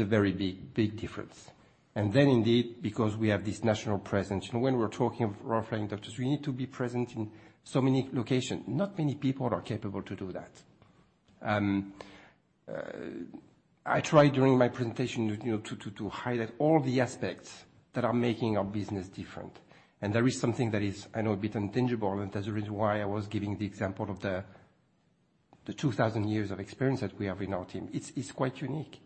a very big, big difference. And then indeed, because we have this national presence, and when we're talking of refined products, we need to be present in so many locations. Not many people are capable to do that. I tried during my presentation, you know, to highlight all the aspects that are making our business different. And there is something that is, I know, a bit intangible, and that's the reason why I was giving the example of the 2,000 years of experience that we have in our team. It's quite unique.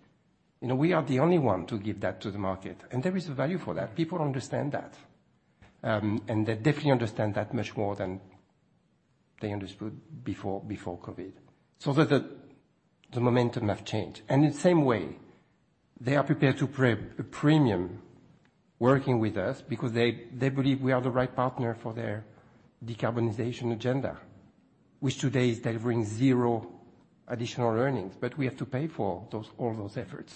You know, we are the only one to give that to the market, and there is a value for that. People understand that, and they definitely understand that much more than they understood before, before COVID. So the momentum have changed. And in the same way, they are prepared to pay a premium working with us because they believe we are the right partner for their decarbonization agenda, which today is delivering zero additional earnings, but we have to pay for those, all those efforts.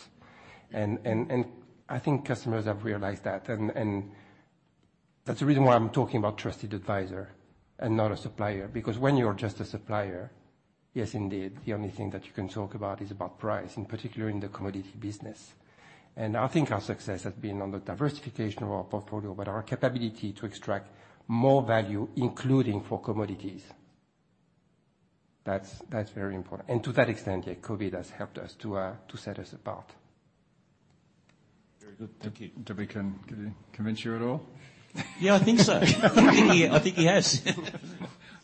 And I think customers have realized that, and that's the reason why I'm talking about trusted advisor and not a supplier. Because when you're just a supplier, yes, indeed, the only thing that you can talk about is about price, in particular in the commodity business. I think our success has been on the diversification of our portfolio, but our capability to extract more value, including for commodities. That's, that's very important. And to that extent, yeah, COVID has helped us to, to set us apart. Very good. Thank you. Did we convince you at all? Yeah, I think so. I think he has.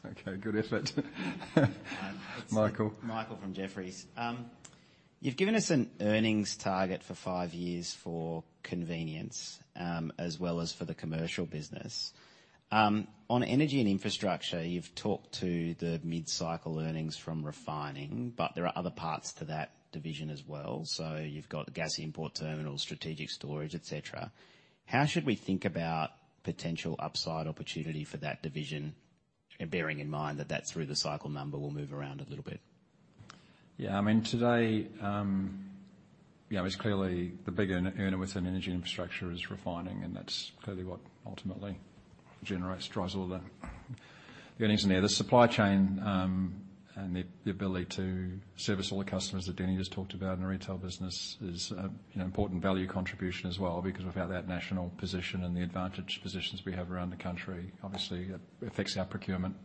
Okay, good effort. Michael? Michael from Jefferies. You've given us an earnings target for five years for convenience, as well as for the commercial business. On energy and infrastructure, you've talked to the mid-cycle earnings from refining, but there are other parts to that division as well. So you've got gas import terminals, strategic storage, et cetera. How should we think about potential upside opportunity for that division, bearing in mind that that's through the cycle number will move around a little bit? Yeah, I mean, today, you know, it's clearly the big earner, earner within energy infrastructure is refining, and that's clearly what ultimately generates, drives all the earnings in there. The supply chain, and the, the ability to service all the customers that Danny just talked about in the retail business is, an important value contribution as well, because without that national position and the advantage positions we have around the country, obviously it affects our procurement,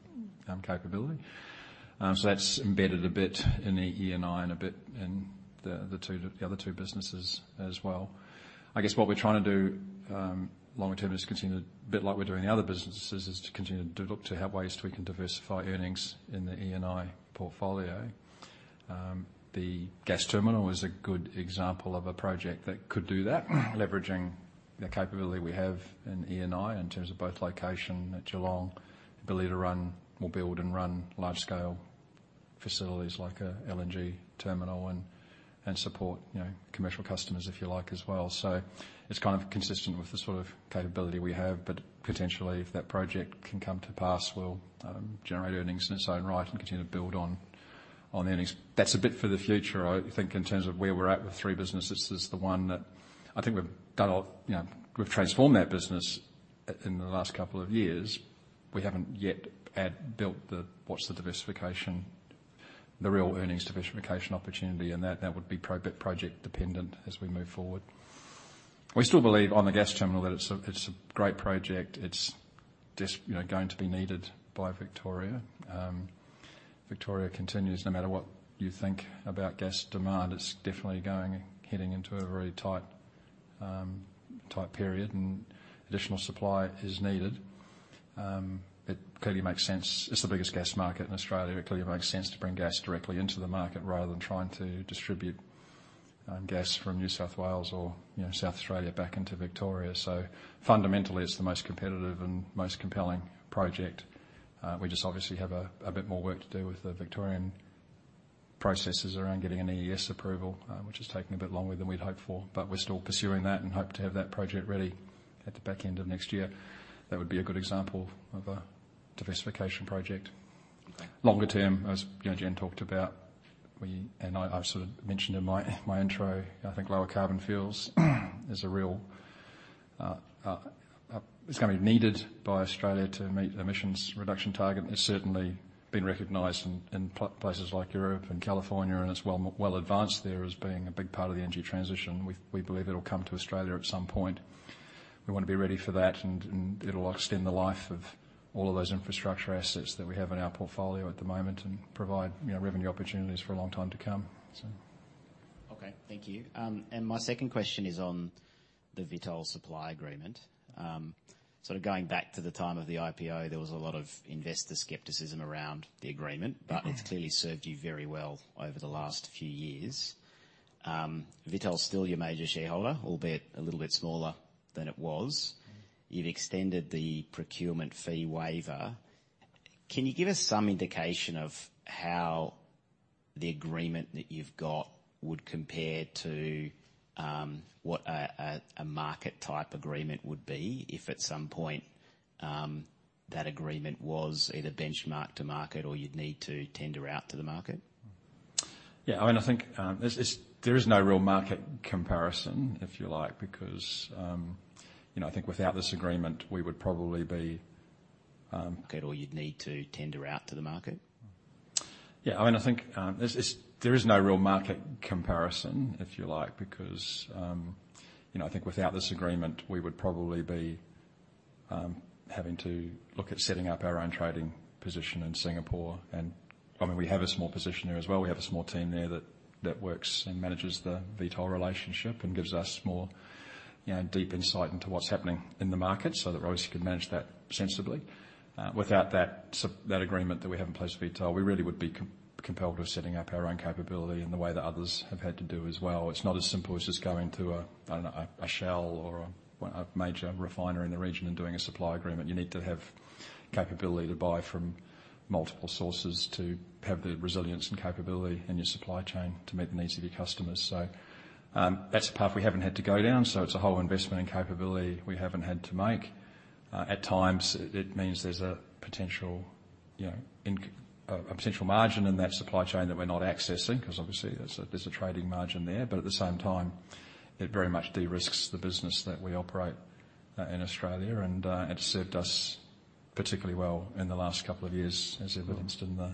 capability. So that's embedded a bit in the E&I and a bit in the, the two, the other two businesses as well. I guess what we're trying to do, longer term, is continue to... A bit like we do in the other businesses, is to continue to look to have ways we can diversify earnings in the E&I portfolio. The gas terminal is a good example of a project that could do that, leveraging the capability we have in E&I, in terms of both location at Geelong, ability to run, or build and run large-scale facilities like a LNG terminal and, and support, you know, commercial customers, if you like, as well. So it's kind of consistent with the sort of capability we have, but potentially if that project can come to pass, we'll generate earnings in its own right and continue to build on, on earnings. That's a bit for the future. I think in terms of where we're at with three businesses, is the one that I think we've done a... You know, we've transformed that business in the last couple of years. We haven't yet built the diversification, the real earnings diversification opportunity, and that would be project dependent as we move forward. We still believe on the gas terminal that it's a great project. It's just, you know, going to be needed by Victoria. Victoria continues, no matter what you think about gas demand, it's definitely heading into a very tight period and additional supply is needed. It clearly makes sense. It's the biggest gas market in Australia. It clearly makes sense to bring gas directly into the market rather than trying to distribute gas from New South Wales or, you know, South Australia back into Victoria. So fundamentally, it's the most competitive and most compelling project. We just obviously have a bit more work to do with the Victorian processes around getting an EES approval, which has taken a bit longer than we'd hoped for, but we're still pursuing that and hope to have that project ready at the back end of next year. That would be a good example of a diversification project. Longer term, as you know, Jen talked about, we and I sort of mentioned in my intro, I think lower carbon fuels is a real... It's going to be needed by Australia to meet the emissions reduction target, and it's certainly been recognized in places like Europe and California, and it's well, well advanced there as being a big part of the energy transition. We believe it'll come to Australia at some point. We want to be ready for that, and it'll extend the life of all of those infrastructure assets that we have in our portfolio at the moment and provide, you know, revenue opportunities for a long time to come. Okay, thank you. And my second question is on the Vitol supply agreement. Sort of going back to the time of the IPO, there was a lot of investor skepticism around the agreement- Mm-hmm. - but it's clearly served you very well over the last few years. Vitol's still your major shareholder, albeit a little bit smaller than it was. You've extended the procurement fee waiver. Can you give us some indication of how the agreement that you've got would compare to what a market-type agreement would be if at some point that agreement was either benchmarked to market or you'd need to tender out to the market? Yeah, I mean, I think, there is no real market comparison, if you like, because, you know, I think without this agreement, we would probably be, Okay, or you'd need to tender out to the market? Yeah, I mean, I think, there's, there is no real market comparison, if you like, because, you know, I think without this agreement, we would probably be having to look at setting up our own trading position in Singapore. And, I mean, we have a small position there as well. We have a small team there that works and manages the Vitol relationship and gives us more, you know, deep insight into what's happening in the market, so that obviously we can manage that sensibly. Without that agreement that we have in place with Vitol, we really would be compelled to setting up our own capability in the way that others have had to do as well. It's not as simple as just going to a, I don't know, a, a Shell or a, a major refiner in the region and doing a supply agreement. You need to have capability to buy from multiple sources to have the resilience and capability in your supply chain to meet the needs of your customers. So, that's a path we haven't had to go down, so it's a whole investment and capability we haven't had to make. At times, it means there's a potential, you know, a potential margin in that supply chain that we're not accessing, 'cause obviously there's a trading margin there. But at the same time, it very much de-risks the business that we operate in Australia, and it's served us particularly well in the last couple of years, as evidenced in the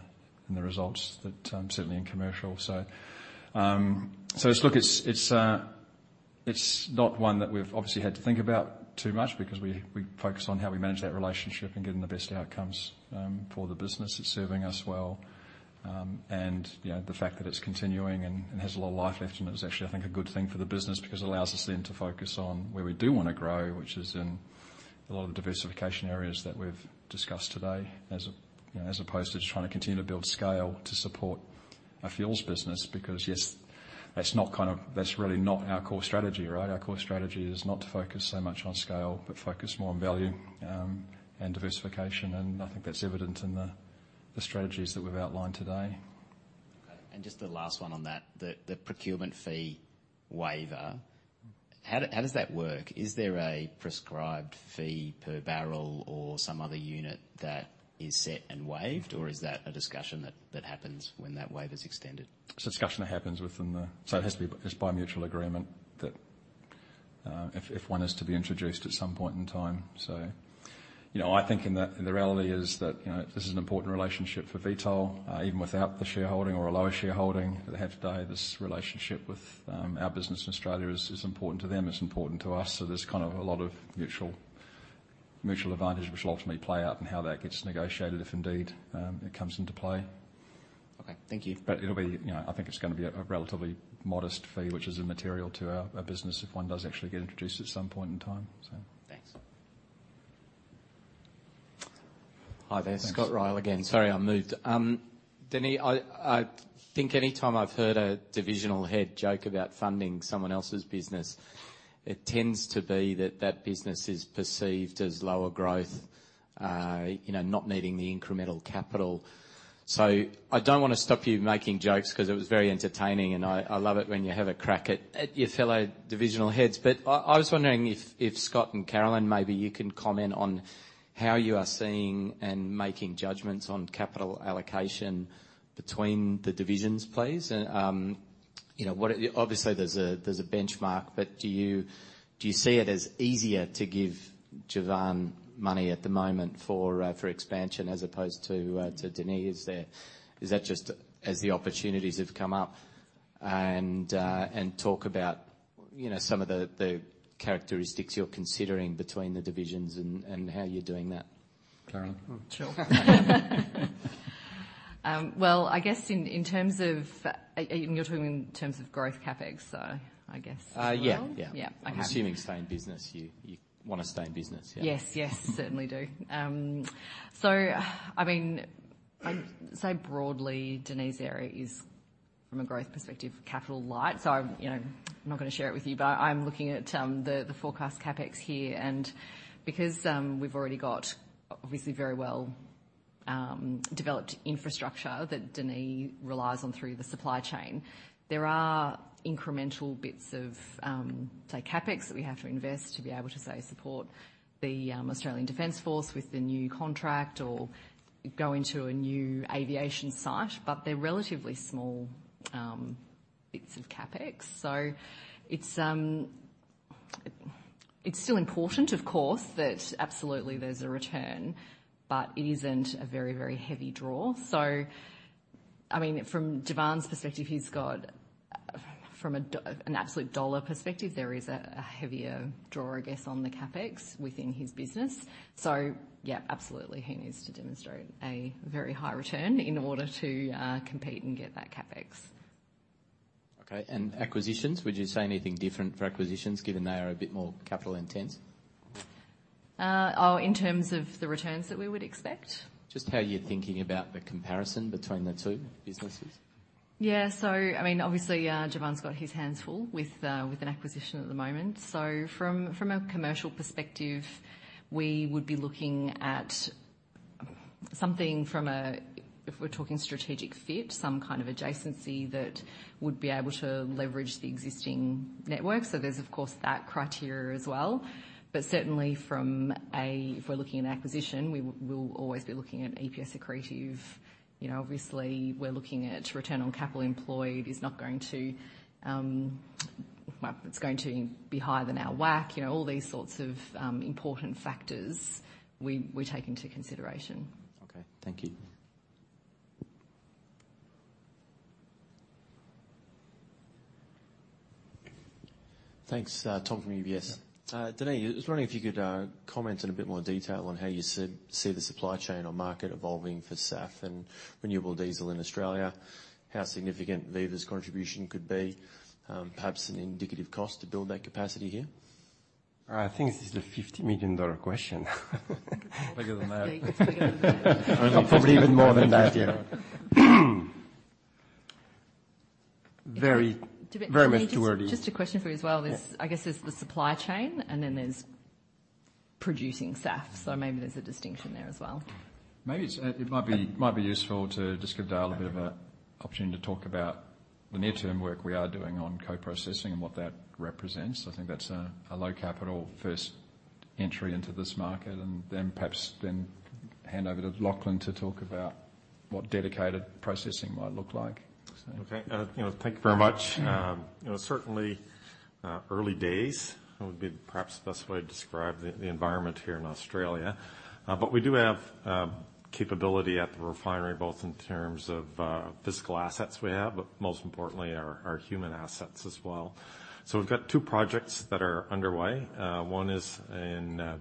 results that certainly in commercial. So look, it's not one that we've obviously had to think about too much because we focus on how we manage that relationship and getting the best outcomes for the business. It's serving us well. You know, the fact that it's continuing and has a lot of life left in it is actually, I think, a good thing for the business because it allows us then to focus on where we do wanna grow, which is in a lot of diversification areas that we've discussed today, as, you know, as opposed to just trying to continue to build scale to support a fuels business. Because, yes, that's not kind of... That's really not our core strategy, right? Our core strategy is not to focus so much on scale, but focus more on value, and diversification, and I think that's evident in the strategies that we've outlined today. Okay, and just the last one on that, the procurement fee waiver, how does that work? Is there a prescribed fee per barrel or some other unit that is set and waived, or is that a discussion that happens when that waiver is extended? It's a discussion that happens within the... So it has to be, it's by mutual agreement that, if, if one is to be introduced at some point in time. So, you know, I think in the reality is that, you know, this is an important relationship for Vitol, even without the shareholding or a lower shareholding. At the end of the day, this relationship with our business in Australia is important to them, it's important to us, so there's kind of a lot of mutual, mutual advantage, which will ultimately play out in how that gets negotiated, if indeed it comes into play. Okay, thank you. But it'll be, you know, I think it's gonna be a relatively modest fee, which is immaterial to our business if one does actually get introduced at some point in time, so. Thanks. Hi there. Thanks. Scott Ryall again. Sorry, I moved. Denis, I think anytime I've heard a divisional head joke about funding someone else's business, it tends to be that that business is perceived as lower growth, you know, not needing the incremental capital. So I don't wanna stop you making jokes 'cause it was very entertaining, and I love it when you have a crack at your fellow divisional heads. But I was wondering if Scott and Carolyn, maybe you can comment on how you are seeing and making judgments on capital allocation between the divisions, please. And, you know, obviously, there's a benchmark, but do you see it as easier to give Jevan money at the moment for expansion as opposed to Denis? Is that just as the opportunities have come up? talk about, you know, some of the characteristics you're considering between the divisions and how you're doing that. Carolyn? Sure. Well, I guess in terms of... You're talking in terms of growth CapEx, so I guess as well? Yeah, yeah. Yeah, I have. I'm assuming stay in business. You wanna stay in business, yeah. Yes, yes, certainly do. So, I mean, so broadly, Denis' area is, from a growth perspective, capital light. So, you know, I'm not gonna share it with you, but I'm looking at the forecast CapEx here, and because we've already got obviously very well developed infrastructure that Denis relies on through the supply chain, there are incremental bits of, say, CapEx, that we have to invest to be able to, say, support the Australian Defense Force with the new contract or go into a new aviation site, but they're relatively small bits of CapEx. So it's still important, of course, that absolutely there's a return, but it isn't a very, very heavy draw. So, I mean, from Jevan's perspective, he's got, from an absolute dollar perspective, there is a heavier draw, I guess, on the CapEx within his business. So yeah, absolutely, he needs to demonstrate a very high return in order to compete and get that CapEx. Okay, and acquisitions, would you say anything different for acquisitions, given they are a bit more capital intense? Oh, in terms of the returns that we would expect? Just how you're thinking about the comparison between the two businesses. Yeah, so I mean, obviously, Jevan's got his hands full with an acquisition at the moment. So from a commercial perspective, we would be looking at something from a, if we're talking strategic fit, some kind of adjacency that would be able to leverage the existing network. So there's, of course, that criteria as well. But certainly from a, if we're looking at acquisition, we will always be looking at EPS accretive. You know, obviously, we're looking at return on capital employed is not going to, well, it's going to be higher than our WACC. You know, all these sorts of important factors we, we take into consideration. Okay, thank you. Thanks. Tom, from UBS. Denis, I was wondering if you could comment in a bit more detail on how you see the supply chain or market evolving for SAF and renewable diesel in Australia, how significant Viva's contribution could be, perhaps an indicative cost to build that capacity here? I think this is a 50 million-dollar question. Bigger than that. Yeah, it's bigger. Probably even more than that, yeah. Very, very mature- Just a question for you as well. There's, I guess there's the supply chain, and then there's producing SAF, so maybe there's a distinction there as well. Maybe it's it might be useful to just give Dale a bit of an opportunity to talk about the near-term work we are doing on co-processing and what that represents. I think that's a low capital first entry into this market, and then perhaps hand over to Lachlan to talk about what dedicated processing might look like. Okay, you know, thank you very much. You know, certainly early days, that would be perhaps the best way to describe the environment here in Australia. But we do have capability at the refinery, both in terms of physical assets we have, but most importantly, our human assets as well. So we've got two projects that are underway. One is in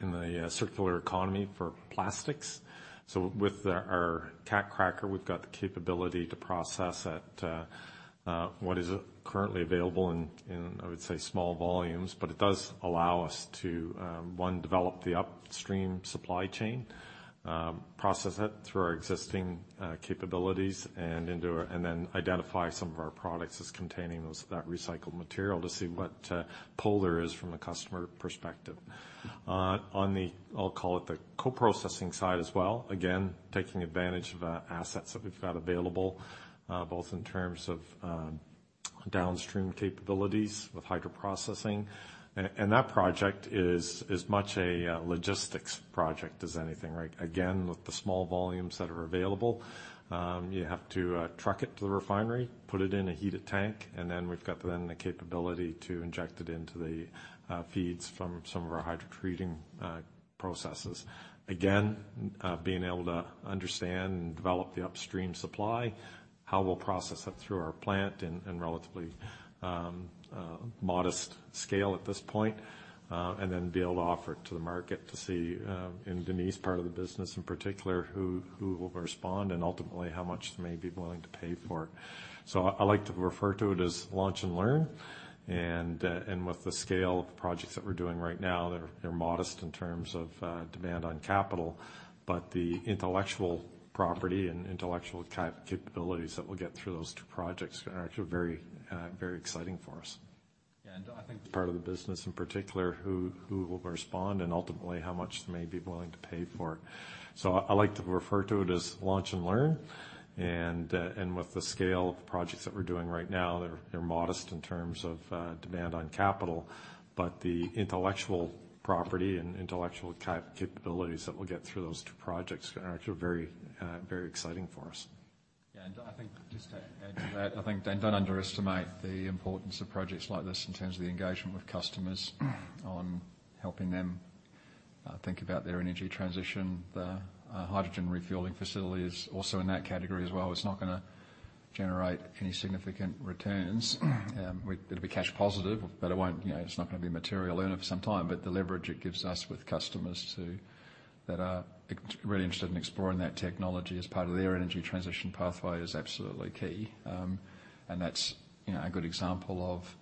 the circular economy for plastics. So with our cat cracker, we've got the capability to process what is currently available in, I would say, small volumes, but it does allow us to one, develop the upstream supply chain, process it through our existing capabilities and into our... Then identify some of our products as containing those, that recycled material to see what pull there is from a customer perspective. On the, I'll call it the co-processing side as well, again, taking advantage of assets that we've got available, both in terms of downstream capabilities with hydro processing. And, and that project is as much a logistics project as anything, right? Again, with the small volumes that are available, you have to truck it to the refinery, put it in a heated tank, and then we've got then the capability to inject it into the feeds from some of our hydro treating processes. Again, being able to understand and develop the upstream supply, how we'll process it through our plant in relatively modest scale at this point, and then be able to offer it to the market to see in Denis part of the business, in particular, who will respond and ultimately how much they may be willing to pay for it. So I like to refer to it as launch and learn, and with the scale of the projects that we're doing right now, they're modest in terms of demand on capital, but the intellectual property and intellectual capabilities that we'll get through those two projects are actually very very exciting for us. And I think part of the business, in particular, who will respond and ultimately how much they may be willing to pay for it. So I like to refer to it as launch and learn, and with the scale of the projects that we're doing right now, they're modest in terms of demand on capital, but the intellectual property and intellectual capabilities that we'll get through those two projects are actually very, very exciting for us. Yeah, and I think just to add to that, I think, and don't underestimate the importance of projects like this in terms of the engagement with customers, on helping them think about their energy transition. The hydrogen refueling facility is also in that category as well. It's not gonna generate any significant returns. It'll be cash positive, but it won't, you know, it's not gonna be a material earner for some time. But the leverage it gives us with customers that are extremely interested in exploring that technology as part of their energy transition pathway is absolutely key. And that's, you know, a good example of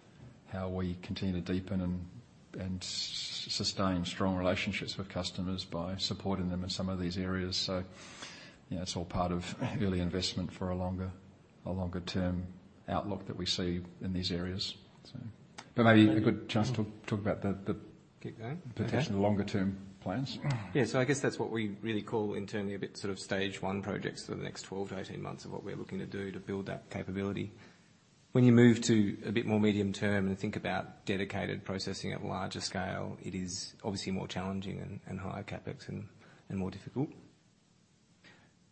how we continue to deepen and sustain strong relationships with customers by supporting them in some of these areas. So, you know, it's all part of early investment for a longer term outlook that we see in these areas. So maybe a good chance to talk about the- Keep going?... potentially the longer term plans. Yeah, so I guess that's what we really call internally a bit sort of stage one projects for the next 12-18 months of what we're looking to do to build that capability. When you move to a bit more medium term and think about dedicated processing at larger scale, it is obviously more challenging and, and higher CapEx and, and more difficult.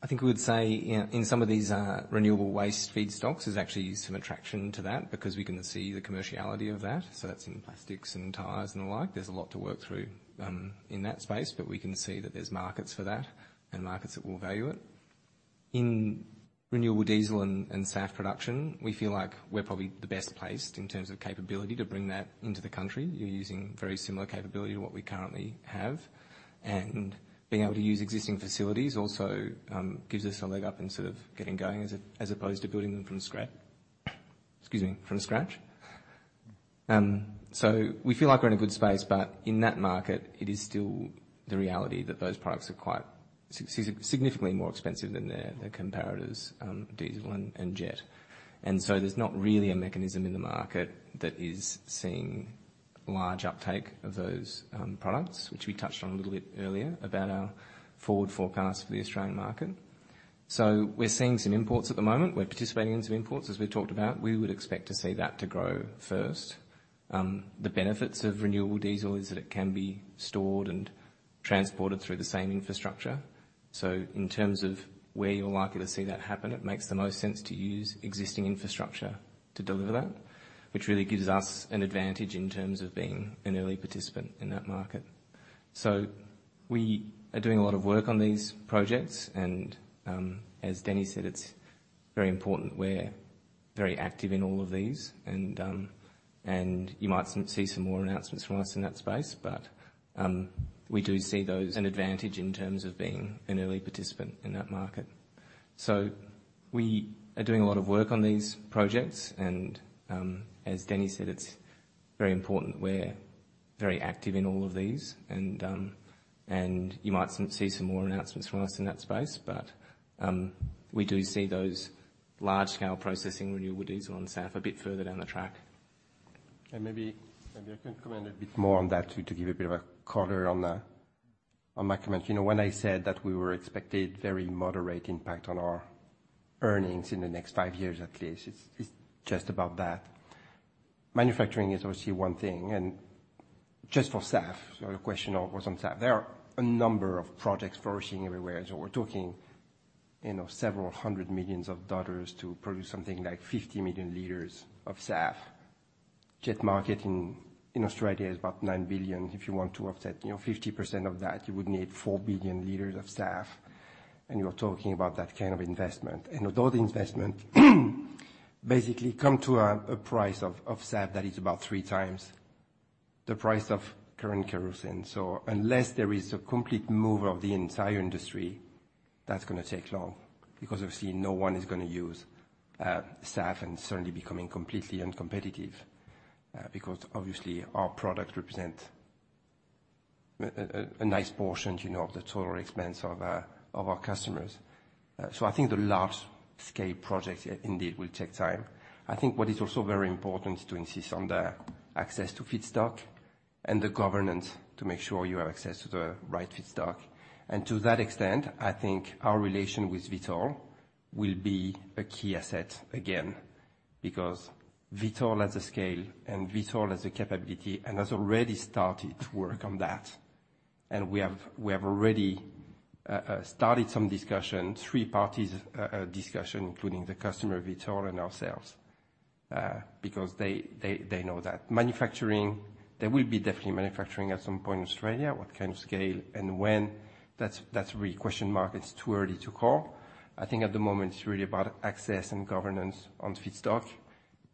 I think we would say in, in some of these, renewable waste feedstocks, there's actually some attraction to that because we can see the commerciality of that, so that's in plastics and tires and the like. There's a lot to work through, in that space, but we can see that there's markets for that and markets that will value it. In renewable diesel and SAF production, we feel like we're probably the best placed in terms of capability to bring that into the country. You're using very similar capability to what we currently have, and being able to use existing facilities also gives us a leg up in sort of getting going as opposed to building them from scratch. So we feel like we're in a good space, but in that market, it is still the reality that those products are quite significantly more expensive than their comparators, diesel and jet. So there's not really a mechanism in the market that is seeing large uptake of those products, which we touched on a little bit earlier about our forward forecast for the Australian market. So we're seeing some imports at the moment. We're participating in some imports, as we talked about. We would expect to see that to grow first. The benefits of renewable diesel is that it can be stored and transported through the same infrastructure. So in terms of where you're likely to see that happen, it makes the most sense to use existing infrastructure to deliver that, which really gives us an advantage in terms of being an early participant in that market. So we are doing a lot of work on these projects, and, as Denis said, it's very important. We're very active in all of these and you might see some more announcements from us in that space, but, we do see those as an advantage in terms of being an early participant in that market. So we are doing a lot of work on these projects, and, as Danny said, it's very important. We're very active in all of these and, and you might see some more announcements from us in that space, but, we do see those large-scale processing, renewable diesel and SAF, a bit further down the track. And maybe, maybe I can comment a bit more on that to, to give you a bit of a color on the, on my comment. You know, when I said that we were expected very moderate impact on our earnings in the next five years, at least, it's, it's just about that. Manufacturing is obviously one thing, and just for SAF, so the question of was on SAF. There are a number of projects flourishing everywhere, so we're talking AUD several hundred million to produce something like 50 million liters of SAF. Jet market in, in Australia is about nine billion. If you want to offset, you know, 50% of that, you would need four billion liters of SAF, and you're talking about that kind of investment. With all the investment, basically come to a price of SAF that is about three times the price of current kerosene. So unless there is a complete move of the entire industry, that's gonna take long, because obviously, no one is gonna use SAF, and it's certainly becoming completely uncompetitive, because obviously our product represent a nice portion, you know, of the total expense of our customers. So I think the large-scale projects indeed, will take time. I think what is also very important is to insist on the access to feedstock and the governance to make sure you have access to the right feedstock. And to that extent, I think our relation with Vitol will be a key asset again, because Vitol has the scale and Vitol has the capability and has already started to work on that. And we have already started some discussion, three parties discussion, including the customer, Vitol, and ourselves, because they know that. Manufacturing,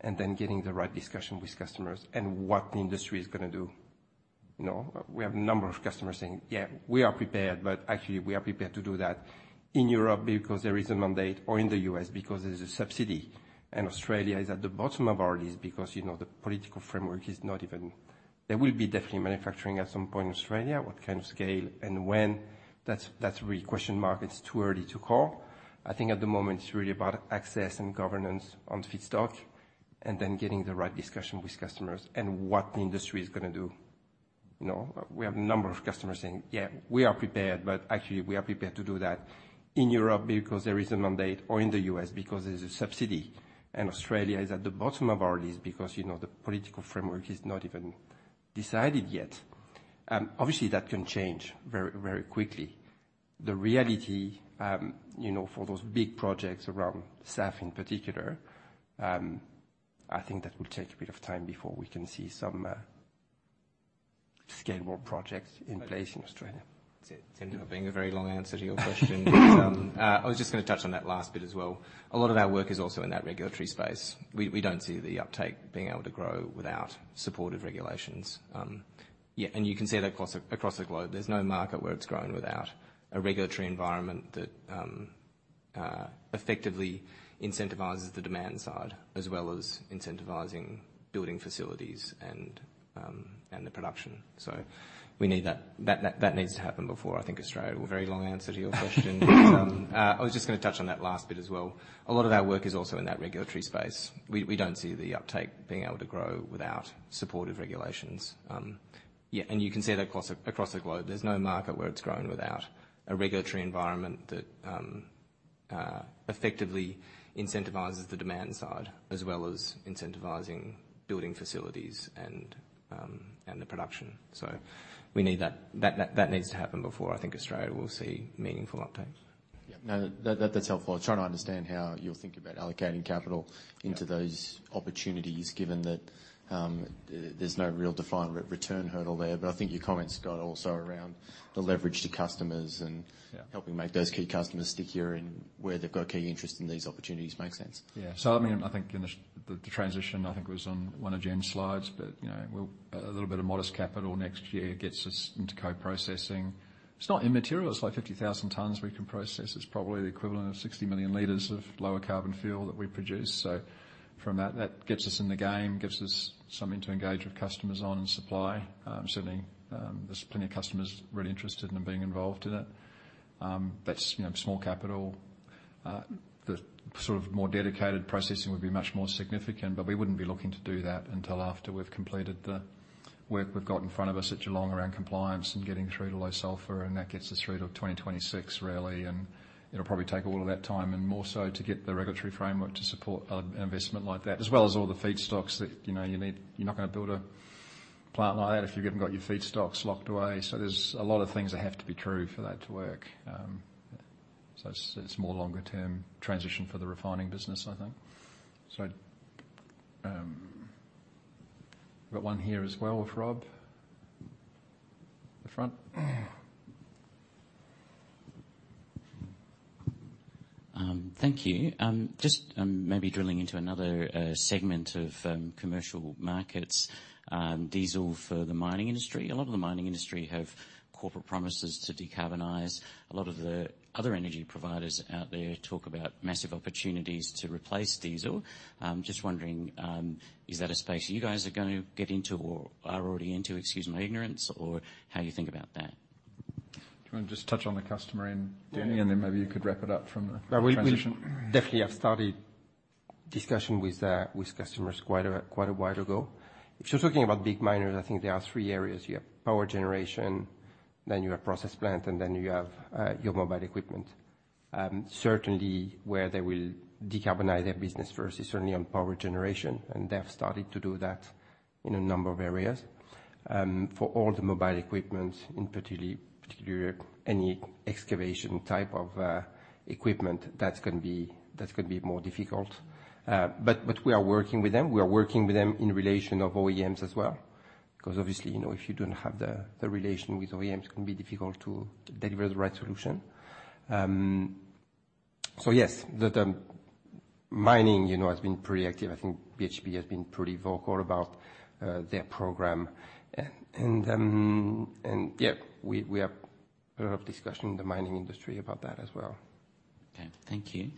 there will be definitely manufacturing at some point in Australia. What kind of scale and when, that's really a question mark. It's too early to call. I think at the moment, it's really about access and governance on feedstock, I think that will take a bit of time before we can see some scalable projects in place in Australia. Seemed to have been a very long answer to your question. I was just gonna touch on that last bit as well. A lot of our work is also in that regulatory space. We, we don't see the uptake being able to grow without supportive regulations. Yeah, and you can see that across, across the globe. There's no market where it's growing without a regulatory environment that effectively incentivizes the demand side, as well as incentivizing building facilities and, and the production. So we need that. That, that, that needs to happen before I think Australia... A very long answer to your question. I was just gonna touch on that last bit as well. A lot of our work is also in that regulatory space. We, we don't see the uptake being able to grow without supportive regulations. Yeah, and you can see that across the globe. There's no market where it's growing without a regulatory environment that effectively incentivizes the demand side, as well as incentivizing building facilities and the production. So we need that. That needs to happen before, I think, Australia will see meaningful uptake. Yeah. No, that, that's helpful. I'm trying to understand how you'll think about allocating capital into those opportunities, given that, there's no real defined return hurdle there. But I think your comments got also around the leverage to customers and- Yeah. Helping make those key customers stickier and where they've got key interest in these opportunities make sense. Yeah. So I mean, I think in the transition, I think, was on one of Jim's slides, but, you know, we'll. A little bit of modest capital next year gets us into co-processing. It's not immaterial. It's like 50,000 tons we can process. It's probably the equivalent of 60 million liters of lower carbon fuel that we produce. So from that, that gets us in the game, gives us something to engage with customers on and supply. Certainly, there's plenty of customers really interested in being involved in it. That's, you know, small capital.... the sort of more dedicated processing would be much more significant, but we wouldn't be looking to do that until after we've completed the work we've got in front of us at Geelong around compliance and getting through to low sulfur, and that gets us through to 2026, really. And it'll probably take all of that time and more so to get the regulatory framework to support an investment like that, as well as all the feedstocks that, you know, you need. You're not gonna build a plant like that if you haven't got your feedstocks locked away. So there's a lot of things that have to be true for that to work. So it's more longer term transition for the refining business, I think. So, I've got one here as well of Rob, the front. Thank you. Just, maybe drilling into another segment of commercial markets, diesel for the mining industry. A lot of the mining industry have corporate promises to decarbonize. A lot of the other energy providers out there talk about massive opportunities to replace diesel. Just wondering, is that a space you guys are going to get into or are already into? Excuse my ignorance, or how you think about that. Do you want to just touch on the customer and Denis, and then maybe you could wrap it up from the transition? We definitely have started discussion with customers quite a while ago. If you're talking about big miners, I think there are three areas. You have power generation, then you have process plant, and then you have your mobile equipment. Certainly, where they will decarbonize their business first is certainly on power generation, and they have started to do that in a number of areas. For all the mobile equipment, in particular, any excavation type of equipment, that's gonna be more difficult. But we are working with them. We are working with them in relation of OEMs as well, because obviously, you know, if you don't have the relation with OEMs, it can be difficult to deliver the right solution. So yes, the mining, you know, has been pretty active. I think BHP has been pretty vocal about their program, and we have a lot of discussion in the mining industry about that as well. Okay. Thank you.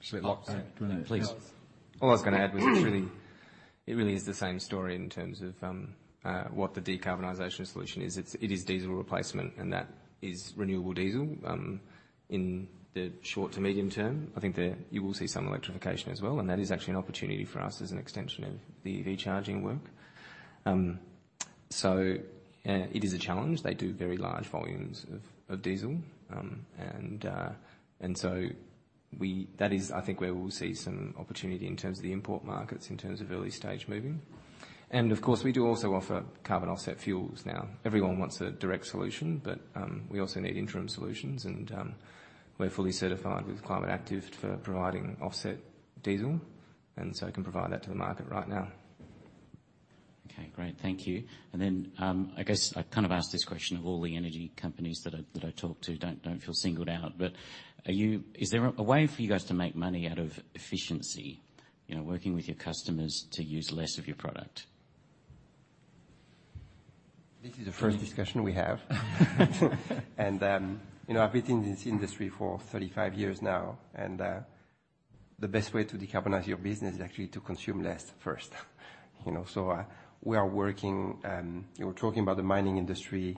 Should we lock that, please? All I was gonna add was it really, it really is the same story in terms of what the decarbonization solution is. It's, it is diesel replacement, and that is renewable diesel. In the short to medium term, I think there you will see some electrification as well, and that is actually an opportunity for us as an extension of the EV charging work. So, it is a challenge. They do very large volumes of diesel. And so that is, I think, where we'll see some opportunity in terms of the import markets, in terms of early stage moving. And of course, we do also offer carbon offset fuels now. Everyone wants a direct solution, but we also need interim solutions, and we're fully certified with Climate Active for providing offset diesel, and so can provide that to the market right now. Okay, great. Thank you. And then, I guess I've kind of asked this question of all the energy companies that I talk to, don't feel singled out, but are you... Is there a way for you guys to make money out of efficiency? You know, working with your customers to use less of your product. This is the first discussion we have. You know, I've been in this industry for 35 years now, and the best way to decarbonize your business is actually to consume less first. You know, so we are working. You were talking about the mining industry.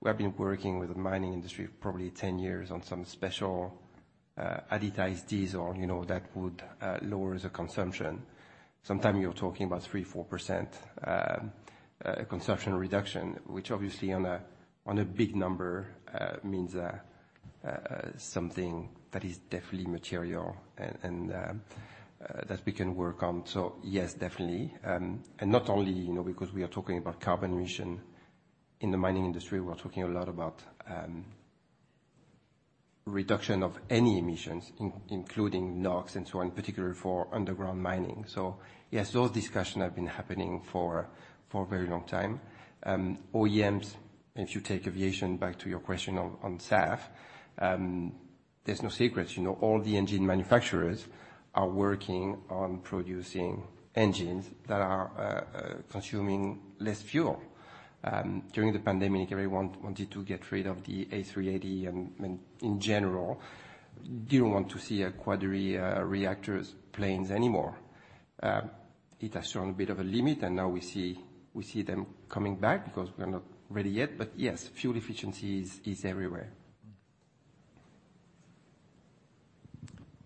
We have been working with the mining industry for probably 10 years on some special advertised diesel, you know, that would lower the consumption. Sometimes you're talking about 3%-4% consumption reduction, which obviously on a big number means something that is definitely material and that we can work on. So yes, definitely. Not only, you know, because we are talking about carbon emission in the mining industry, we're talking a lot about reduction of any emissions, including NOx, and so on, particularly for underground mining. So yes, those discussion have been happening for a very long time. OEMs, if you take aviation back to your question on SAF, there's no secrets, you know, all the engine manufacturers are working on producing engines that are consuming less fuel. During the pandemic, everyone wanted to get rid of the A380, and in general, didn't want to see a quad-reactors planes anymore. It has shown a bit of a limit, and now we see, we see them coming back because we are not ready yet. But yes, fuel efficiency is, is everywhere.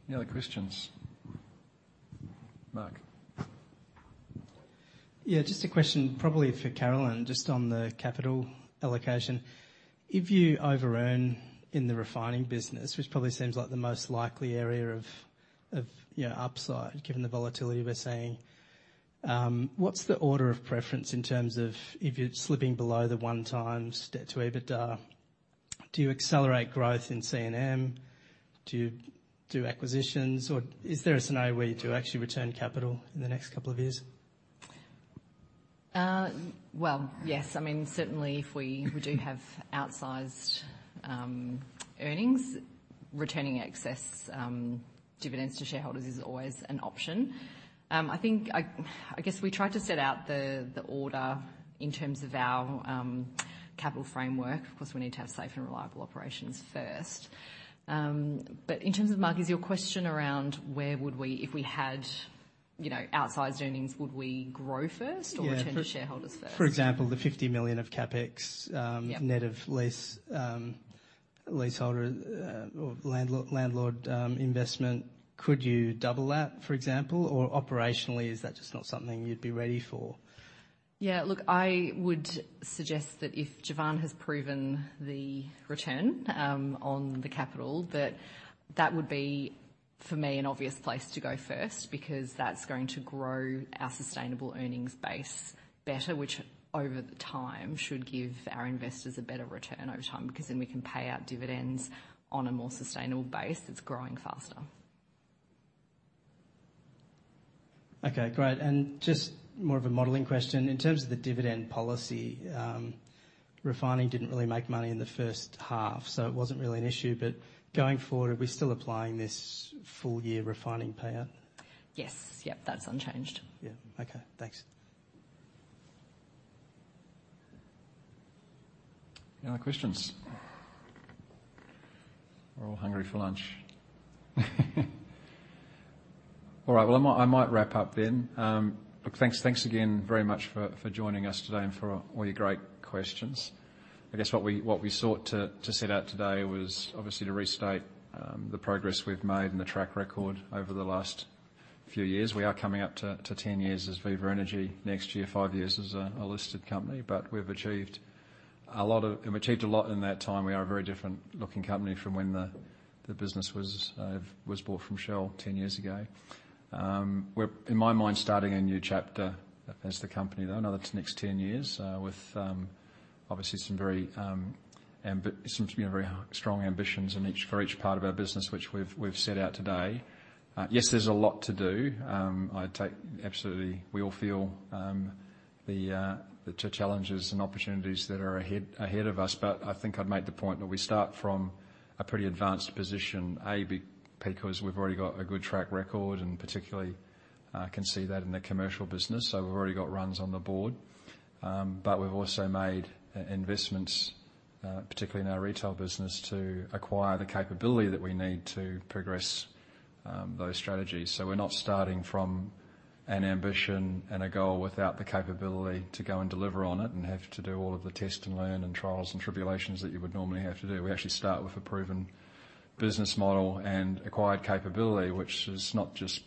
Any other questions? Mark. Yeah, just a question, probably for Carolyn, just on the capital allocation. If you over earn in the refining business, which probably seems like the most likely area of, you know, upside, given the volatility we're seeing, what's the order of preference in terms of if you're slipping below the one times debt to EBITDA, do you accelerate growth in C&M? Do you do acquisitions, or is there a scenario where you do actually return capital in the next couple of years? Well, yes. I mean, certainly if we do have outsized earnings, returning excess dividends to shareholders is always an option. I think I guess we tried to set out the order in terms of our capital framework, because we need to have safe and reliable operations first. But in terms of, Mark, is your question around where would we, if we had you know, outsized earnings, would we grow first or return to shareholders first? Yeah, for, for example, the 50 million of CapEx, Yeah... net of lease, leaseholder, or landlord investment, could you double that, for example? Or operationally, is that just not something you'd be ready for? Yeah, look, I would suggest that if Jevan has proven the return on the capital, that that would be, for me, an obvious place to go first, because that's going to grow our sustainable earnings base better, which over the time, should give our investors a better return over time. Because then we can pay out dividends on a more sustainable base that's growing faster. Okay, great. Just more of a modeling question. In terms of the dividend policy, refining didn't really make money in the first half, so it wasn't really an issue. But going forward, are we still applying this full year refining payout? Yes. Yep, that's unchanged. Yeah. Okay, thanks. Any other questions? We're all hungry for lunch. All right. Well, I might wrap up then. Look, thanks, thanks again very much for joining us today and for all your great questions. I guess what we, what we sought to, to set out today was obviously to restate the progress we've made and the track record over the last few years. We are coming up to 10 years as Viva Energy next year, five years as a listed company. But we've achieved a lot of... We've achieved a lot in that time. We are a very different looking company from when the business was bought from Shell 10 years ago. We're, in my mind, starting a new chapter as the company, though, the next ten years, with, obviously some very, some very strong ambitions in each, for each part of our business, which we've set out today. Yes, there's a lot to do. I take absolutely we all feel, the challenges and opportunities that are ahead of us. But I think I'd make the point that we start from a pretty advanced position, because we've already got a good track record, and particularly, can see that in the commercial business, so we've already got runs on the board. But we've also made investments, particularly in our retail business, to acquire the capability that we need to progress, those strategies. So we're not starting from an ambition and a goal without the capability to go and deliver on it, and have to do all of the test and learn, and trials and tribulations that you would normally have to do. We actually start with a proven business model and acquired capability, which is not just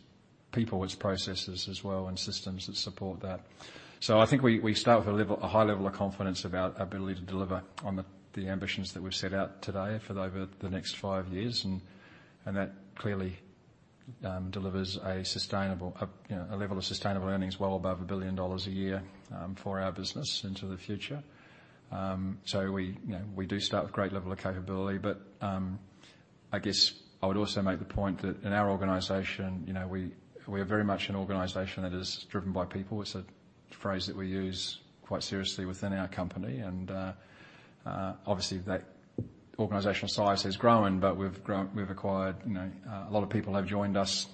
people, it's processes as well, and systems that support that. So I think we, we start with a level, a high level of confidence about our ability to deliver on the, the ambitions that we've set out today for over the next five years. And, and that clearly delivers a sustainable, a, you know, a level of sustainable earnings well above 1 billion dollars a year, for our business into the future. So we, you know, we do start with a great level of capability, but, I guess I would also make the point that in our organization, you know, we, we are very much an organization that is driven by people. It's a phrase that we use quite seriously within our company, and obviously, that organizational size has grown, but we've grown. We've acquired, you know, a lot of people have joined us,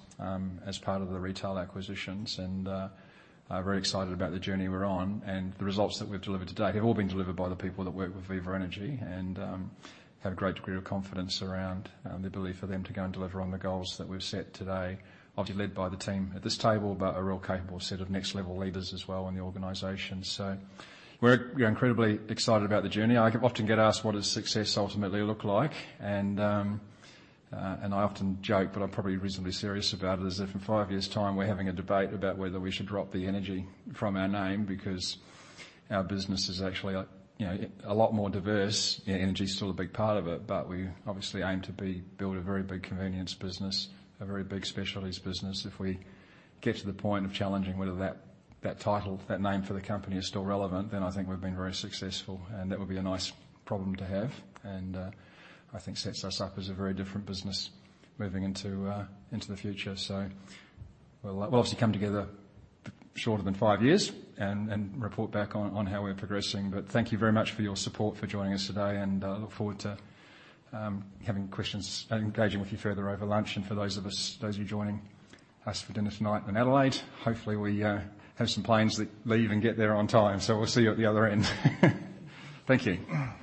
as part of the retail acquisitions, and are very excited about the journey we're on. And the results that we've delivered today have all been delivered by the people that work with Viva Energy, and have a great degree of confidence around the ability for them to go and deliver on the goals that we've set today. Obviously, led by the team at this table, but a real capable set of next-level leaders as well in the organization. So we're incredibly excited about the journey. I often get asked, what does success ultimately look like? And I often joke, but I'm probably reasonably serious about it, is if in five years' time we're having a debate about whether we should drop the energy from our name because our business is actually, you know, a lot more diverse, energy is still a big part of it, but we obviously aim to build a very big convenience business, a very big specialties business. If we get to the point of challenging whether that, that title, that name for the company is still relevant, then I think we've been very successful, and that would be a nice problem to have. And, I think sets us up as a very different business moving into, into the future. So we'll, we'll obviously come together shorter than five years and report back on how we're progressing. But thank you very much for your support, for joining us today, and look forward to having questions and engaging with you further over lunch. And for those of us, those of you joining us for dinner tonight in Adelaide, hopefully we have some planes that leave and get there on time, so we'll see you at the other end. Thank you.